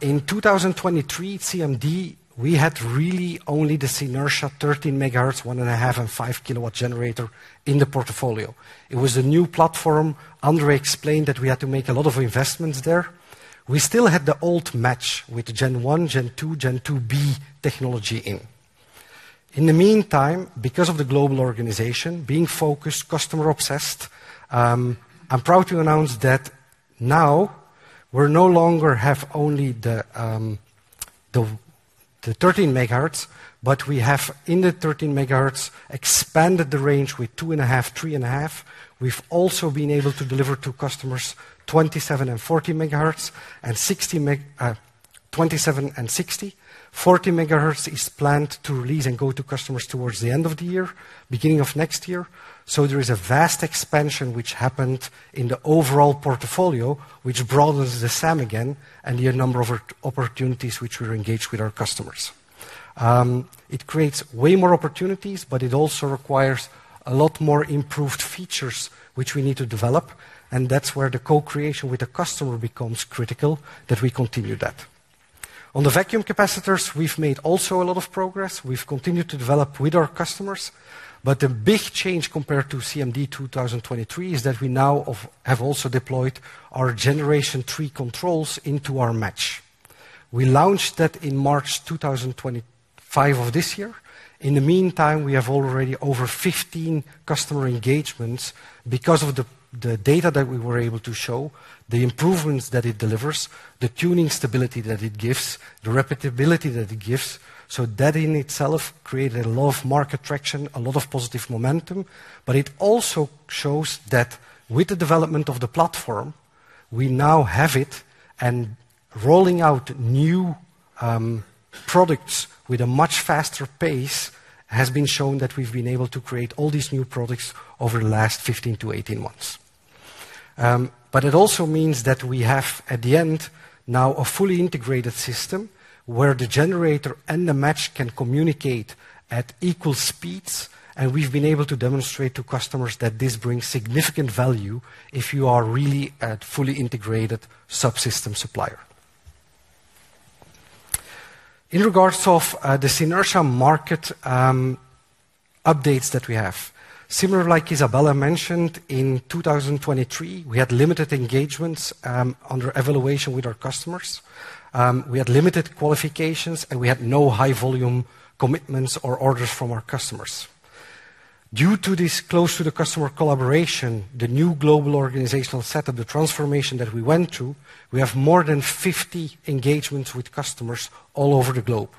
in 2023 at CMD, we had really only this Synertia 13 MHz, 1.5 kW and 5 kW generator in the portfolio. It was a new platform. André explained that we had to make a lot of investments there. We still had the old match with Gen 1, Gen 2, Gen 2B technology in. In the meantime, because of the global organization being focused, customer obsessed, I'm proud to announce that now we no longer have only the 13 MHz, but we have in the 13 MHz expanded the range with two and a half, three and a half. We've also been able to deliver to customers 27 MHz and 40 MHz and 60 MHz, 27 MHz and 60 MHz. 40 MHz is planned to release and go to customers towards the end of the year, beginning of next year. There is a vast expansion which happened in the overall portfolio, which broadens the SAM again and the number of opportunities which we're engaged with our customers. It creates way more opportunities, but it also requires a lot more improved features which we need to develop. That's where the co-creation with the customer becomes critical that we continue that. On the vacuum capacitors, we've made also a lot of progress. We've continued to develop with our customers. The big change compared to CMD 2023 is that we now have also deployed our generation three controls into our match. We launched that in March 2025 of this year. In the meantime, we have already over 15 customer engagements because of the data that we were able to show, the improvements that it delivers, the tuning stability that it gives, the repeatability that it gives. That in itself created a lot of market traction, a lot of positive momentum. It also shows that with the development of the platform, we now have it. Rolling out new products at a much faster pace has shown that we've been able to create all these new products over the last 15-18 months. It also means that we have at the end now a fully integrated system where the generator and the match can communicate at equal speeds. We've been able to demonstrate to customers that this brings significant value if you are really a fully integrated subsystem supplier. In regards to the Synertia market updates that we have, similar like Isabella mentioned in 2023, we had limited engagements under evaluation with our customers. We had limited qualifications, and we had no high-volume commitments or orders from our customers. Due to this close to the customer collaboration, the new global organizational setup, the transformation that we went through, we have more than 50 engagements with customers all over the globe.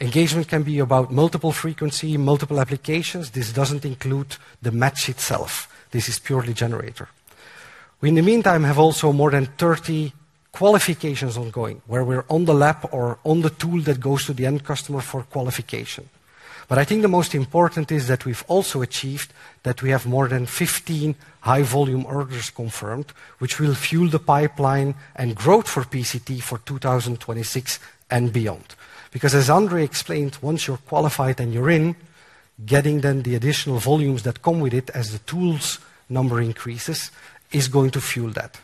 Engagement can be about multiple frequency, multiple applications. This does not include the match itself. This is purely generator. We, in the meantime, have also more than 30 qualifications ongoing where we are on the lab or on the tool that goes to the end customer for qualification. I think the most important is that we have also achieved that we have more than 15 high-volume orders confirmed, which will fuel the pipeline and growth for PCT for 2026 and beyond. Because, as André explained, once you're qualified and you're in, getting then the additional volumes that come with it as the tools number increases is going to fuel that.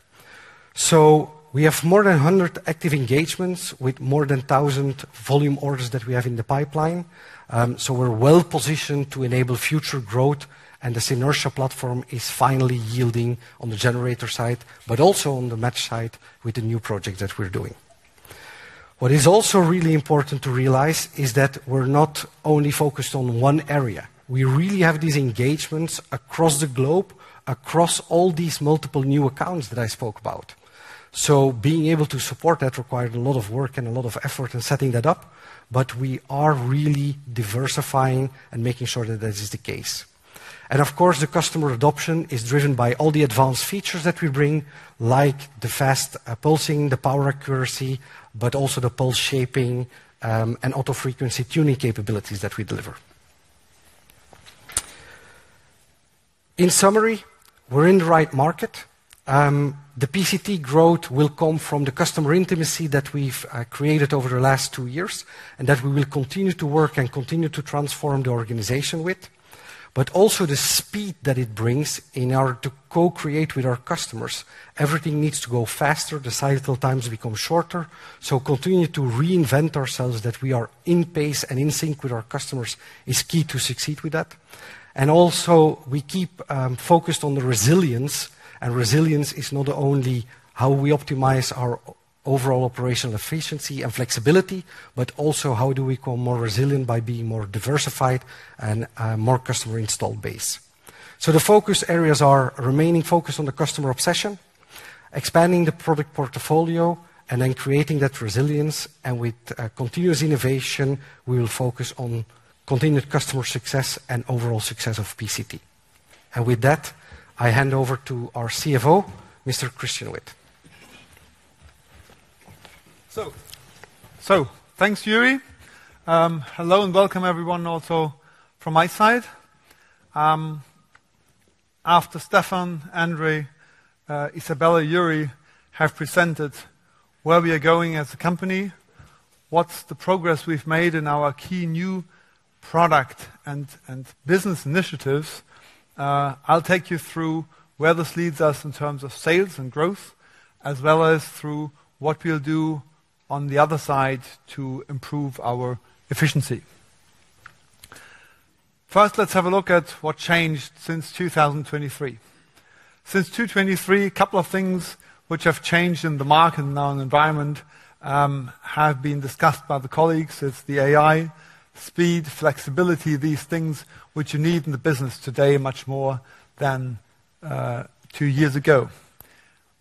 We have more than 100 active engagements with more than 1,000 volume orders that we have in the pipeline. We are well positioned to enable future growth. This Synertia platform is finally yielding on the generator side, but also on the match side with the new projects that we're doing. What is also really important to realize is that we're not only focused on one area. We really have these engagements across the globe, across all these multiple new accounts that I spoke about. Being able to support that required a lot of work and a lot of effort in setting that up. We are really diversifying and making sure that that is the case. Of course, the customer adoption is driven by all the advanced features that we bring, like the fast pulsing, the power accuracy, but also the pulse shaping and auto frequency tuning capabilities that we deliver. In summary, we're in the right market. The PCT growth will come from the customer intimacy that we've created over the last two years and that we will continue to work and continue to transform the organization with. Also, the speed that it brings in order to co-create with our customers. Everything needs to go faster. The cycle times become shorter. Continuing to reinvent ourselves so that we are in pace and in sync with our customers is key to succeed with that. Also, we keep focused on the resilience. Resilience is not only how we optimize our overall operational efficiency and flexibility, but also how we become more resilient by being more diversified and more customer installed base. The focus areas are remaining focused on the customer obsession, expanding the product portfolio, and then creating that resilience. With continuous innovation, we will focus on continued customer success and overall success of PCT. With that, I hand over to our CFO, Mr. Christian Witt. Thanks, Joeri. Hello and welcome, everyone, also from my side. After Stephan, André, Isabella, Joeri have presented where we are going as a company, what is the progress we have made in our key new product and business initiatives, I will take you through where this leads us in terms of sales and growth, as well as through what we will do on the other side to improve our efficiency. First, let's have a look at what changed since 2023. Since 2023, a couple of things which have changed in the market and now in the environment have been discussed by the colleagues. It's the AI speed, flexibility, these things which you need in the business today much more than two years ago.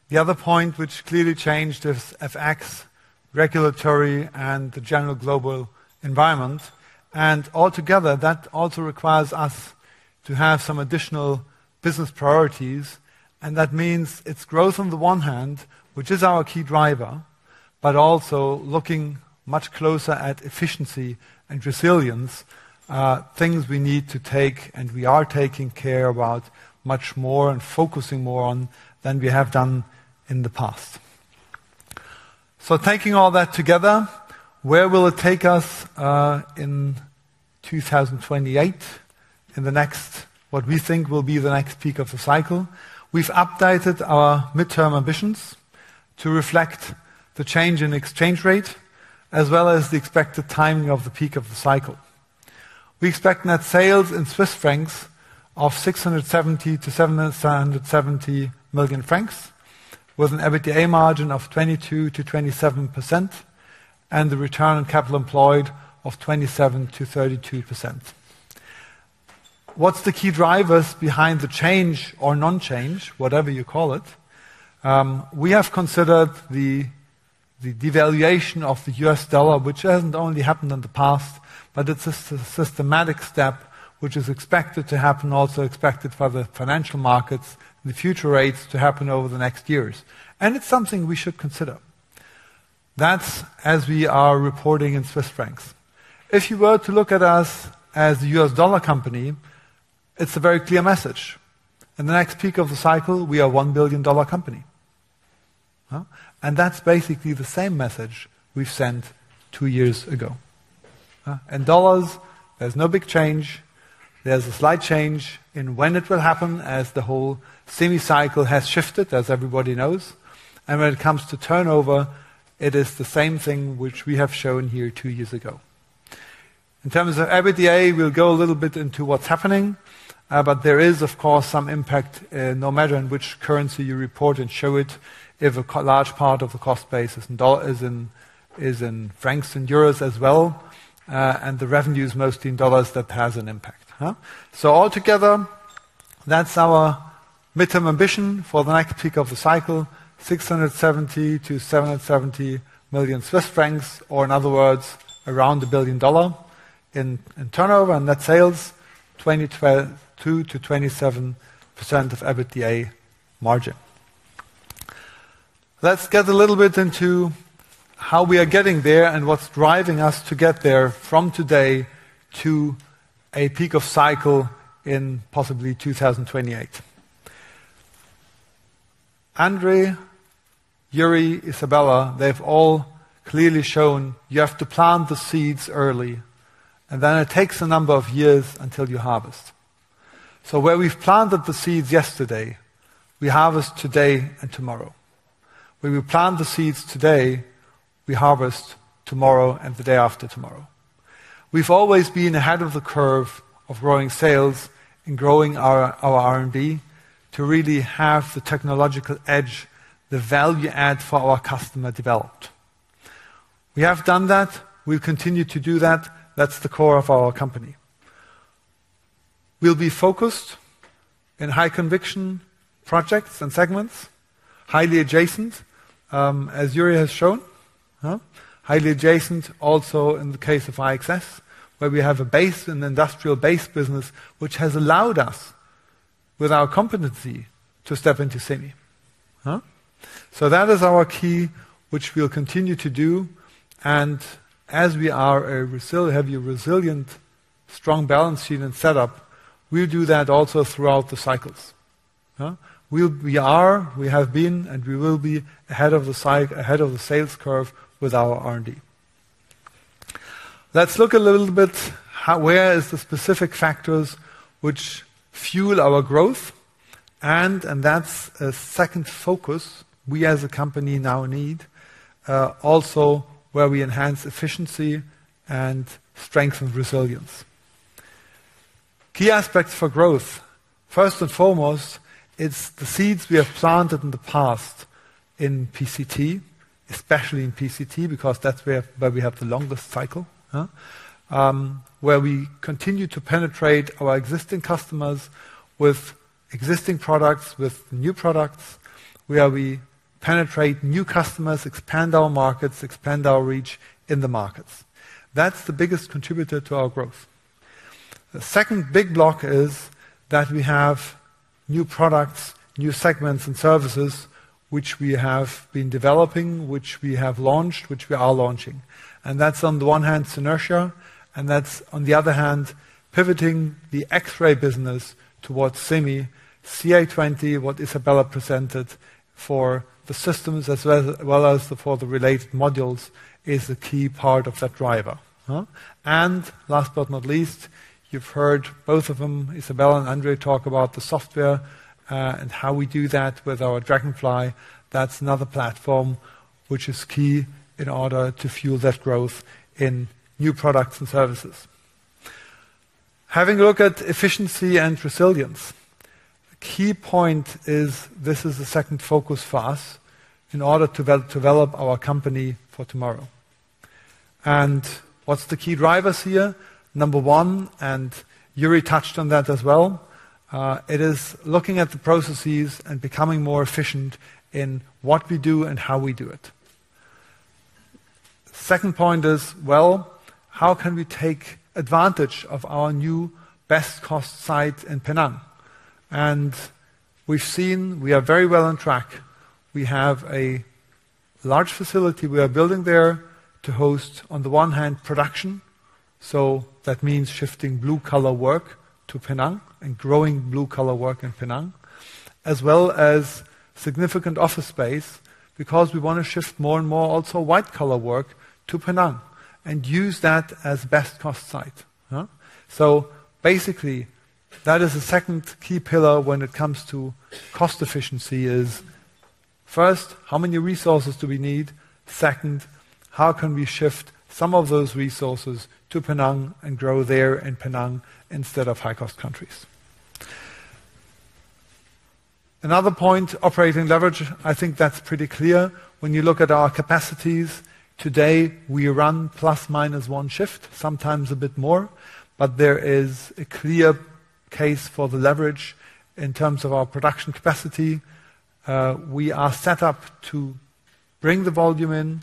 The other point which clearly changed is FX regulatory and the general global environment. Altogether, that also requires us to have some additional business priorities. That means it's growth on the one hand, which is our key driver, but also looking much closer at efficiency and resilience, things we need to take and we are taking care about much more and focusing more on than we have done in the past. Taking all that together, where will it take us in 2028 in what we think will be the next peak of the cycle? We have updated our midterm ambitions to reflect the change in exchange rate as well as the expected timing of the peak of the cycle. We expect net sales in 670 million-770 million francs with an EBITDA margin of 22%-27% and the return on capital employed of 27%-32%. What are the key drivers behind the change or non-change, whatever you call it? We have considered the devaluation of the US dollar, which has not only happened in the past, but it is a systematic step which is expected to happen, also expected for the financial markets, the future rates to happen over the next years. It is something we should consider. That is as we are reporting in Swiss francs. If you were to look at us as a US dollar company, it's a very clear message. In the next peak of the cycle, we are a $1 billion company. And that's basically the same message we've sent two years ago. In dollars, there's no big change. There's a slight change in when it will happen as the whole semi-cycle has shifted, as everybody knows. When it comes to turnover, it is the same thing which we have shown here two years ago. In terms of EBITDA, we'll go a little bit into what's happening. There is, of course, some impact no matter in which currency you report and show it. If a large part of the cost base is in francs and euros as well, and the revenue is mostly in dollars, that has an impact. Altogether, that's our midterm ambition for the next peak of the cycle, 670 million-770 million Swiss francs, or in other words, around $1 billion in turnover and net sales, 22%-27% of EBITDA margin. Let's get a little bit into how we are getting there and what's driving us to get there from today to a peak of cycle in possibly 2028. André, Joeri, Isabella, they've all clearly shown you have to plant the seeds early, and then it takes a number of years until you harvest. Where we've planted the seeds yesterday, we harvest today and tomorrow. Where we plant the seeds today, we harvest tomorrow and the day after tomorrow. We've always been ahead of the curve of growing sales and growing our R&D to really have the technological edge, the value add for our customer developed. We have done that. We continue to do that. That's the core of our company. We'll be focused in high conviction projects and segments, highly adjacent, as Joeri has shown, highly adjacent also in the case of IXS, where we have a base and industrial base business which has allowed us, with our competency, to step into semi. That is our key, which we'll continue to do. As we are a heavy, resilient, strong balance sheet and setup, we'll do that also throughout the cycles. We are, we have been, and we will be ahead of the sales curve with our R&D. Let's look a little bit where are the specific factors which fuel our growth. That's a second focus we as a company now need, also where we enhance efficiency and strengthen resilience. Key aspects for growth. First and foremost, it's the seeds we have planted in the past in PCT, especially in PCT, because that's where we have the longest cycle, where we continue to penetrate our existing customers with existing products, with new products, where we penetrate new customers, expand our markets, expand our reach in the markets. That's the biggest contributor to our growth. The second big block is that we have new products, new segments and services which we have been developing, which we have launched, which we are launching. That is on the one hand, inertia. That is on the other hand, pivoting the X-ray business towards semi. CA20, what Isabella presented for the systems as well as for the related modules, is a key part of that driver. Last but not least, you've heard both of them, Isabella and André, talk about the software and how we do that with our Dragonfly. That's another platform which is key in order to fuel that growth in new products and services. Having a look at efficiency and resilience, the key point is this is the second focus for us in order to develop our company for tomorrow. What's the key drivers here? Number one, and Joeri touched on that as well, it is looking at the processes and becoming more efficient in what we do and how we do it. Second point is, how can we take advantage of our new best cost site in Penang? We've seen we are very well on track. We have a large facility we are building there to host, on the one hand, production. That means shifting blue-collar work to Penang and growing blue-collar work in Penang, as well as significant office space because we want to shift more and more also white-collar work to Penang and use that as best cost site. Basically, that is a second key pillar when it comes to cost efficiency. First, how many resources do we need? Second, how can we shift some of those resources to Penang and grow there in Penang instead of high-cost countries? Another point, operating leverage, I think that's pretty clear. When you look at our capacities today, we run plus minus one shift, sometimes a bit more, but there is a clear case for the leverage in terms of our production capacity. We are set up to bring the volume in.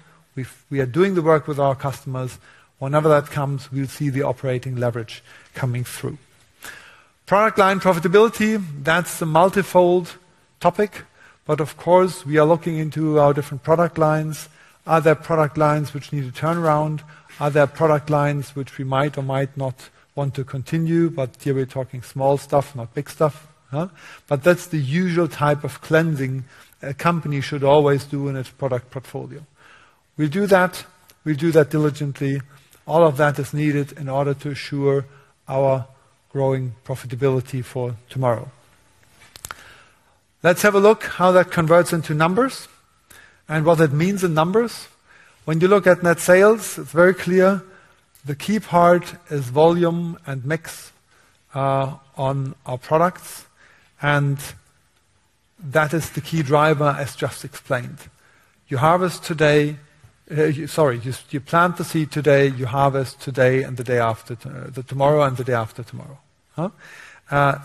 We are doing the work with our customers. Whenever that comes, we'll see the operating leverage coming through. Product line profitability, that's the multifold topic. Of course, we are looking into our different product lines. Are there product lines which need a turnaround? Are there product lines which we might or might not want to continue? Here we're talking small stuff, not big stuff. That's the usual type of cleansing a company should always do in its product portfolio. We'll do that. We'll do that diligently. All of that is needed in order to assure our growing profitability for tomorrow. Let's have a look at how that converts into numbers and what that means in numbers. When you look at net sales, it's very clear. The key part is volume and mix on our products. That is the key driver, as just explained. You plant the seed today, you harvest today and the day after tomorrow and the day after tomorrow.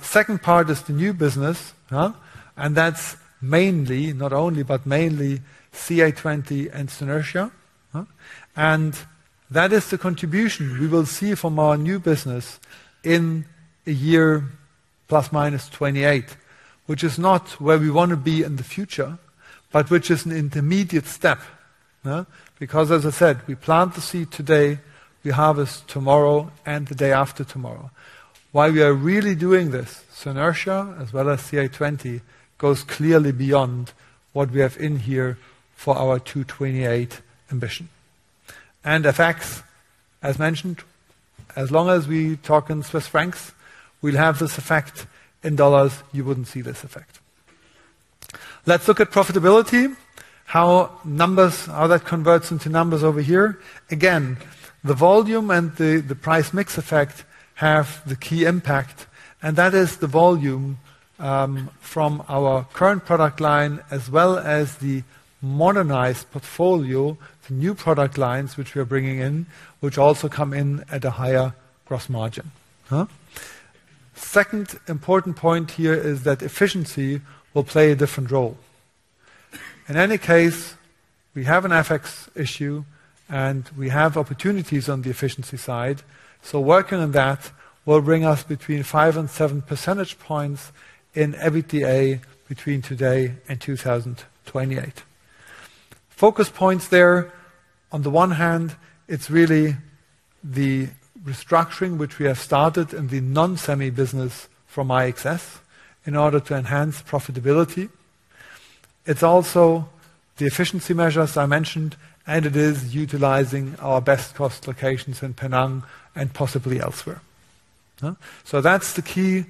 Second part is the new business, and that's mainly, not only, but mainly CA20 and Synertia. And that is the contribution we will see from our new business in a year plus minus 28, which is not where we want to be in the future, but which is an intermediate step. Because, as I said, we plant the seed today, we harvest tomorrow and the day after tomorrow. Why we are really doing this? Synertia, as well as CA20, goes clearly beyond what we have in here for our 2028 ambition. And FX, as mentioned, as long as we talk in Swiss francs, we'll have this effect. In dollars, you wouldn't see this effect. Let's look at profitability. How numbers, how that converts into numbers over here. Again, the volume and the price mix effect have the key impact. That is the volume from our current product line as well as the modernized portfolio, the new product lines which we are bringing in, which also come in at a higher gross margin. Second important point here is that efficiency will play a different role. In any case, we have an FX issue and we have opportunities on the efficiency side. Working on that will bring us between 5 percentage points and 7 percentage points in EBITDA between today and 2028. Focus points there. On the one hand, it is really the restructuring which we have started in the non-semi business from IXS in order to enhance profitability. It is also the efficiency measures I mentioned, and it is utilizing our best cost locations in Penang and possibly elsewhere. That is the key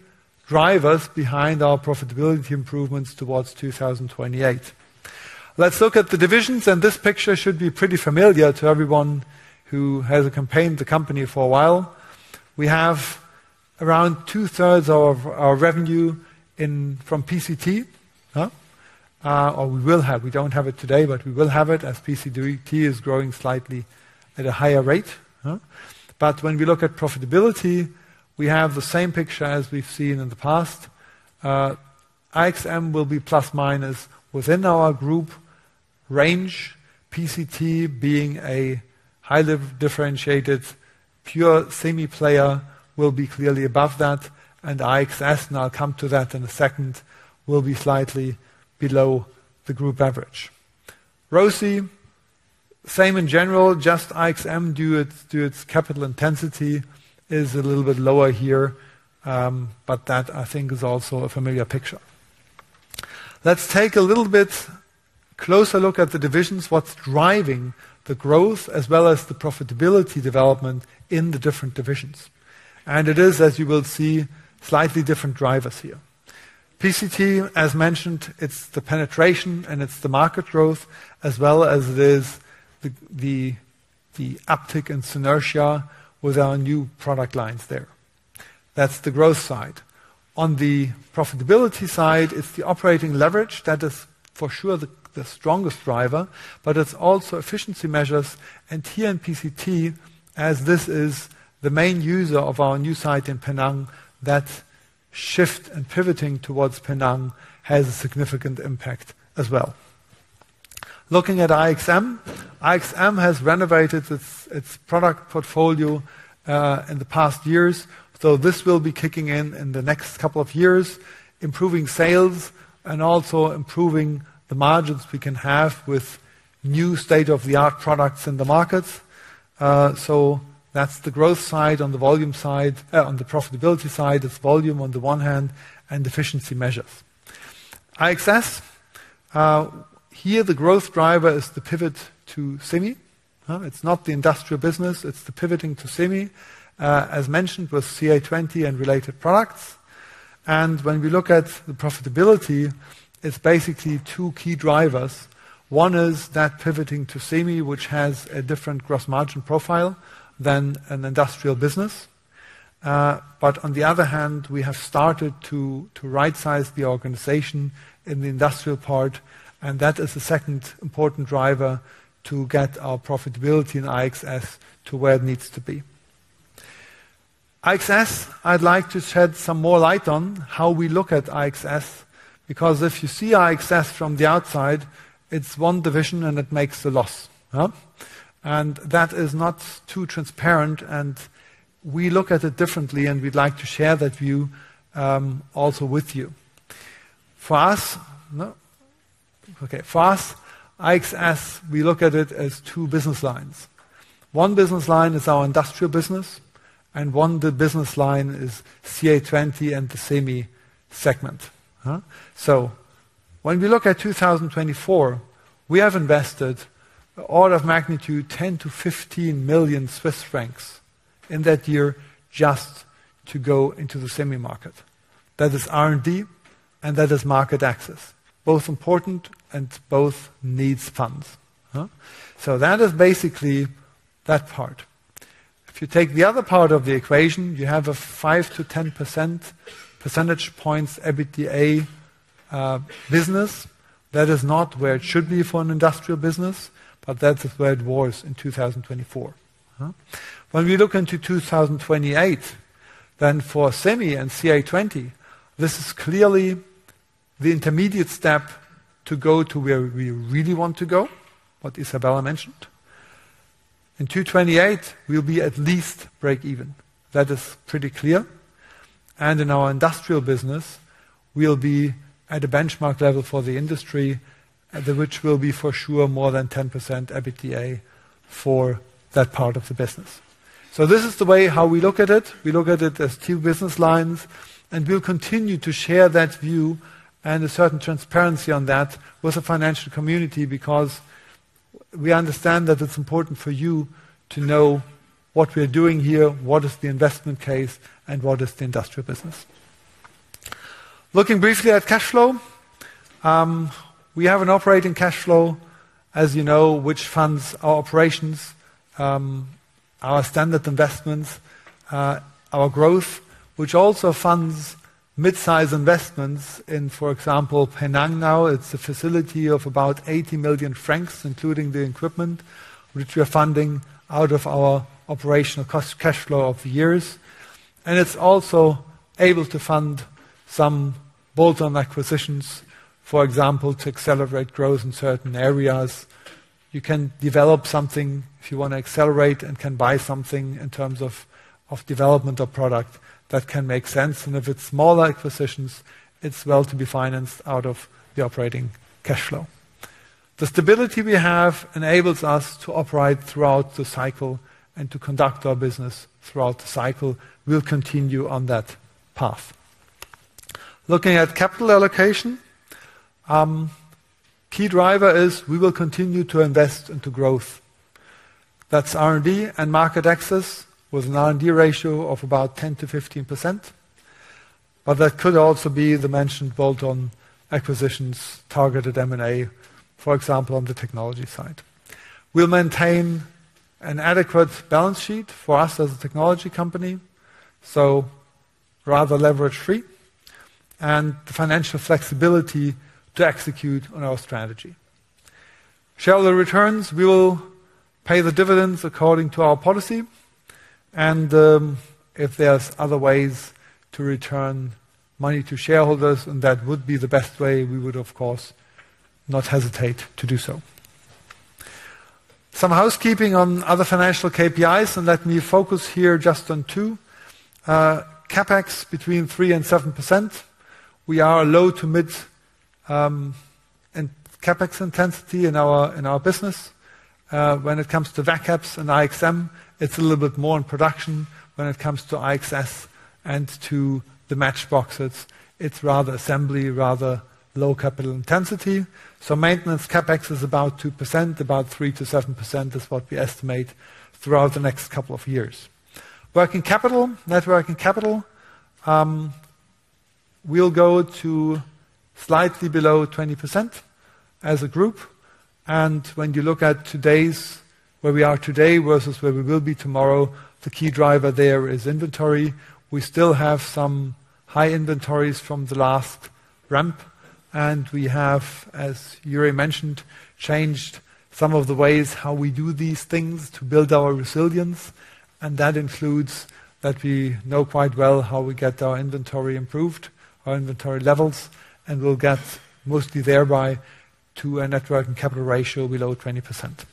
drivers behind our profitability improvements towards 2028. Let's look at the divisions. This picture should be pretty familiar to everyone who has accompanied the company for a while. We have around two-thirds of our revenue from PCT, or we will have. We do not have it today, but we will have it as PCT is growing slightly at a higher rate. When we look at profitability, we have the same picture as we've seen in the past. IXM will be plus minus within our group range. PCT, being a highly differentiated pure semi player, will be clearly above that. IXS, and I'll come to that in a second, will be slightly below the group average. ROCE, same in general, just IXM due to its capital intensity is a little bit lower here, but that, I think, is also a familiar picture. Let's take a little bit closer look at the divisions, what's driving the growth as well as the profitability development in the different divisions. It is, as you will see, slightly different drivers here. PCT, as mentioned, it's the penetration and it's the market growth, as well as it is the uptick in Synertia with our new product lines there. That's the growth side. On the profitability side, it's the operating leverage. That is for sure the strongest driver, but it's also efficiency measures. Here in PCT, as this is the main user of our new site in Penang, that shift and pivoting towards Penang has a significant impact as well. Looking at IXM, IXM has renovated its product portfolio in the past years, so this will be kicking in in the next couple of years, improving sales and also improving the margins we can have with new state-of-the-art products in the markets. That is the growth side on the volume side. On the profitability side, it is volume on the one hand and efficiency measures. IXS, here the growth driver is the pivot to semi. It is not the industrial business. It is the pivoting to semi, as mentioned with CA20 and related products. When we look at the profitability, it is basically two key drivers. One is that pivoting to semi, which has a different gross margin profile than an industrial business. On the other hand, we have started to right-size the organization in the industrial part, and that is the second important driver to get our profitability in IXS to where it needs to be. IXS, I'd like to shed some more light on how we look at IXS, because if you see IXS from the outside, it's one division and it makes a loss. That is not too transparent, and we look at it differently, and we'd like to share that view also with you. For us, okay, for us, IXS, we look at it as two business lines. One business line is our industrial business, and one business line is CA20 and the semi segment. When we look at 2024, we have invested an order of magnitude 10 million-15 million Swiss francs in that year just to go into the semi market. That is R&D, and that is market access, both important and both needs funds. So that is basically that part. If you take the other part of the equation, you have a 5 percentage points-10 percentage points EBITDA business. That is not where it should be for an industrial business, but that's where it was in 2024. When we look into 2028, then for semi and CA20, this is clearly the intermediate step to go to where we really want to go, what Isabella mentioned. In 2028, we'll be at least break even. That is pretty clear. And in our industrial business, we'll be at a benchmark level for the industry, which will be for sure more than 10% EBITDA for that part of the business. So this is the way how we look at it. We look at it as two business lines, and we'll continue to share that view and a certain transparency on that with the financial community because we understand that it's important for you to know what we're doing here, what is the investment case, and what is the industrial business. Looking briefly at cash flow, we have an operating cash flow, as you know, which funds our operations, our standard investments, our growth, which also funds mid-size investments in, for example, Penang now. It's a facility of about 80 million francs, including the equipment, which we are funding out of our operational cash flow of the years. It's also able to fund some bolt-on acquisitions, for example, to accelerate growth in certain areas. You can develop something if you want to accelerate and can buy something in terms of development of product that can make sense. If it's smaller acquisitions, it's well to be financed out of the operating cash flow. The stability we have enables us to operate throughout the cycle and to conduct our business throughout the cycle. We'll continue on that path. Looking at capital allocation, key driver is we will continue to invest into growth. That's R&D and market access with an R&D ratio of about 10%-15%. That could also be the mentioned bolt-on acquisitions targeted M&A, for example, on the technology side. We'll maintain an adequate balance sheet for us as a technology company, so rather leverage-free and the financial flexibility to execute on our strategy. Shareholder returns, we will pay the dividends according to our policy. If there's other ways to return money to shareholders, and that would be the best way, we would, of course, not hesitate to do so. Some housekeeping on other financial KPIs, and let me focus here just on two. CapEx between 3%-7%. We are low to mid CapEx intensity in our business. When it comes to Vaccaps and IXM, it's a little bit more in production. When it comes to IXS and to the matchboxes, it's rather assembly, rather low capital intensity. Maintenance CapEx is about 2%. About 3%-7% is what we estimate throughout the next couple of years. Networking capital, networking capital, we'll go to slightly below 20% as a group. When you look at today's where we are today versus where we will be tomorrow, the key driver there is inventory. We still have some high inventories from the last ramp, and we have, as Joeri mentioned, changed some of the ways how we do these things to build our resilience. That includes that we know quite well how we get our inventory improved, our inventory levels, and we'll get mostly thereby to a networking capital ratio below 20%.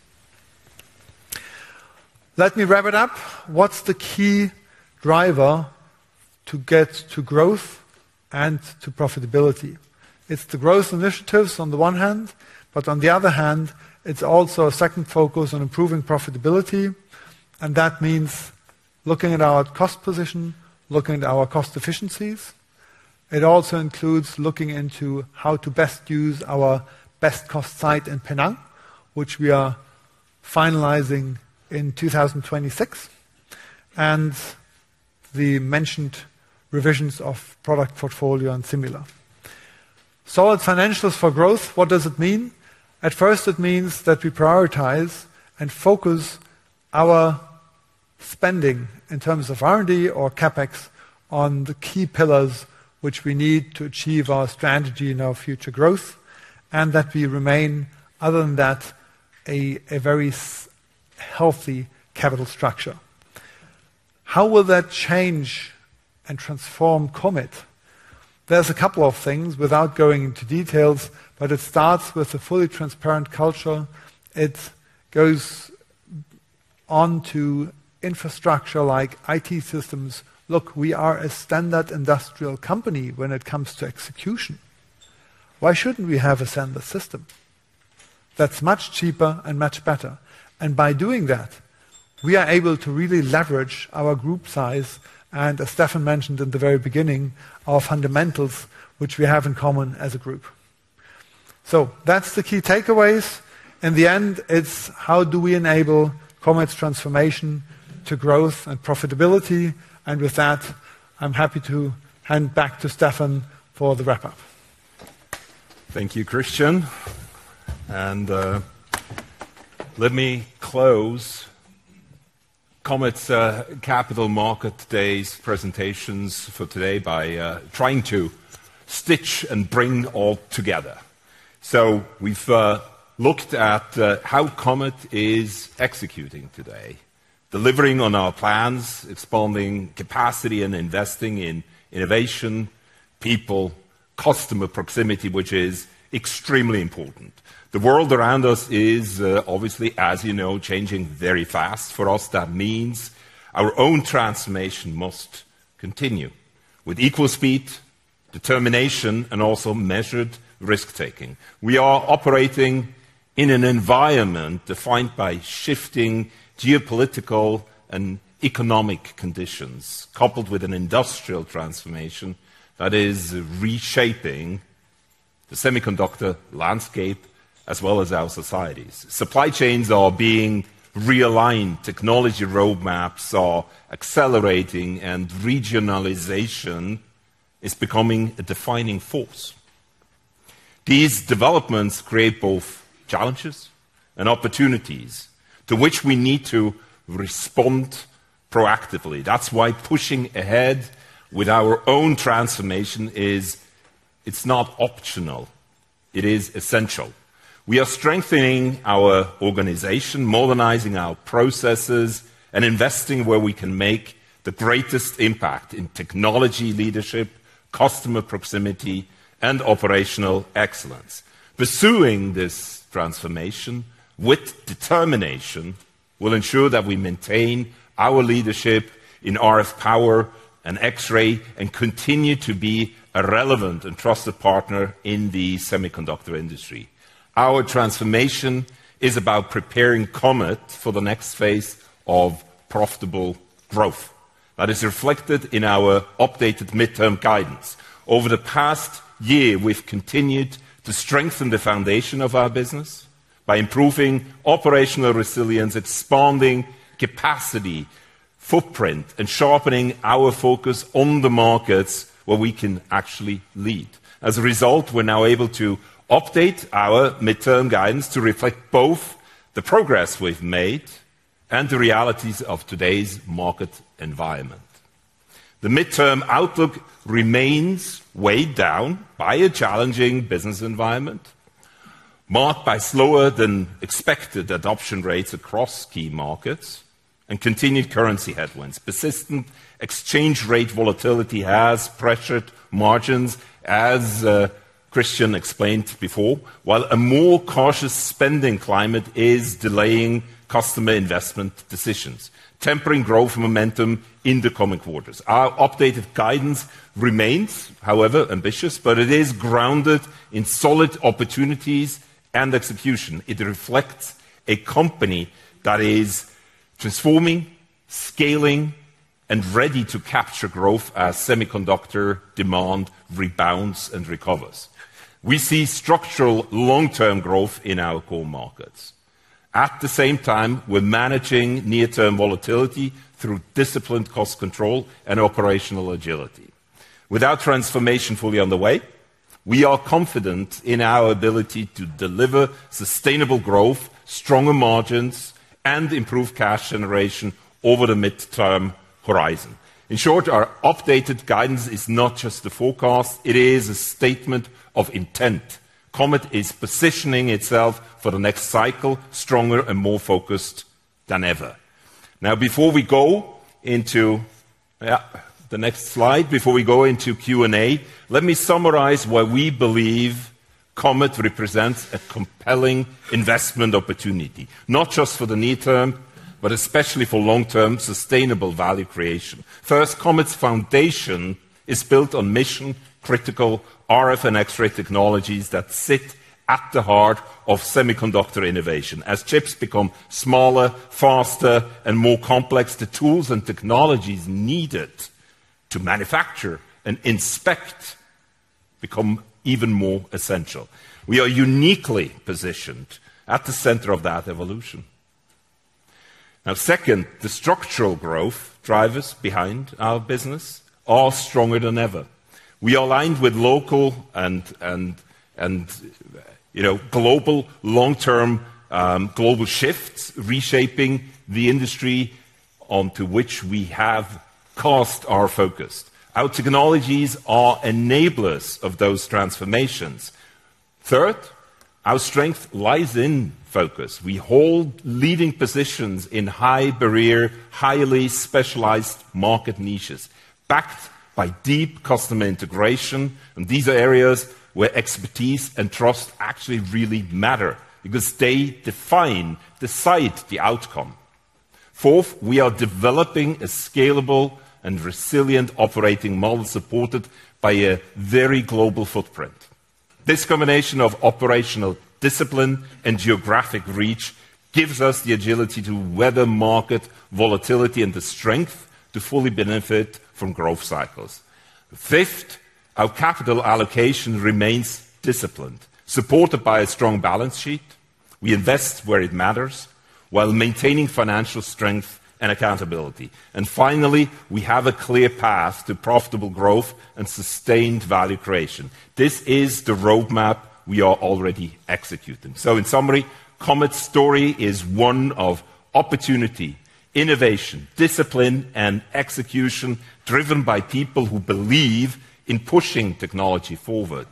Let me wrap it up. What's the key driver to get to growth and to profitability? It's the growth initiatives on the one hand, but on the other hand, it's also a second focus on improving profitability. That means looking at our cost position, looking at our cost efficiencies. It also includes looking into how to best use our best cost site in Penang, which we are finalizing in 2026, and the mentioned revisions of product portfolio and similar. Solid financials for growth, what does it mean? At first, it means that we prioritize and focus our spending in terms of R&D or CapEx on the key pillars which we need to achieve our strategy and our future growth, and that we remain, other than that, a very healthy capital structure. How will that change and transform Comet? There are a couple of things without going into details, but it starts with a fully transparent culture. It goes on to infrastructure like IT systems. Look, we are a standard industrial company when it comes to execution. Why should we not have a standard system? That is much cheaper and much better. By doing that, we are able to really leverage our group size and, as Stephan mentioned in the very beginning, our fundamentals, which we have in common as a group. That is the key takeaways. In the end, it's how do we enable Comet's transformation to growth and profitability? With that, I'm happy to hand back to Stephan for the wrap-up. Thank you, Christian. Let me close Comet's Capital Markets Day presentations for today by trying to stitch and bring all together. We have looked at how Comet is executing today, delivering on our plans, expanding capacity, and investing in innovation, people, customer proximity, which is extremely important. The world around us is obviously, as you know, changing very fast. For us, that means our own transformation must continue with equal speed, determination, and also measured risk-taking. We are operating in an environment defined by shifting geopolitical and economic conditions, coupled with an industrial transformation that is reshaping the semiconductor landscape as well as our societies. Supply chains are being realigned. Technology roadmaps are accelerating, and regionalization is becoming a defining force. These developments create both challenges and opportunities to which we need to respond proactively. That's why pushing ahead with our own transformation is not optional. It is essential. We are strengthening our organization, modernizing our processes, and investing where we can make the greatest impact in technology leadership, customer proximity, and operational excellence. Pursuing this transformation with determination will ensure that we maintain our leadership in RF power and X-ray and continue to be a relevant and trusted partner in the semiconductor industry. Our transformation is about preparing Comet for the next phase of profitable growth. That is reflected in our updated midterm guidance. Over the past year, we've continued to strengthen the foundation of our business by improving operational resilience, expanding capacity footprint, and sharpening our focus on the markets where we can actually lead. As a result, we're now able to update our midterm guidance to reflect both the progress we've made and the realities of today's market environment. The midterm outlook remains weighed down by a challenging business environment marked by slower than expected adoption rates across key markets and continued currency headwinds. Persistent exchange rate volatility has pressured margins, as Christian explained before, while a more cautious spending climate is delaying customer investment decisions, tempering growth momentum in the coming quarters. Our updated guidance remains, however, ambitious, but it is grounded in solid opportunities and execution. It reflects a company that is transforming, scaling, and ready to capture growth as semiconductor demand rebounds and recovers. We see structural long-term growth in our core markets. At the same time, we're managing near-term volatility through disciplined cost control and operational agility. With our transformation fully underway, we are confident in our ability to deliver sustainable growth, stronger margins, and improve cash generation over the midterm horizon. In short, our updated guidance is not just a forecast. It is a statement of intent. Comet is positioning itself for the next cycle, stronger and more focused than ever. Now, before we go into the next slide, before we go into Q&A, let me summarize why we believe Comet represents a compelling investment opportunity, not just for the near term, but especially for long-term sustainable value creation. First, Comet's foundation is built on mission-critical RF and X-ray technologies that sit at the heart of semiconductor innovation. As chips become smaller, faster, and more complex, the tools and technologies needed to manufacture and inspect become even more essential. We are uniquely positioned at the center of that evolution. Now, second, the structural growth drivers behind our business are stronger than ever. We are aligned with local and global long-term global shifts, reshaping the industry onto which we have cast our focus. Our technologies are enablers of those transformations. Third, our strength lies in focus. We hold leading positions in high-barrier, highly specialized market niches backed by deep customer integration. These are areas where expertise and trust actually really matter because they define, decide the outcome. Fourth, we are developing a scalable and resilient operating model supported by a very global footprint. This combination of operational discipline and geographic reach gives us the agility to weather market volatility and the strength to fully benefit from growth cycles. Fifth, our capital allocation remains disciplined, supported by a strong balance sheet. We invest where it matters while maintaining financial strength and accountability. Finally, we have a clear path to profitable growth and sustained value creation. This is the roadmap we are already executing. In summary, Comet's story is one of opportunity, innovation, discipline, and execution driven by people who believe in pushing technology forward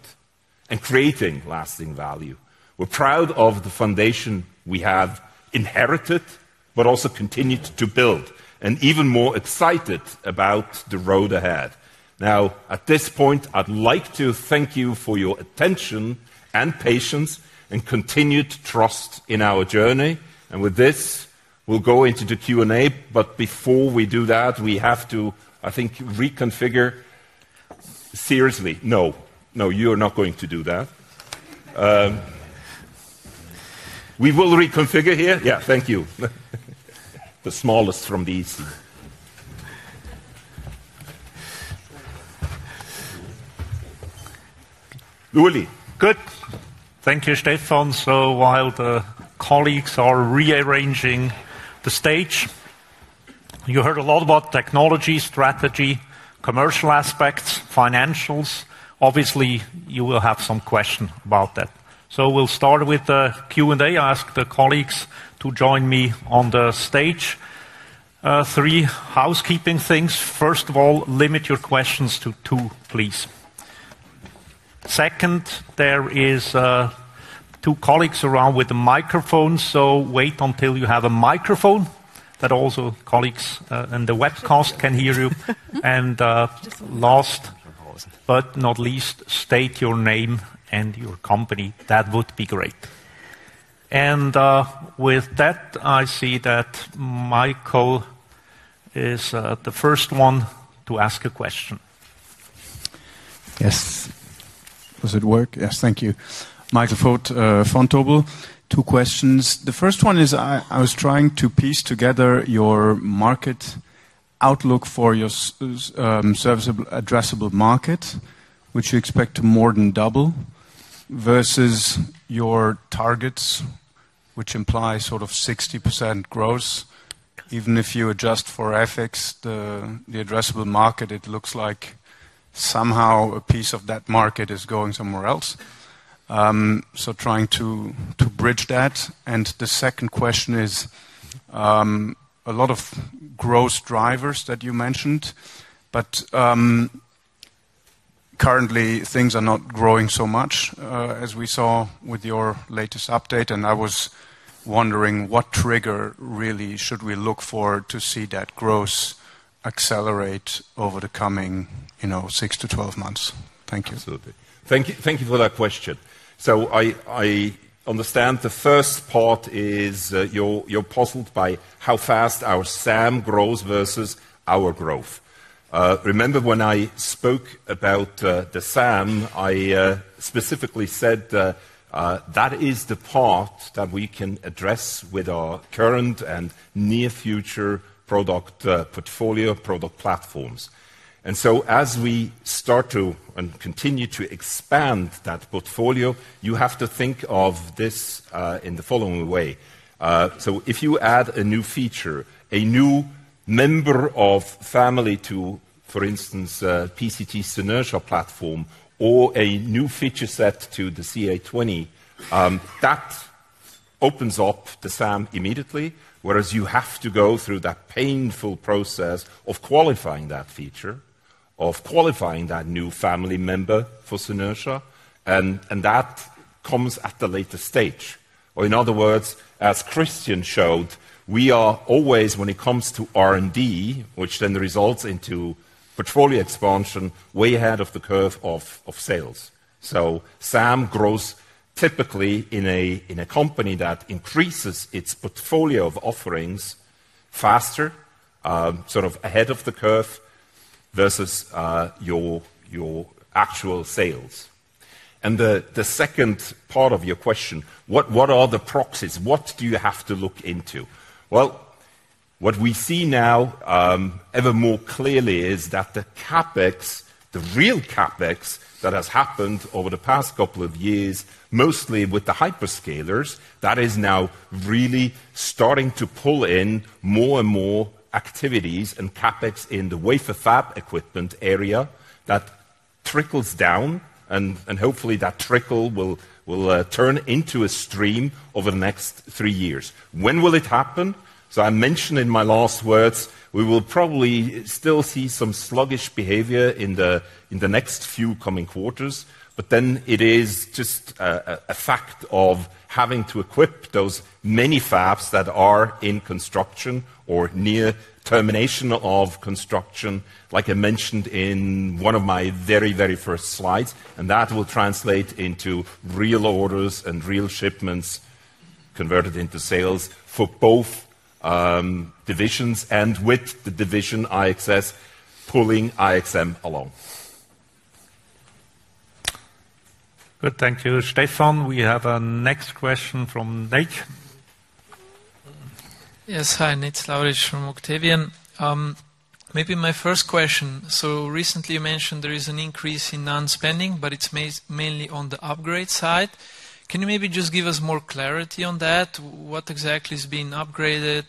and creating lasting value. We are proud of the foundation we have inherited, but also continued to build and even more excited about the road ahead. At this point, I would like to thank you for your attention and patience and continued trust in our journey. With this, we will go into the Q&A. Before we do that, we have to, I think, reconfigure seriously. No, no, you are not going to do that. We will reconfigure here. Thank you. The smallest from the easy. Joeri, good. Thank you, Stephan, so while the colleagues are rearranging the stage. You heard a lot about technology, strategy, commercial aspects, financials. Obviously, you will have some questions about that. We will start with the Q&A. I ask the colleagues to join me on the stage. Three housekeeping things. First of all, limit your questions to two, please. Second, there are two colleagues around with the microphones, so wait until you have a microphone that also colleagues and the webcast can hear you. Last, but not least, state your name and your company. That would be great. With that, I see that Michael is the first one to ask a question. Yes. Does it work? Yes, thank you. Michael von Tobel, two questions. The first one is I was trying to piece together your market outlook for your service addressable market, which you expect to more than double versus your targets, which imply sort of 60% growth. Even if you adjust for FX, the addressable market, it looks like somehow a piece of that market is going somewhere else. Trying to bridge that. The second question is a lot of growth drivers that you mentioned, but currently, things are not growing so much as we saw with your latest update. I was wondering what trigger really should we look for to see that growth accelerate over the coming 6 to 12 months. Thank you. Absolutely. Thank you for that question. I understand the first part is you're puzzled by how fast our SAM grows versus our growth. Remember when I spoke about the SAM, I specifically said that is the part that we can address with our current and near-future product portfolio, product platforms. As we start to and continue to expand that portfolio, you have to think of this in the following way. If you add a new feature, a new member of family to, for instance, PCT's Synertia platform, or a new feature set to the CA20, that opens up the SAM immediately, whereas you have to go through that painful process of qualifying that feature, of qualifying that new family member for Synertia. That comes at the latest stage. In other words, as Christian showed, we are always, when it comes to R&D, which then results into portfolio expansion, way ahead of the curve of sales. SAM grows typically in a company that increases its portfolio of offerings faster, sort of ahead of the curve versus your actual sales. The second part of your question, what are the proxies? What do you have to look into? What we see now ever more clearly is that the CapEx, the real CapEx that has happened over the past couple of years, mostly with the hyperscalers, that is now really starting to pull in more and more activities and CapEx in the wafer fab equipment area that trickles down. Hopefully, that trickle will turn into a stream over the next three years. When will it happen? I mentioned in my last words, we will probably still see some sluggish behavior in the next few coming quarters, but it is just a fact of having to equip those many fabs that are in construction or near termination of construction, like I mentioned in one of my very, very first slides. That will translate into real orders and real shipments converted into sales for both divisions, with the division IXS pulling IXM along. Good. Thank you, Stephan. We have a next question from Nate. Yes. Hi, [Nate Slawicz] from Octavian. Maybe my first question. Recently, you mentioned there is an increase in non-spending, but it is mainly on the upgrade side. Can you maybe just give us more clarity on that? What exactly is being upgraded?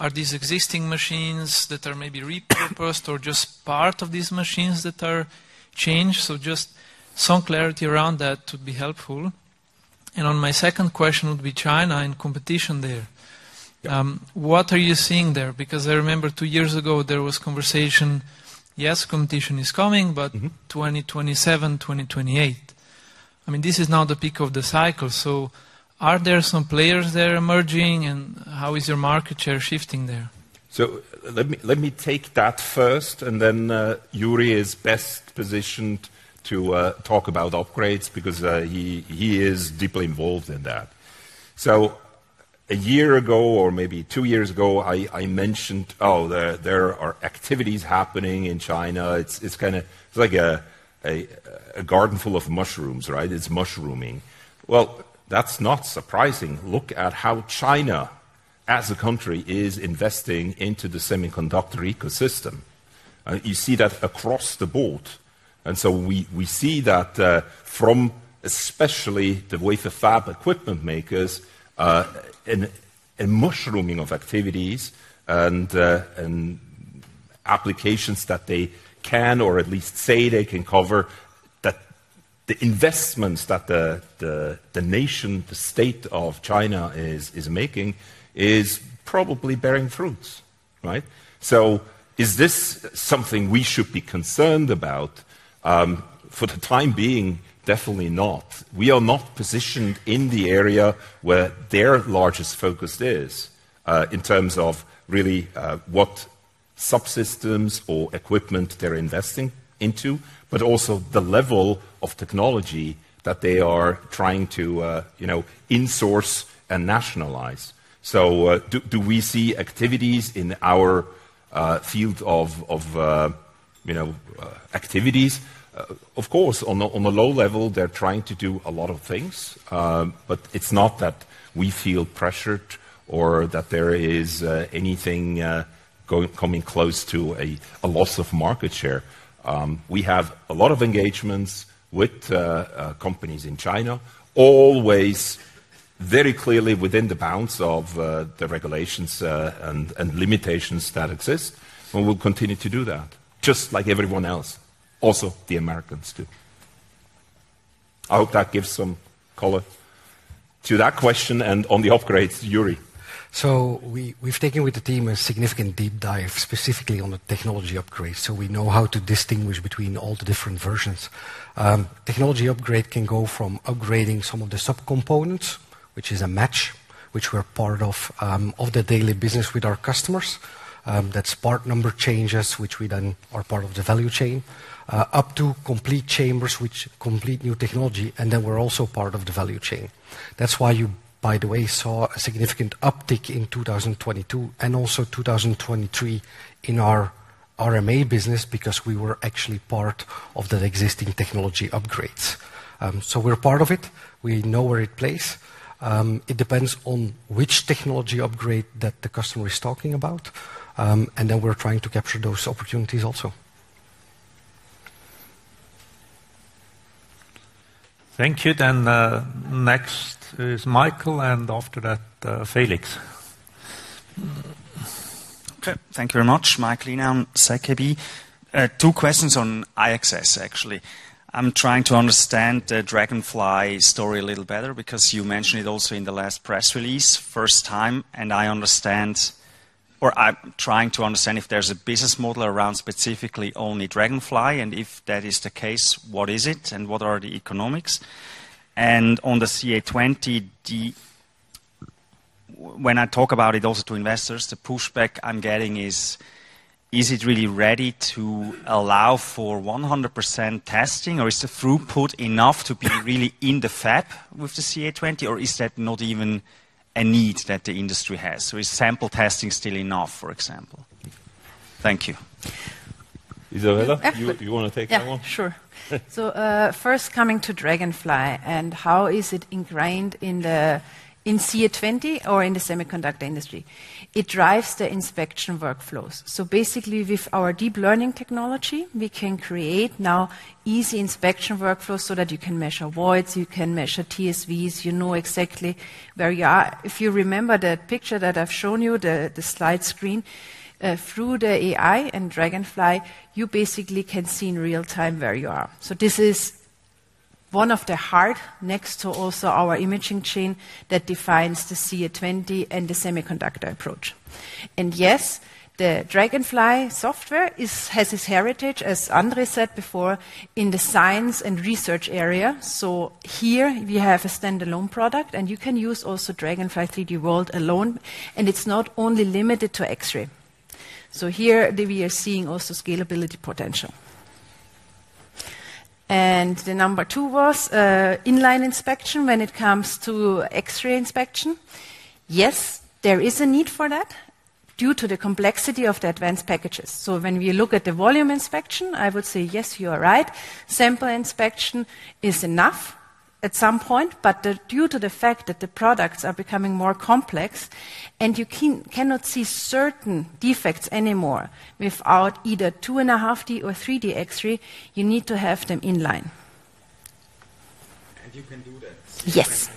Are these existing machines that are maybe repurposed or just part of these machines that are changed? Just some clarity around that would be helpful. My second question would be China and competition there. What are you seeing there? I remember two years ago, there was conversation, yes, competition is coming, but 2027, 2028. I mean, this is now the peak of the cycle. Are there some players there emerging? How is your market share shifting there? Let me take that first, and then Joeri is best positioned to talk about upgrades because he is deeply involved in that. A year ago or maybe two years ago, I mentioned, oh, there are activities happening in China. It's kind of like a garden full of mushrooms, right? It's mushrooming. That is not surprising. Look at how China, as a country, is investing into the semiconductor ecosystem. You see that across the board. We see that from especially the wafer fab equipment makers and mushrooming of activities and applications that they can or at least say they can cover, that the investments that the nation, the state of China is making is probably bearing fruits, right? Is this something we should be concerned about? For the time being, definitely not. We are not positioned in the area where their largest focus is in terms of really what subsystems or equipment they're investing into, but also the level of technology that they are trying to insource and nationalize. Do we see activities in our field of activities? Of course, on a low level, they're trying to do a lot of things, but it's not that we feel pressured or that there is anything coming close to a loss of market share. We have a lot of engagements with companies in China, always very clearly within the bounds of the regulations and limitations that exist. We will continue to do that, just like everyone else, also the Americans too. I hope that gives some color to that question. On the upgrades, Joeri. We have taken with the team a significant deep dive specifically on the technology upgrades. We know how to distinguish between all the different versions. Technology upgrade can go from upgrading some of the subcomponents, which is a match, which we are part of the daily business with our customers. That is part number changes, which we then are part of the value chain, up to complete chambers, which is complete new technology, and then we are also part of the value chain. That is why you, by the way, saw a significant uptick in 2022 and also 2023 in our RMA business because we were actually part of the existing technology upgrades. We are part of it. We know where it plays. It depends on which technology upgrade the customer is talking about. We are trying to capture those opportunities also. Thank you. Next is Michael, and after that, Felix. Okay. Thank you very much, [Michaelina and Sakebi]. Two questions on IXS, actually. I'm trying to understand the Dragonfly story a little better because you mentioned it also in the last press release, first time. And I understand, or I'm trying to understand if there's a business model around specifically only Dragonfly. And if that is the case, what is it and what are the economics? And on the CA20, when I talk about it also to investors, the pushback I'm getting is, is it really ready to allow for 100% testing? Or is the throughput enough to be really in the fab with the CA20? Or is that not even a need that the industry has? So is sample testing still enough, for example? Thank you. Isabella, you want to take that one? Yeah, sure. First coming to Dragonfly, and how is it ingrained in the CA20 or in the semiconductor industry? It drives the inspection workflows. Basically, with our deep learning technology, we can create now easy inspection workflows so that you can measure voids, you can measure TSVs, you know exactly where you are. If you remember the picture that I've shown you, the slide screen, through the AI and Dragonfly, you basically can see in real time where you are. This is one of the heart next to also our imaging chain that defines the CA20 and the semiconductor approach. Yes, the Dragonfly software has its heritage, as André said before, in the science and research area. Here we have a standalone product, and you can use also Dragonfly 3D World alone. It's not only limited to X-ray. Here we are seeing also scalability potential. The number two was inline inspection when it comes to X-ray inspection. Yes, there is a need for that due to the complexity of the advanced packages. When we look at the volume inspection, I would say, yes, you are right. Sample inspection is enough at some point, but due to the fact that the products are becoming more complex and you cannot see certain defects anymore without either 2.5D or 3D X-ray, you need to have them inline. You can do that. Yes.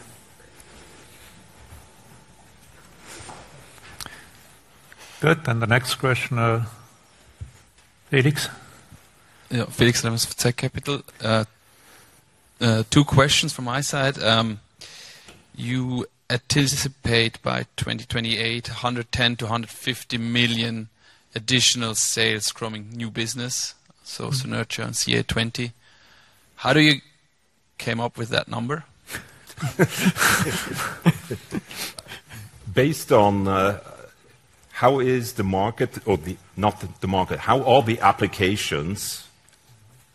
Good. The next question, Felix. Yeah, Felix Lemons with Tech Capital. Two questions from my side. You anticipate by 2028, 110 million-150 million additional sales from new business, so Synertia and CA20. How did you come up with that number? Based on how is the market, or not the market, how are the applications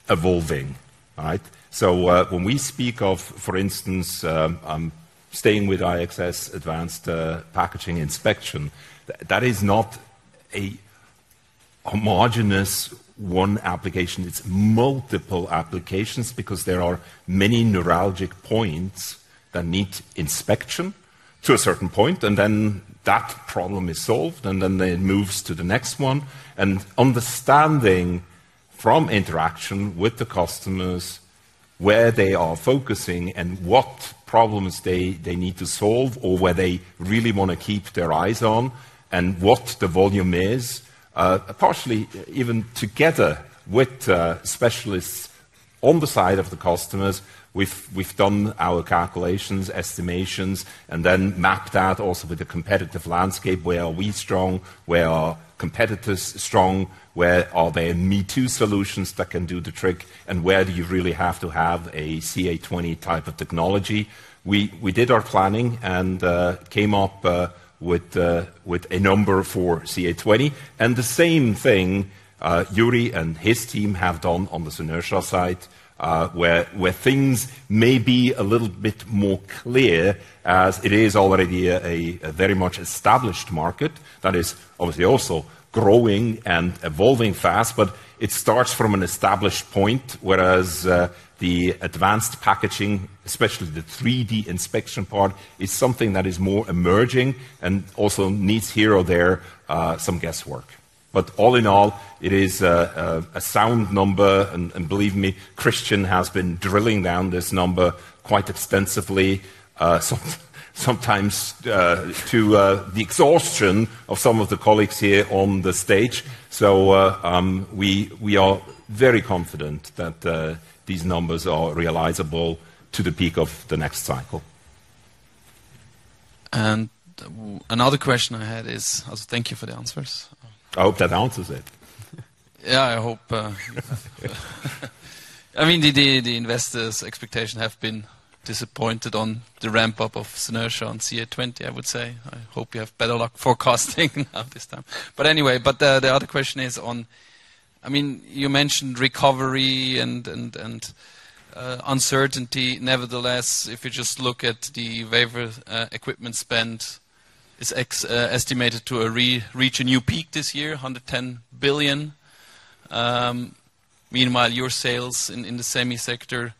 evolving, right? When we speak of, for instance, staying with IXS advanced packaging inspection, that is not a homogenous one application. It is multiple applications because there are many neuralgic points that need inspection to a certain point. Then that problem is solved, and it moves to the next one. Understanding from interaction with the customers where they are focusing and what problems they need to solve or where they really want to keep their eyes on and what the volume is, partially even together with specialists on the side of the customers, we have done our calculations, estimations, and then mapped out also with a competitive landscape, where are we strong, where are competitors strong, where are there me-too solutions that can do the trick, and where do you really have to have a CA20 type of technology. We did our planning and came up with a number for CA20. The same thing Joeri and his team have done on the Synertia side, where things may be a little bit more clear as it is already a very much established market that is obviously also growing and evolving fast, but it starts from an established point, whereas the advanced packaging, especially the 3D inspection part, is something that is more emerging and also needs here or there some guesswork. All in all, it is a sound number. Believe me, Christian has been drilling down this number quite extensively, sometimes to the exhaustion of some of the colleagues here on the stage. We are very confident that these numbers are realizable to the peak of the next cycle. Another question I had is, thank you for the answers. I hope that answers it. Yeah, I hope. I mean, the investors' expectations have been disappointed on the ramp-up of Synertia, on CA20, I would say. I hope you have better luck forecasting this time. Anyway, the other question is on, I mean, you mentioned recovery and uncertainty. Nevertheless, if you just look at the wafer equipment spend, it's estimated to reach a new peak this year, 110 billion. Meanwhile, your sales in the semi-sector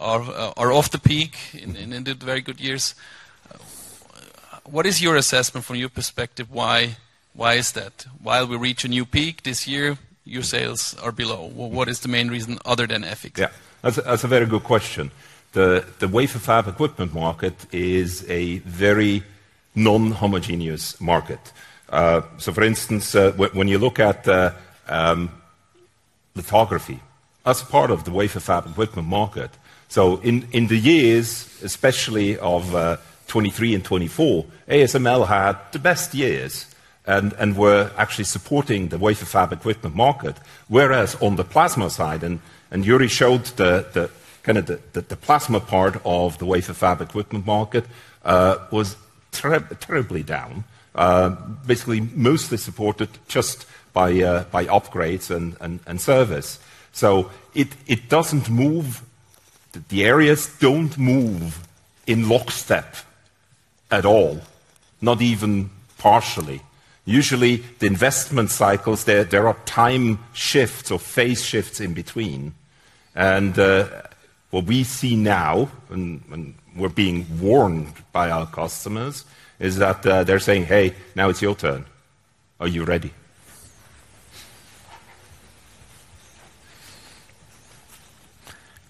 are off the peak in the very good years. What is your assessment from your perspective? Why is that? While we reach a new peak this year, your sales are below. What is the main reason other than FX? Yeah, that's a very good question. The wafer fab equipment market is a very non-homogeneous market. For instance, when you look at lithography as part of the wafer fab equipment market, in the years, especially of 2023 and 2024, ASML had the best years and were actually supporting the wafer fab equipment market, whereas on the plasma side, and Joeri showed the kind of the plasma part of the wafer fab equipment market was terribly down, basically mostly supported just by upgrades and service. It does not move, the areas do not move in lockstep at all, not even partially. Usually, the investment cycles, there are time shifts or phase shifts in between. What we see now, and we are being warned by our customers, is that they are saying, "Hey, now it is your turn. Are you ready?"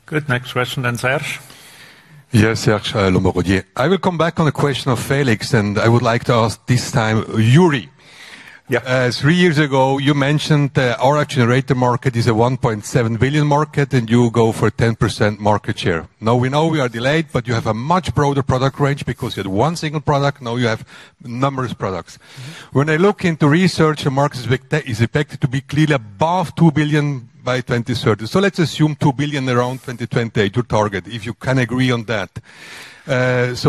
Good. Next question then, Serge. Yes, [Serge Lomborghieri]. I will come back on the question of Felix, and I would like to ask this time, Joeri. Three years ago, you mentioned our generator market is a 1.7 billion market, and you go for 10% market share. Now we know we are delayed, but you have a much broader product range because you had one single product. Now you have numerous products. When I look into research, the market is expected to be clearly above 2 billion by 2030. Let's assume 2 billion around 2028, your target, if you can agree on that.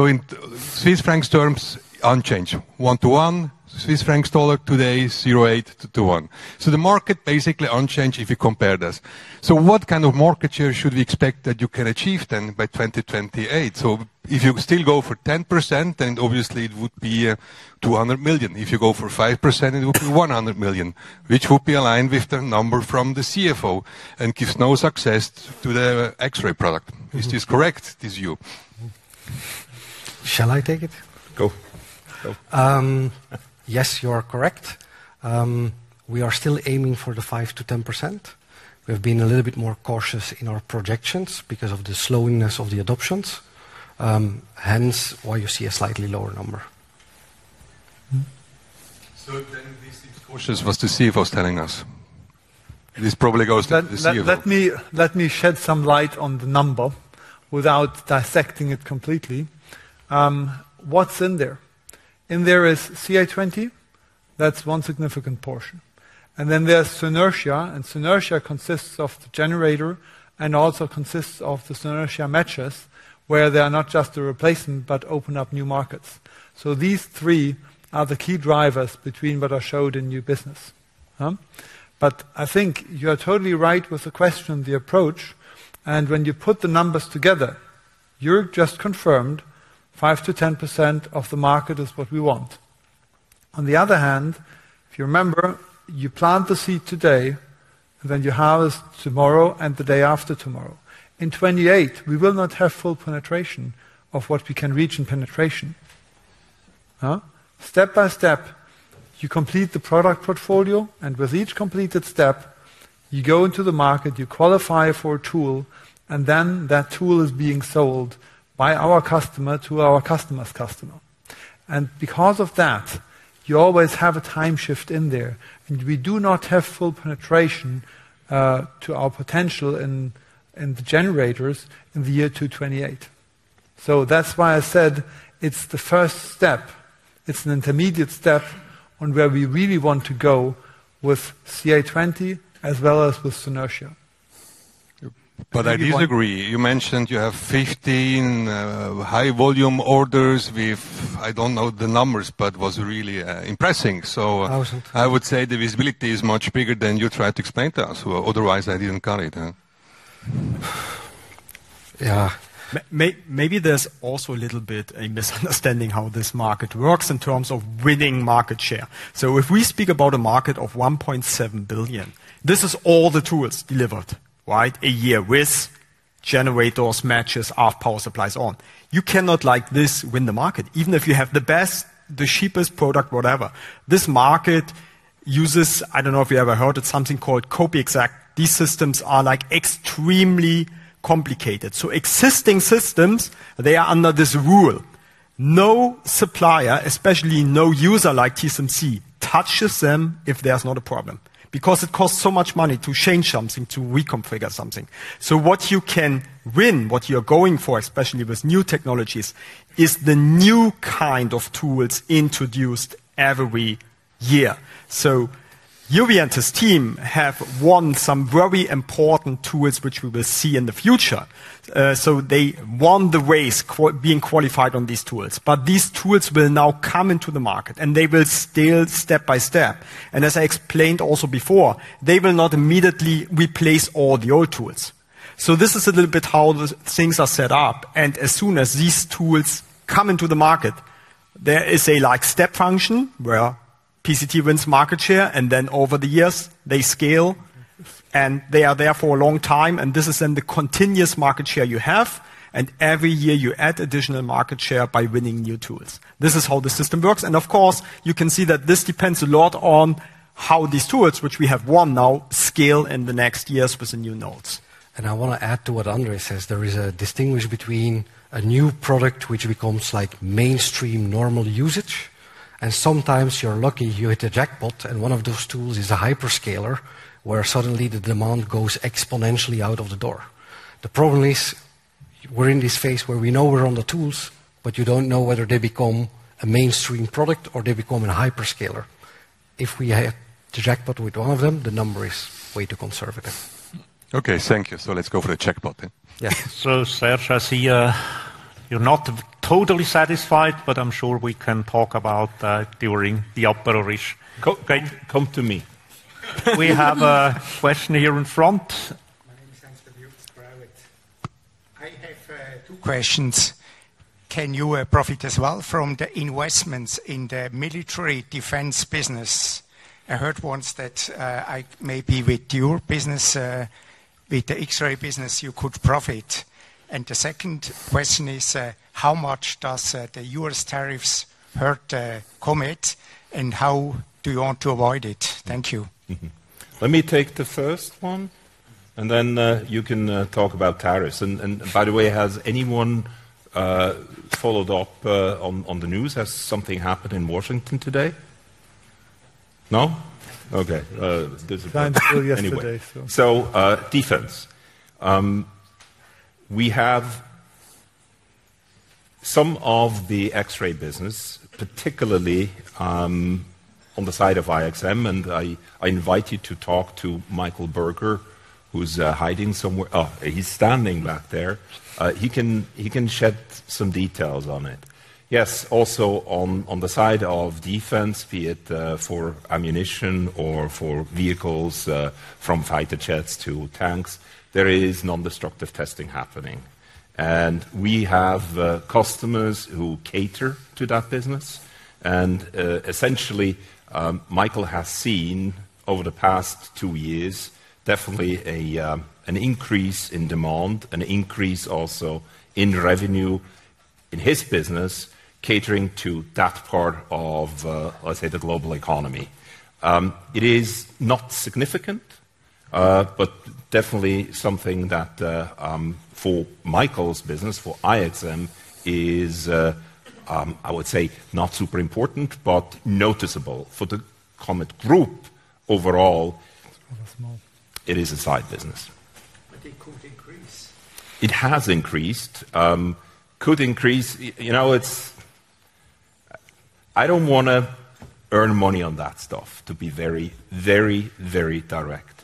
In Swis Franc terms, unchanged, one to one, Swis Franc to dollar today, zero eight to one. The market is basically unchanged if you compare this. What kind of market share should we expect that you can achieve then by 2028? If you still go for 10%, then obviously it would be 200 million. If you go for 5%, it would be 100 million, which would be aligned with the number from the CFO and gives no success to the X-ray product. Is this correct, this view? Shall I take it? Go. Yes, you are correct. We are still aiming for the 5%-10%. We have been a little bit more cautious in our projections because of the slowness of the adoptions, hence why you see a slightly lower number. This cautious was the CFO telling us. This probably goes to the CFO. Let me shed some light on the number without dissecting it completely. What's in there? In there is CA20, that's one significant portion. Then there's Synertia, and Synertia consists of the generator and also consists of the Synertia matches where they are not just a replacement, but open up new markets. These three are the key drivers between what are showed in new business. I think you are totally right with the question, the approach. When you put the numbers together, you just confirmed 5%-10% of the market is what we want. On the other hand, if you remember, you plant the seed today, then you harvest tomorrow and the day after tomorrow. In 2028, we will not have full penetration of what we can reach in penetration. Step by step, you complete the product portfolio, and with each completed step, you go into the market, you qualify for a tool, and then that tool is being sold by our customer to our customer's customer. Because of that, you always have a time shift in there. We do not have full penetration to our potential in the generators in the year 2028. That's why I said it's the first step. It's an intermediate step on where we really want to go with CA20 as well as with Synertia. I disagree. You mentioned you have 15 high volume orders with, I don't know the numbers, but was really impressing. I would say the visibility is much bigger than you tried to explain to us. Otherwise, I didn't cut it. Yeah. Maybe there's also a little bit a misunderstanding how this market works in terms of winning market share. If we speak about a market of 1.7 billion, this is all the tools delivered, right? A year with generators, matches, half power supplies on. You cannot like this win the market, even if you have the best, the cheapest product, whatever. This market uses, I don't know if you ever heard it, something called Copy Exact. These systems are like extremely complicated. Existing systems, they are under this rule. No supplier, especially no user like TSMC, touches them if there's not a problem because it costs so much money to change something, to reconfigure something. What you can win, what you're going for, especially with new technologies, is the new kind of tools introduced every year. Joeri and his team have won some very important tools, which we will see in the future. They won the race being qualified on these tools. These tools will now come into the market, and they will scale step by step. As I explained also before, they will not immediately replace all the old tools. This is a little bit how things are set up. As soon as these tools come into the market, there is a like step function where PCT wins market share, and then over the years, they scale and they are there for a long time. This is then the continuous market share you have, and every year you add additional market share by winning new tools. This is how the system works. Of course, you can see that this depends a lot on how these tools, which we have won now, scale in the next years with the new nodes. I want to add to what André says. There is a distinguish between a new product, which becomes like mainstream normal usage, and sometimes you're lucky, you hit a jackpot, and one of those tools is a hyperscaler where suddenly the demand goes exponentially out of the door. The problem is we're in this phase where we know we're on the tools, but you don't know whether they become a mainstream product or they become a hyperscaler. If we hit the jackpot with one of them, the number is way too conservative. Okay, thank you. Let's go for the jackpot then. Yeah. Serge, I see you're not totally satisfied, but I'm sure we can talk about that during the apero or ish. Come to me. We have a question here in front. I have two questions. Can you profit as well from the investments in the military defense business? I heard once that maybe with your business, with the X-ray business, you could profit. The second question is how much do the U.S. tariffs hurt Comet, and how do you want to avoid it? Thank you. Let me take the first one, and then you can talk about tariffs. By the way, has anyone followed up on the news? Has something happened in Washington today? No? Okay. Time still yesterday. Defense. We have some of the X-ray business, particularly on the side of IXM, and I invite you to talk to Michael Berger, who's hiding somewhere. Oh, he's standing back there. He can shed some details on it. Yes, also on the side of defense, be it for ammunition or for vehicles from fighter jets to tanks, there is non-destructive testing happening. We have customers who cater to that business. Essentially, Michael has seen over the past two years, definitely an increase in demand, an increase also in revenue in his business catering to that part of, let's say, the global economy. It is not significant, but definitely something that for Michael's business, for IXM, is, I would say, not super important, but noticeable for the Comet group overall. It is a side business. It could increase. It has increased. Could increase. You know, I do not want to earn money on that stuff, to be very, very, very direct.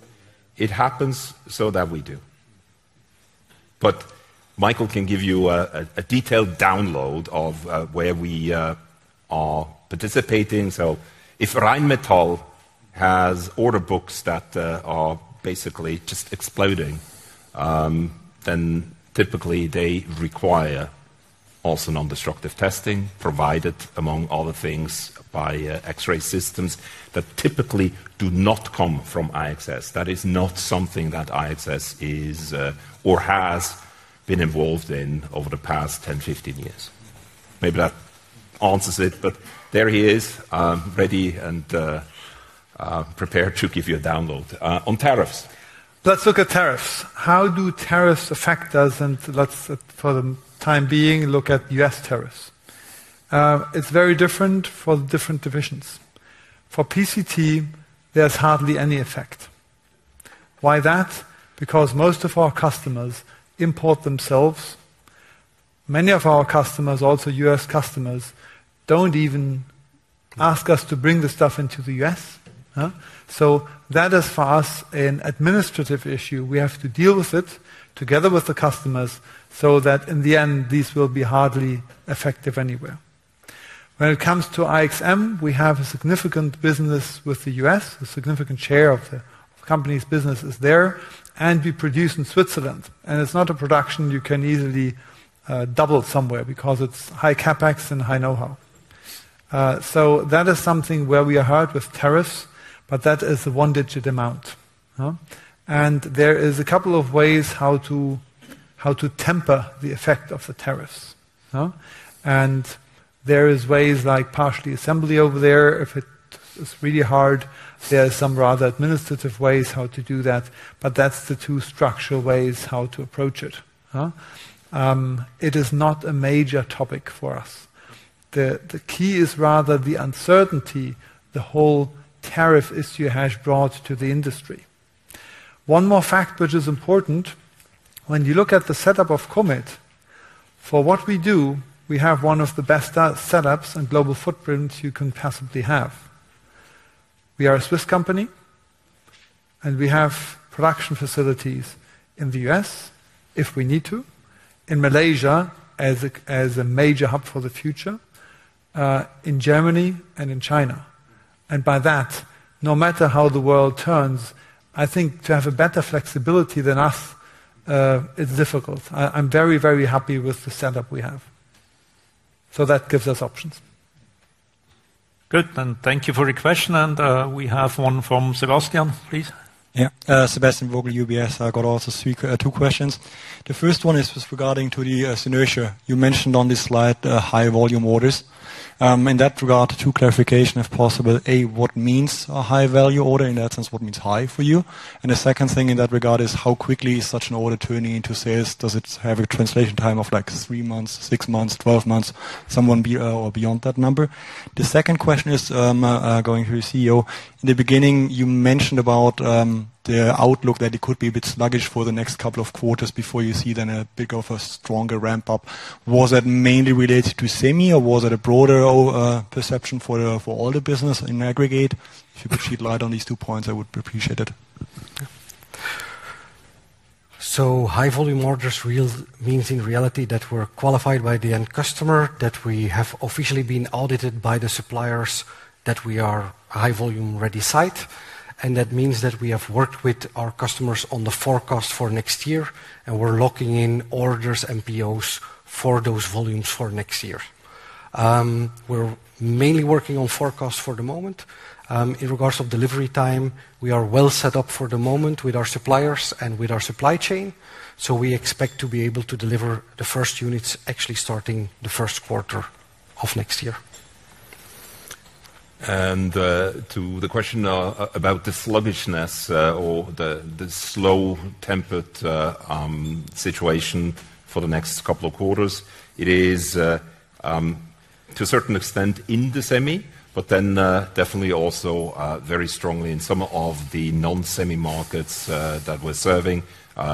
It happens so that we do. Michael can give you a detailed download of where we are participating. If Rheinmetall has order books that are basically just exploding, then typically they require also non-destructive testing, provided among other things by X-ray systems that typically do not come from IXS. That is not something that IXS is or has been involved in over the past 10, 15 years. Maybe that answers it, but there he is, ready and prepared to give you a download on tariffs. Let's look at tariffs. How do tariffs affect us? Let's, for the time being, look at U.S. tariffs. It's very different for the different divisions. For PCT, there's hardly any effect. Why that? Because most of our customers import themselves. Many of our customers, also U.S. customers, don't even ask us to bring the stuff into the U.S. That is for us an administrative issue. We have to deal with it together with the customers so that in the end, these will be hardly effective anywhere. When it comes to IXM, we have a significant business with the U.S. A significant share of the company's business is there, and we produce in Switzerland. It's not a production you can easily double somewhere because it's high CapEx and high know-how. That is something where we are hurt with tariffs, but that is a one-digit amount. There is a couple of ways how to temper the effect of the tariffs. There are ways like partially assembly over there. If it's really hard, there are some rather administrative ways how to do that, but that's the two structural ways how to approach it. It is not a major topic for us. The key is rather the uncertainty the whole tariff issue has brought to the industry. One more fact which is important, when you look at the setup of Comet, for what we do, we have one of the best setups and global footprints you can possibly have. We are a Swiss company, and we have production facilities in the U.S. if we need to, in Malaysia as a major hub for the future, in Germany and in China. By that, no matter how the world turns, I think to have a better flexibility than us, it's difficult. I'm very, very happy with the setup we have. That gives us options. Good. Thank you for your question. We have one from Sebastian, please. Yeah. Sebastian Vogel, UBS. I got also two questions. The first one is regarding to the Synertia. You mentioned on this slide high volume orders. In that regard, two clarifications, if possible. A, what means a high value order? In that sense, what means high for you? The second thing in that regard is how quickly is such an order turning into sales? Does it have a translation time of like three months, six months, twelve months, someone beyond that number? The second question is going to your CEO. In the beginning, you mentioned about the outlook that it could be a bit sluggish for the next couple of quarters before you see then a bigger of a stronger ramp up. Was that mainly related to semi or was it a broader perception for all the business in aggregate? If you could shed light on these two points, I would appreciate it. High volume orders means in reality that we're qualified by the end customer, that we have officially been audited by the suppliers, that we are a high volume ready site. That means that we have worked with our customers on the forecast for next year, and we're locking in orders and POs for those volumes for next year. We're mainly working on forecasts for the moment. In regards of delivery time, we are well set up for the moment with our suppliers and with our supply chain. We expect to be able to deliver the first units actually starting the first quarter of next year. To the question about the sluggishness or the slow-tempered situation for the next couple of quarters, it is to a certain extent in the semi, but then definitely also very strongly in some of the non-semi markets that we're serving,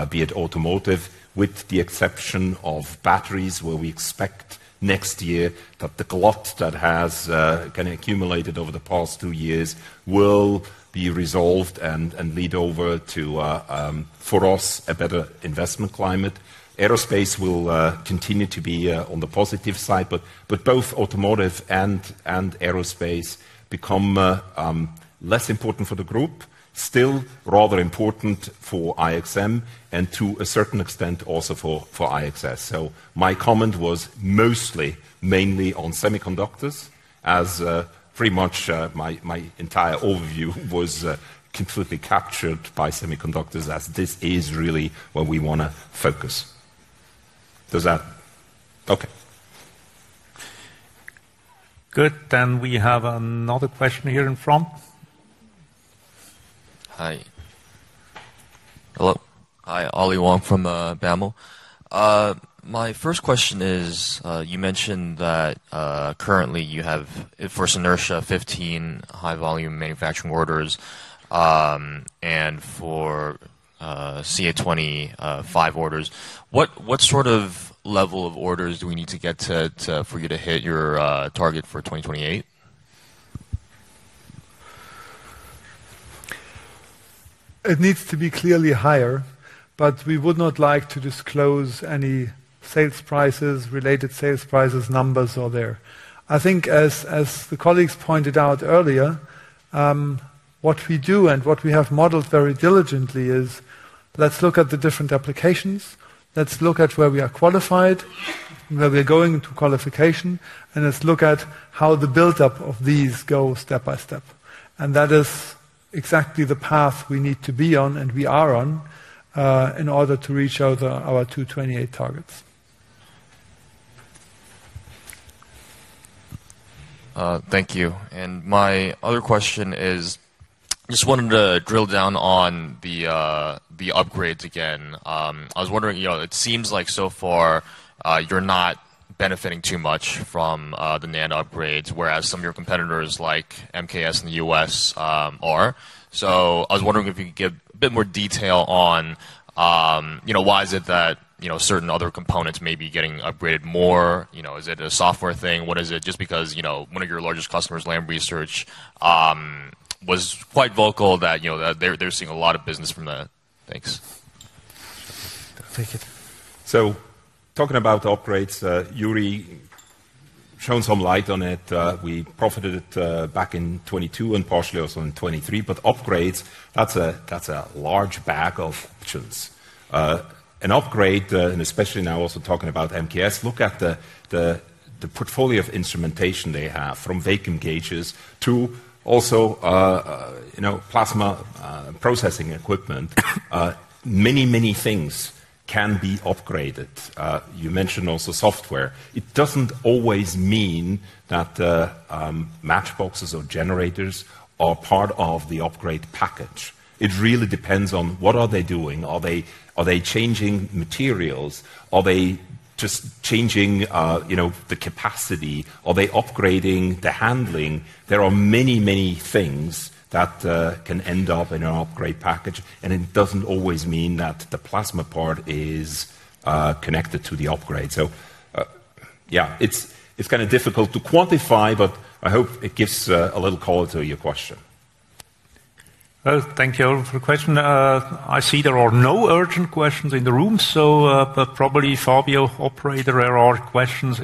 be it automotive, with the exception of batteries where we expect next year that the glut that has been accumulated over the past two years will be resolved and lead over to, for us, a better investment climate. Aerospace will continue to be on the positive side, but both automotive and aerospace become less important for the group, still rather important for IXM and to a certain extent also for IXS. My comment was mostly mainly on semiconductors as pretty much my entire overview was completely captured by semiconductors as this is really where we want to focus. Does that? Okay. Good. We have another question here in front. Hi. Hello. Hi, Ali Wong from BMO. My first question is, you mentioned that currently you have for Synertia 15 high volume manufacturing orders and for CA20 five orders. What sort of level of orders do we need to get for you to hit your target for 2028? It needs to be clearly higher, but we would not like to disclose any sales prices, related sales prices numbers or there. I think as the colleagues pointed out earlier, what we do and what we have modeled very diligently is let's look at the different applications. Let's look at where we are qualified, where we're going to qualification, and let's look at how the buildup of these goes step by step. That is exactly the path we need to be on and we are on in order to reach out our 2028 targets. Thank you. My other question is, I just wanted to drill down on the upgrades again. I was wondering, it seems like so far you're not benefiting too much from the NAND upgrades, whereas some of your competitors like MKS in the U.S. are. I was wondering if you could give a bit more detail on why is it that certain other components may be getting upgraded more? Is it a software thing? What is it? Just because one of your largest customers, Lam Research, was quite vocal that they're seeing a lot of business from that. Thanks. Talking about upgrades, Joeri shone some light on it. We profited back in 2022 and partially also in 2023, but upgrades, that's a large bag of options. An upgrade, and especially now also talking about MKS, look at the portfolio of instrumentation they have from vacuum gauges to also plasma processing equipment. Many, many things can be upgraded. You mentioned also software. It doesn't always mean that matchboxes or generators are part of the upgrade package. It really depends on what are they doing. Are they changing materials? Are they just changing the capacity? Are they upgrading the handling? There are many, many things that can end up in an upgrade package, and it does not always mean that the plasma part is connected to the upgrade. Yeah, it is kind of difficult to quantify, but I hope it gives a little color to your question. Thank you for the question. I see there are no urgent questions in the room, so probably Fabio, operator, there are questions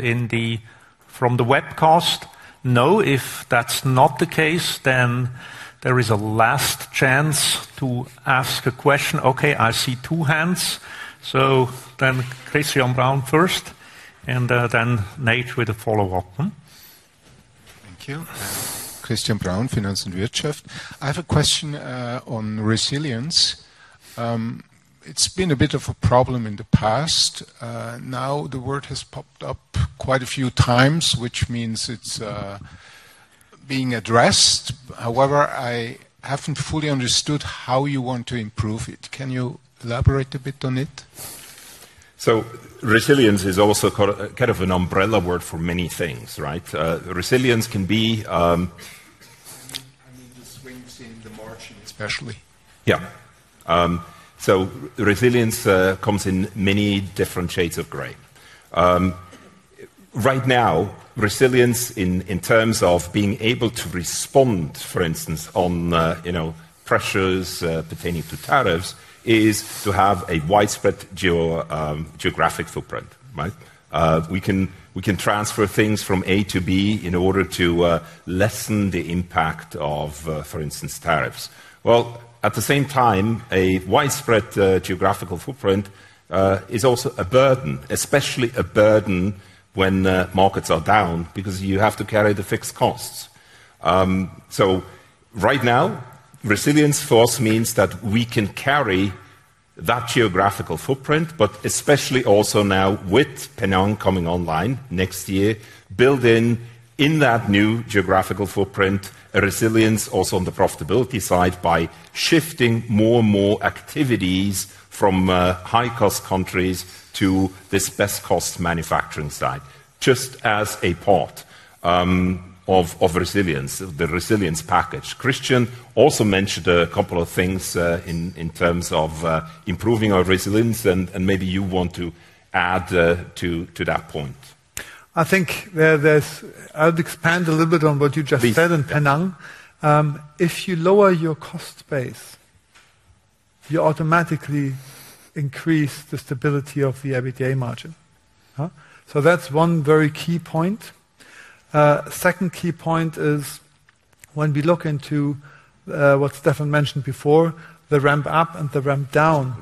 from the webcast. No. If that is not the case, then there is a last chance to ask a question. Okay, I see two hands. Christian Brown first, and then Nate with a follow-up. Thank you. Christian Brown, Finance and Wirtschaft. I have a question on resilience. It has been a bit of a problem in the past. Now the word has popped up quite a few times, which means it is being addressed. However, I haven't fully understood how you want to improve it. Can you elaborate a bit on it? Resilience is also kind of an umbrella word for many things, right? Resilience can be. I mean the swings in the marching especially. Yeah. Resilience comes in many different shades of gray. Right now, resilience in terms of being able to respond, for instance, on pressures pertaining to tariffs is to have a widespread geographic footprint, right? We can transfer things from A to B in order to lessen the impact of, for instance, tariffs. At the same time, a widespread geographical footprint is also a burden, especially a burden when markets are down because you have to carry the fixed costs. Right now, resilience for us means that we can carry that geographical footprint, but especially also now with Penang coming online next year, build in that new geographical footprint. Resilience also on the profitability side by shifting more and more activities from high-cost countries to this best-cost manufacturing site, just as a part of resilience, the resilience package. Christian also mentioned a couple of things in terms of improving our resilience, and maybe you want to add to that point. I think I'll expand a little bit on what you just said on Penang. If you lower your cost base, you automatically increase the stability of the EBITDA margin. That's one very key point. Second key point is when we look into what Stephan mentioned before, the ramp up and the ramp down.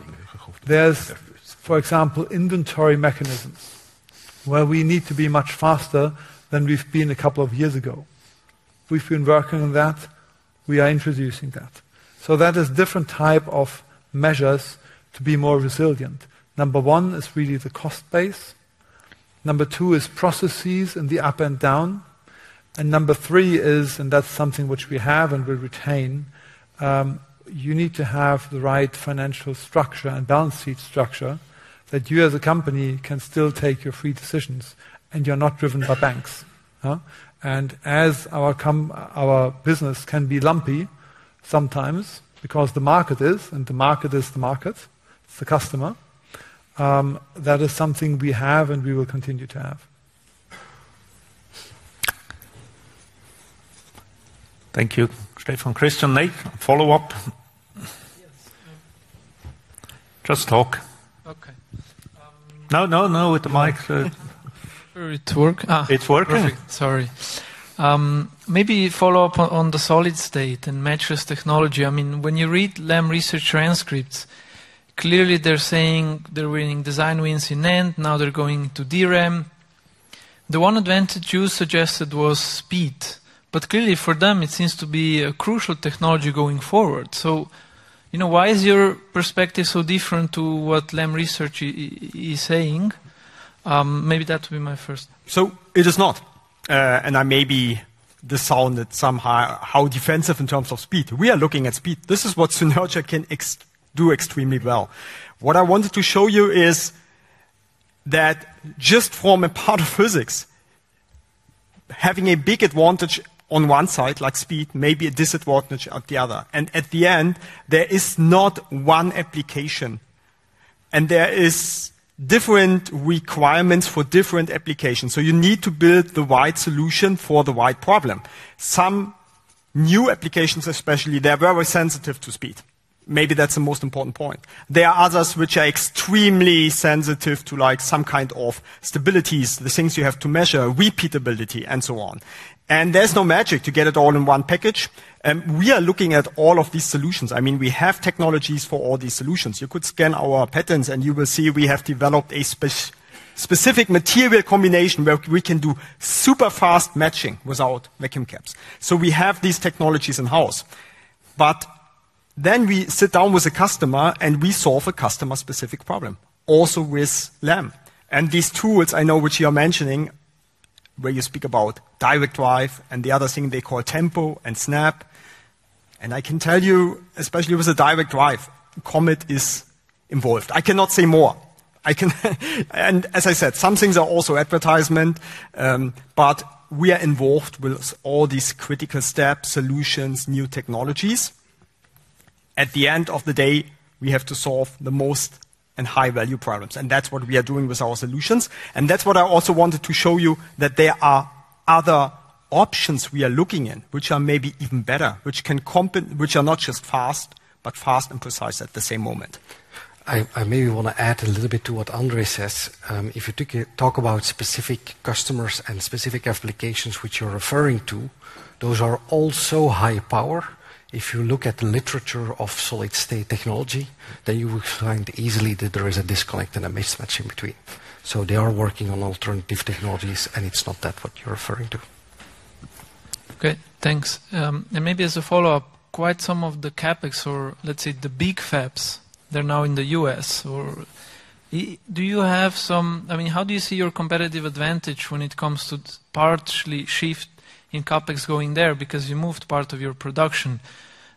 There's, for example, inventory mechanisms where we need to be much faster than we've been a couple of years ago. We've been working on that. We are introducing that. That is a different type of measures to be more resilient. Number one is really the cost base. Number two is processes in the up and down. Number three is, and that's something which we have and we retain, you need to have the right financial structure and balance sheet structure that you as a company can still take your free decisions and you're not driven by banks. As our business can be lumpy sometimes because the market is, and the market is the market, it's the customer. That is something we have and we will continue to have. Thank you. Stephan, Christian, Nate, follow-up? Just talk. Okay. No, no, no, with the mic. It's working. Perfect. Sorry. Maybe follow-up on the solid state and mattress technology. I mean, when you read Lam Research transcripts, clearly they're saying they're winning design wins in NAND. Now they're going to DRAM. The one advantage you suggested was speed, but clearly for them it seems to be a crucial technology going forward. Why is your perspective so different to what Lam Research is saying? Maybe that would be my first. It is not. I maybe disowned it somehow how defensive in terms of speed. We are looking at speed. This is what Synertia can do extremely well. What I wanted to show you is that just from a part of physics, having a big advantage on one side like speed, maybe a disadvantage at the other. At the end, there is not one application. There are different requirements for different applications. You need to build the right solution for the right problem. Some new applications, especially, they're very sensitive to speed. Maybe that's the most important point. There are others which are extremely sensitive to some kind of stabilities, the things you have to measure, repeatability, and so on. There is no magic to get it all in one package. We are looking at all of these solutions. I mean, we have technologies for all these solutions. You could scan our patterns and you will see we have developed a specific material combination where we can do super fast matching without vacuum caps. We have these technologies in-house. Then we sit down with a customer and we solve a customer-specific problem, also with Lam. These tools I know which you are mentioning, where you speak about direct drive and the other thing they call tempo and snap. I can tell you, especially with a direct drive, Comet is involved. I cannot say more. As I said, some things are also advertisement, but we are involved with all these critical steps, solutions, new technologies. At the end of the day, we have to solve the most and high-value problems. That is what we are doing with our solutions. That is what I also wanted to show you, that there are other options we are looking in, which are maybe even better, which are not just fast, but fast and precise at the same moment. I maybe want to add a little bit to what André says. If you talk about specific customers and specific applications which you're referring to, those are also high power. If you look at the literature of solid state technology, then you will find easily that there is a disconnect and a mismatch in between. They are working on alternative technologies and it's not that what you're referring to. Okay. Thanks. Maybe as a follow-up, quite some of the CapEx or let's say the big fabs, they're now in the US. Do you have some, I mean, how do you see your competitive advantage when it comes to partially shift in CapEx going there because you moved part of your production?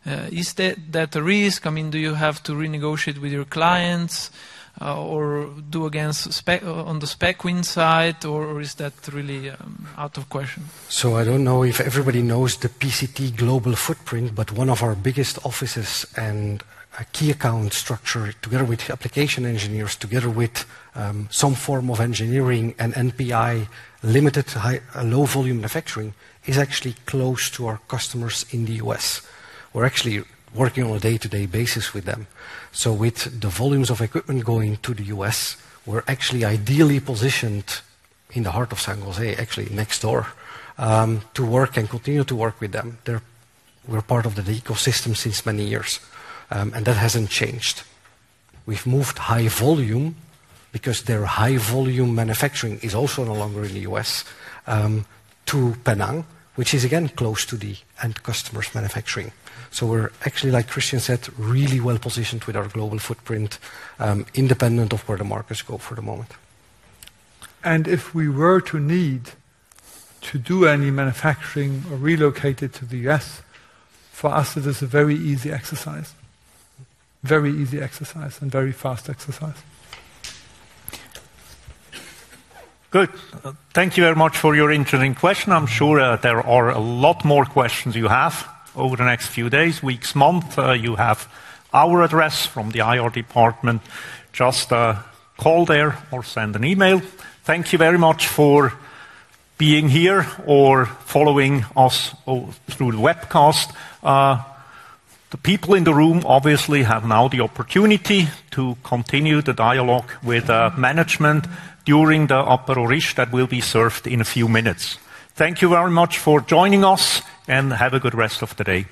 Is that a risk? I mean, do you have to renegotiate with your clients or do against on the spec wins side or is that really out of question? I don't know if everybody knows the PCT global footprint, but one of our biggest offices and key account structure together with application engineers, together with some form of engineering and NPI, limited low volume manufacturing is actually close to our customers in the U.S. We're actually working on a day-to-day basis with them. With the volumes of equipment going to the U.S., we're actually ideally positioned in the heart of San Jose, actually next door to work and continue to work with them. We're part of the ecosystem since many years. That hasn't changed. We've moved high volume because their high volume manufacturing is also no longer in the U.S. to Penang, which is again close to the end customers manufacturing. We're actually, like Christian said, really well positioned with our global footprint, independent of where the markets go for the moment. If we were to need to do any manufacturing or relocate it to the U.S., for us, it is a very easy exercise. Very easy exercise and very fast exercise. Good. Thank you very much for your interesting question. I'm sure there are a lot more questions you have over the next few days, weeks, months. You have our address from the IR department. Just call there or send an email. Thank you very much for being here or following us through the webcast. The people in the room obviously have now the opportunity to continue the dialogue with management during the apero riche that will be served in a few minutes. Thank you very much for joining us and have a good rest of the day.